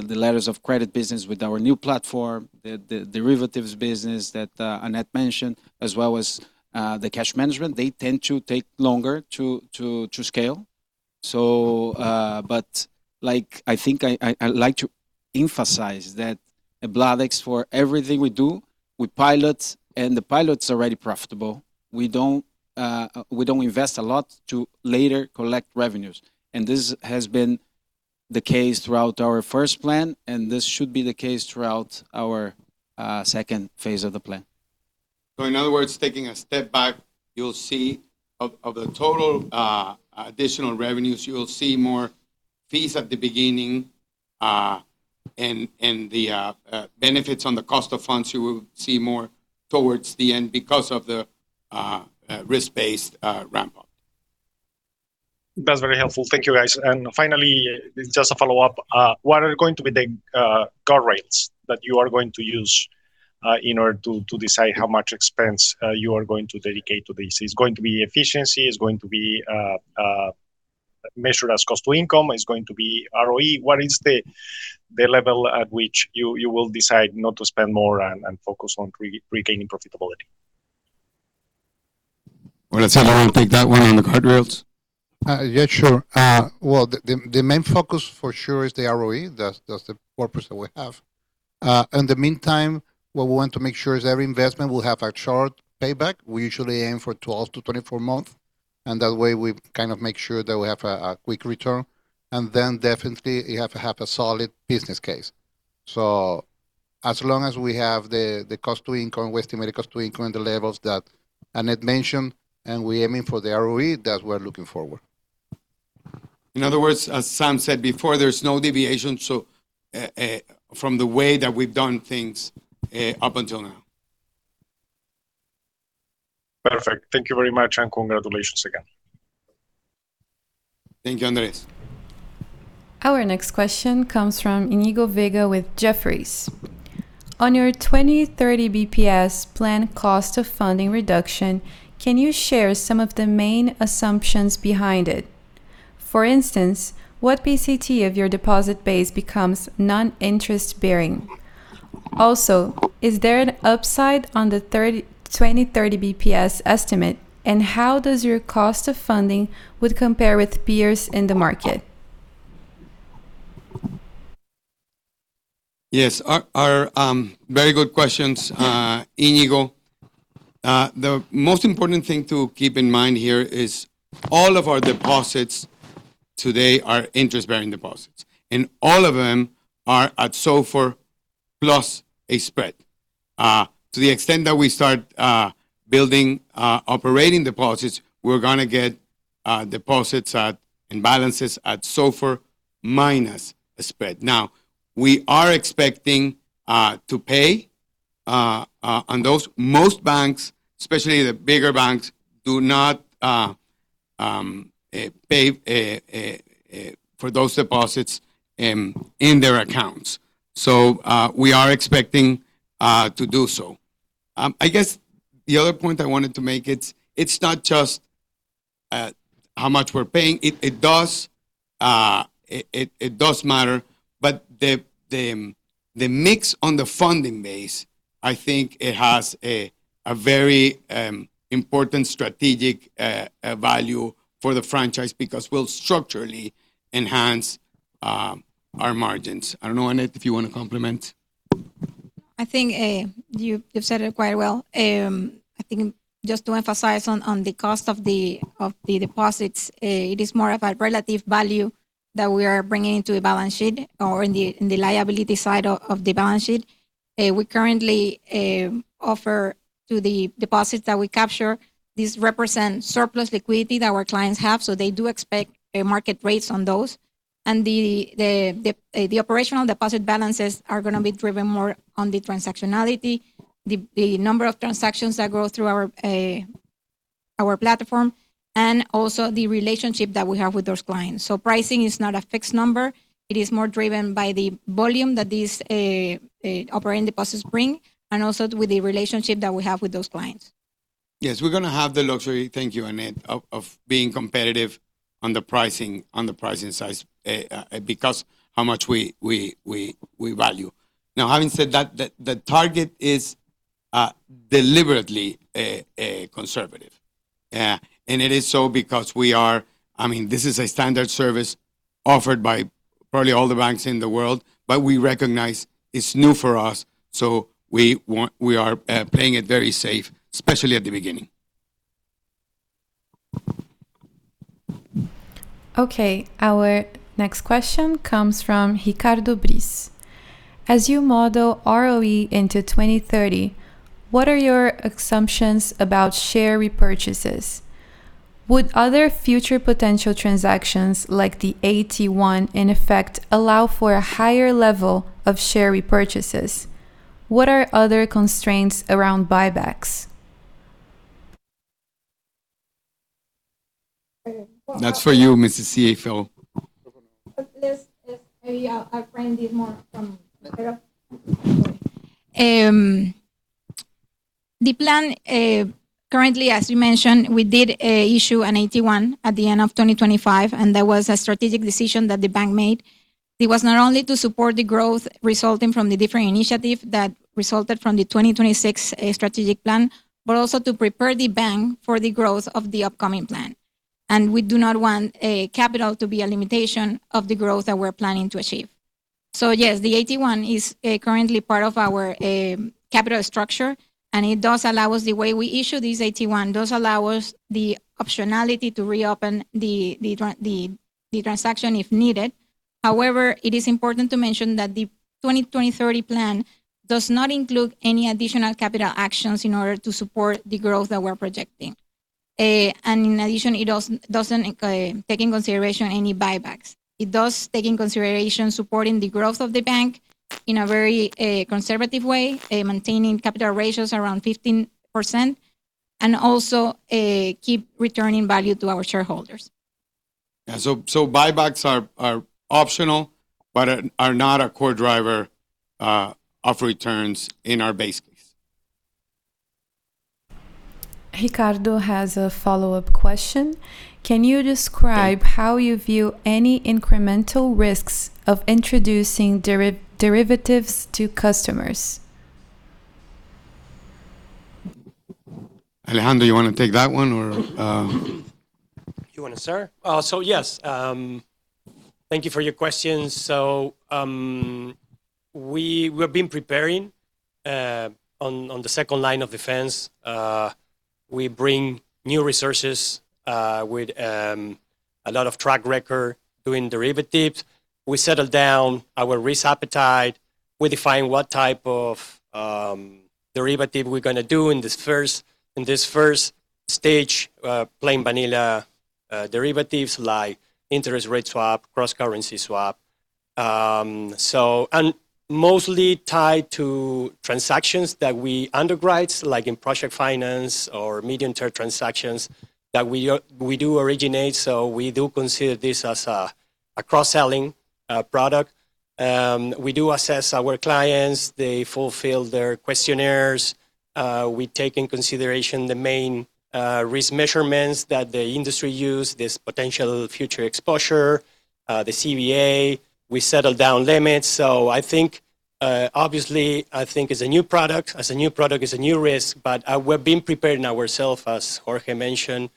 Speaker 5: letters of credit business with our new platform, the derivatives business that Annette mentioned, as well as the cash management, they tend to take longer to scale like, I think I like to emphasize that at Bladex for everything we do, we pilot, and the pilot's already profitable. We don't invest a lot to later collect revenues. This has been the case throughout our first plan, and this should be the case throughout our second phase of the plan.
Speaker 4: In other words, taking a step back, you'll see of the total additional revenues, you will see more fees at the beginning, and the benefits on the cost of funds, you will see more towards the end because of the risk-based ramp-up.
Speaker 11: That's very helpful. Thank you, guys. Finally, just a follow-up, what are going to be the guardrails that you are going to use in order to decide how much expense you are going to dedicate to this? Is it going to be efficiency? Is it going to be measured as cost to income? Is it going to be ROE? What is the level at which you will decide not to spend more and focus on regaining profitability?
Speaker 4: Well, let's have Olazhir take that one on the guardrails.
Speaker 7: Yeah, sure. Well, the main focus for sure is the ROE. That's the purpose that we have. In the meantime, what we want to make sure is every investment will have a short payback. We usually aim for 12 to 24 months, and that way we kind of make sure that we have a quick return. Then definitely you have to have a solid business case. As long as we have the cost to income, we estimate the cost to income, the levels that Annette mentioned, and we're aiming for the ROE, that we're looking forward. In other words, as Sam said before, there's no deviation from the way that we've done things up until now.
Speaker 11: Perfect. Thank you very much, and congratulations again.
Speaker 4: Thank you, Andres.
Speaker 1: Our next question comes from Iñigo Vega with Jefferies. On your 2030 BPS plan cost of funding reduction, can you share some of the main assumptions behind it? For instance, what % of your deposit base becomes non-interest bearing? Also, is there an upside on the 2030 BPS estimate, and how does your cost of funding would compare with peers in the market?
Speaker 4: Yes. Very good questions, Iñigo. The most important thing to keep in mind here is all of our deposits today are interest-bearing deposits, and all of them are at SOFR plus a spread. To the extent that we start building operating deposits, we're gonna get deposits at, and balances at SOFR minus a spread. Now, we are expecting to pay on those. Most banks, especially the bigger banks, do not pay for those deposits in their accounts. We are expecting to do so. I guess the other point I wanted to make, it's not just how much we're paying. It does matter, but the mix on the funding base, I think it has a very important strategic value for the franchise because we'll structurally enhance our margins. I don't know, Annette, if you want to compliment.
Speaker 9: I think you’ve said it quite well. I think just to emphasize on the cost of the deposits, it is more of a relative value that we are bringing to a balance sheet or in the liability side of the balance sheet. We currently offer to the deposits that we capture. These represent surplus liquidity that our clients have, so they do expect market rates on those. The operational deposit balances are gonna be driven more on the transactionality, the number of transactions that go through our platform, and also the relationship that we have with those clients. Pricing is not a fixed number. It is more driven by the volume that these operating deposits bring, and also with the relationship that we have with those clients.
Speaker 4: Yes. We're gonna have the luxury, thank you, Annette, of being competitive on the pricing, on the pricing side, because how much we value. Now, having said that, the target is deliberately conservative. It is so because we are. I mean, this is a standard service offered by probably all the banks in the world, but we recognize it's new for us, so we are playing it very safe, especially at the beginning.
Speaker 1: Okay. Our next question comes from Ricardo Buchpiguel. As you model ROE into 2030, what are your assumptions about share repurchases? Would other future potential transactions, like the AT1 in effect, allow for a higher level of share repurchases? What are other constraints around buybacks?
Speaker 4: That's for you, Mrs. CFO.
Speaker 9: Maybe I'll frame this more from a point. The plan currently, as you mentioned, we did issue an AT1 at the end of 2025, and that was a strategic decision that the bank made. It was not only to support the growth resulting from the different initiative that resulted from the 2026 strategic plan, but also to prepare the bank for the growth of the upcoming plan. We do not want capital to be a limitation of the growth that we're planning to achieve. Yes, the AT1 is currently part of our capital structure, and it does allow us, the way we issue these AT1, does allow us the optionality to reopen the transaction if needed. However, it is important to mention that the 2020-2030 plan does not include any additional capital actions in order to support the growth that we're projecting. In addition, it doesn't include taking into consideration any buybacks. It does take into consideration supporting the growth of the bank in a very conservative way, maintaining capital ratios around 15%, and also keep returning value to our shareholders.
Speaker 4: Yeah. Buybacks are optional, but are not a core driver of returns in our base case.
Speaker 1: Ricardo has a follow-up question. Can you describe? How do you view any incremental risks of introducing derivatives to customers?
Speaker 4: Alejandro, you wanna take that one, or?
Speaker 8: You want it, sir? Yes, thank you for your question. We've been preparing on the second line of defense. We bring new resources with a lot of track record doing derivatives. We settle down our risk appetite. We define what type of derivative we're gonna do in this first stage, plain vanilla derivatives, like interest rate swap, cross-currency swap. Mostly tied to transactions that we underwrite, like in project finance or medium-term transactions that we do originate. We do consider this as a cross-selling product. We do assess our clients. They fulfill their questionnaires. We take in consideration the main risk measurements that the industry use, this potential future exposure, the CVA. We settle down limits. I think, obviously, I think as a new product, it's a new risk. We're preparing ourselves now, as Jorge mentioned.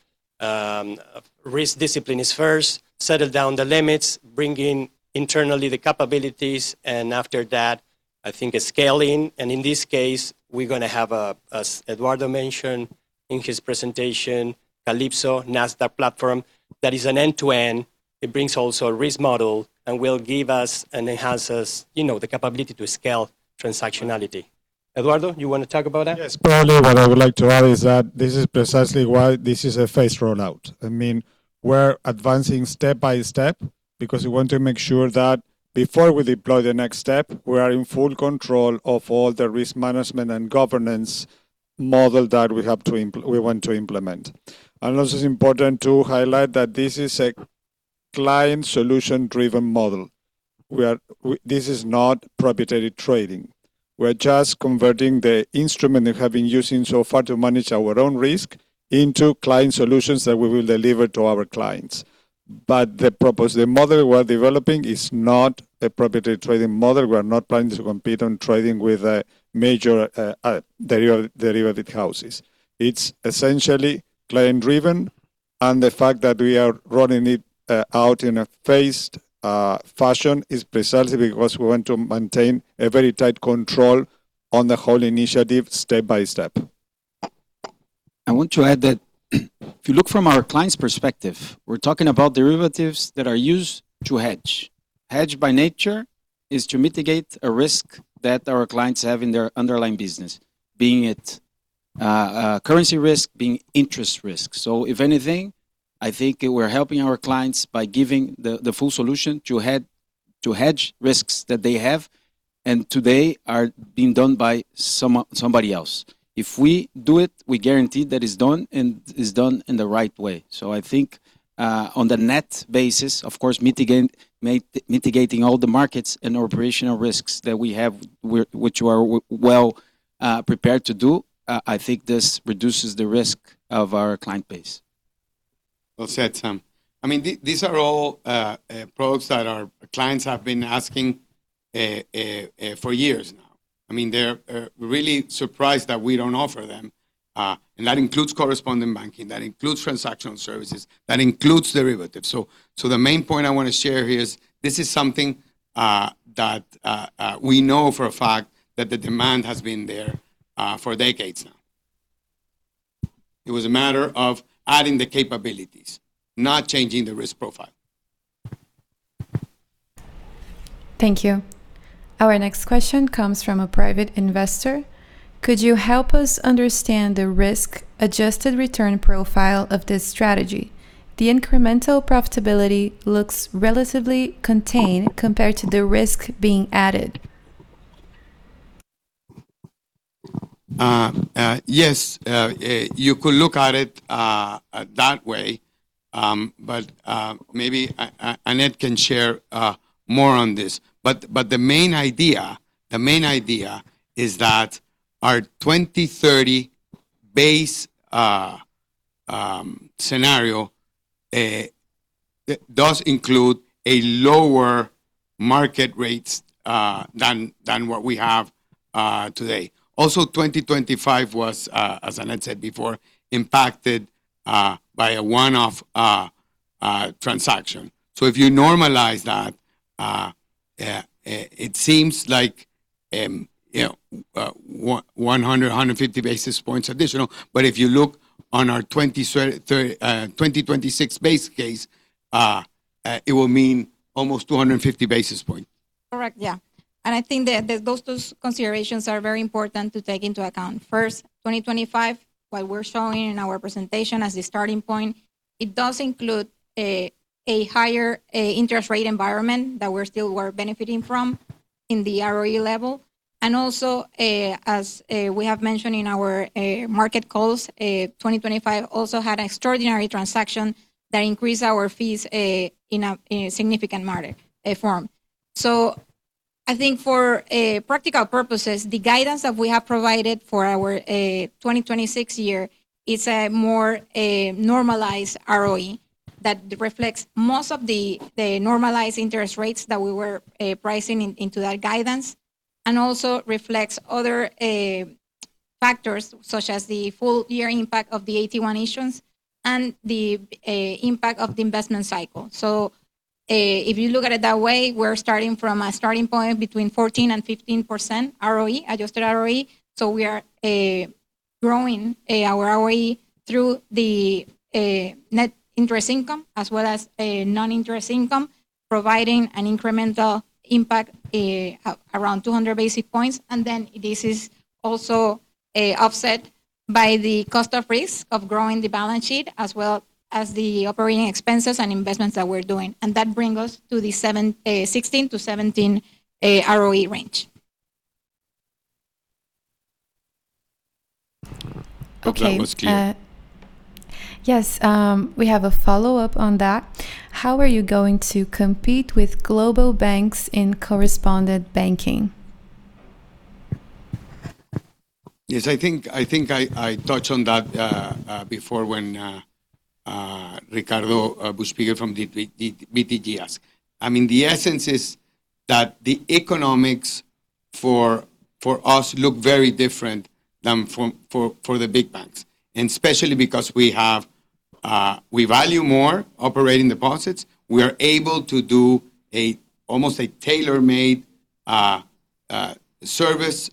Speaker 8: Risk discipline is first. Settle down the limits, bring in internally the capabilities, and after that, I think scaling. In this case, we're gonna have, as Eduardo mentioned in his presentation, Calypso Nasdaq platform that is an end-to-end. It brings also a risk model and will give us and enhances the capability to scale transactionality. Eduardo, you wanna talk about that?
Speaker 6: Yes. Probably what I would like to add is that this is precisely why this is a phased rollout. I mean, we're advancing step by step because we want to make sure that before we deploy the next step, we are in full control of all the risk management and governance model that we have to we want to implement. Also, it's important to highlight that this is a client solution-driven model. This is not proprietary trading. We're just converting the instrument we have been using so far to manage our own risk into client solutions that we will deliver to our clients. The purpose, the model we're developing is not a proprietary trading model. We are not planning to compete on trading with major derivative houses. It's essentially client-driven, and the fact that we are rolling it out in a phased fashion is precisely because we want to maintain a very tight control on the whole initiative step by step.
Speaker 5: I want to add that if you look from our clients' perspective, we're talking about derivatives that are used to hedge. Hedge, by nature, is to mitigate a risk that our clients have in their underlying business, being it Currency risk being interest risk. If anything, I think we're helping our clients by giving the full solution to hedge risks that they have, and today are being done by somebody else. If we do it, we guarantee that it's done and it's done in the right way. I think, on the net basis, of course, mitigating all the markets and operational risks that we have, which we are well prepared to do, I think this reduces the risk of our client base.
Speaker 4: Well said, Sam. I mean, these are all products that our clients have been asking for years now. I mean, they're really surprised that we don't offer them. That includes correspondent banking, that includes transactional services, that includes derivatives. The main point I wanna share here is this is something that we know for a fact that the demand has been there for decades now. It was a matter of adding the capabilities, not changing the risk profile.
Speaker 1: Thank you. Our next question comes from a private investor. Could you help us understand the risk-adjusted return profile of this strategy? The incremental profitability looks relatively contained compared to the risk being added.
Speaker 4: Yes. You could look at it that way. Maybe Annette can share more on this. The main idea is that our 2030 base scenario does include lower market rates than what we have today. Also, 2025 was, as Annette said before, impacted by a one-off transaction. If you normalize that, it seems like, you know, 150 basis points additional. If you look on our 2026 base case, it will mean almost 250 basis points.
Speaker 9: Correct. Yeah. I think that those considerations are very important to take into account. First, 2025, what we're showing in our presentation as a starting point, it does include a higher interest rate environment that we're still benefiting from in the ROE level. Also, as we have mentioned in our market calls, 2025 also had extraordinary transaction that increased our fees in a significant manner from. I think for practical purposes, the guidance that we have provided for our 2026 year is a more normalized ROE that reflects most of the normalized interest rates that we were pricing into that guidance, and also reflects other factors such as the full year impact of the AT1 issuance and the impact of the investment cycle. If you look at it that way, we're starting from a starting point between 14% and 15% ROE, adjusted ROE. We are growing our ROE through the net interest income as well as non-interest income, providing an incremental impact around 200 basis points. This is also offset by the cost of risk of growing the balance sheet as well as the operating expenses and investments that we're doing. That bring us to the 16% to 17% ROE range.
Speaker 4: Okay.
Speaker 1: Okay. Yes. We have a follow-up on that. How are you going to compete with global banks in correspondent banking?
Speaker 4: Yes, I think I touched on that before when Ricardo from BTG asked. I mean, the essence is that the economics for us look very different than for the big banks, and especially because we value more operating deposits. We are able to do almost a tailor-made service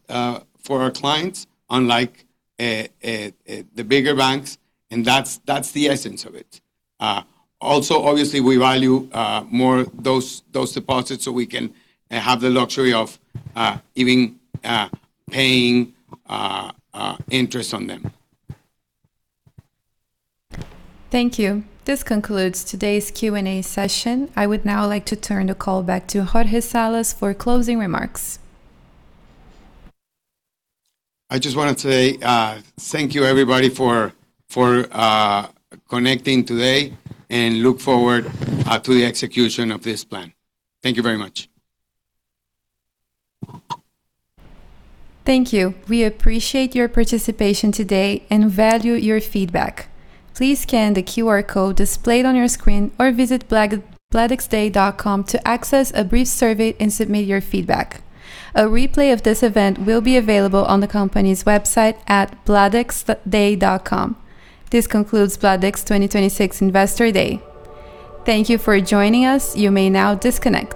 Speaker 4: for our clients, unlike the bigger banks, and that's the essence of it. Also, obviously, we value more those deposits, so we can have the luxury of even paying interest on them.
Speaker 1: Thank you. This concludes today's Q&A session. I would now like to turn the call back to Jorge Salas for closing remarks.
Speaker 4: I just wanted to say, thank you everybody for connecting today and look forward to the execution of this plan. Thank you very much.
Speaker 1: Thank you. We appreciate your participation today and value your feedback. Please scan the QR code displayed on your screen or visit bladexday.com to access a brief survey and submit your feedback. A replay of this event will be available on the company's website at bladexday.com. This concludes Bladex 2026 Investor Day. Thank you for joining us. You may now disconnect.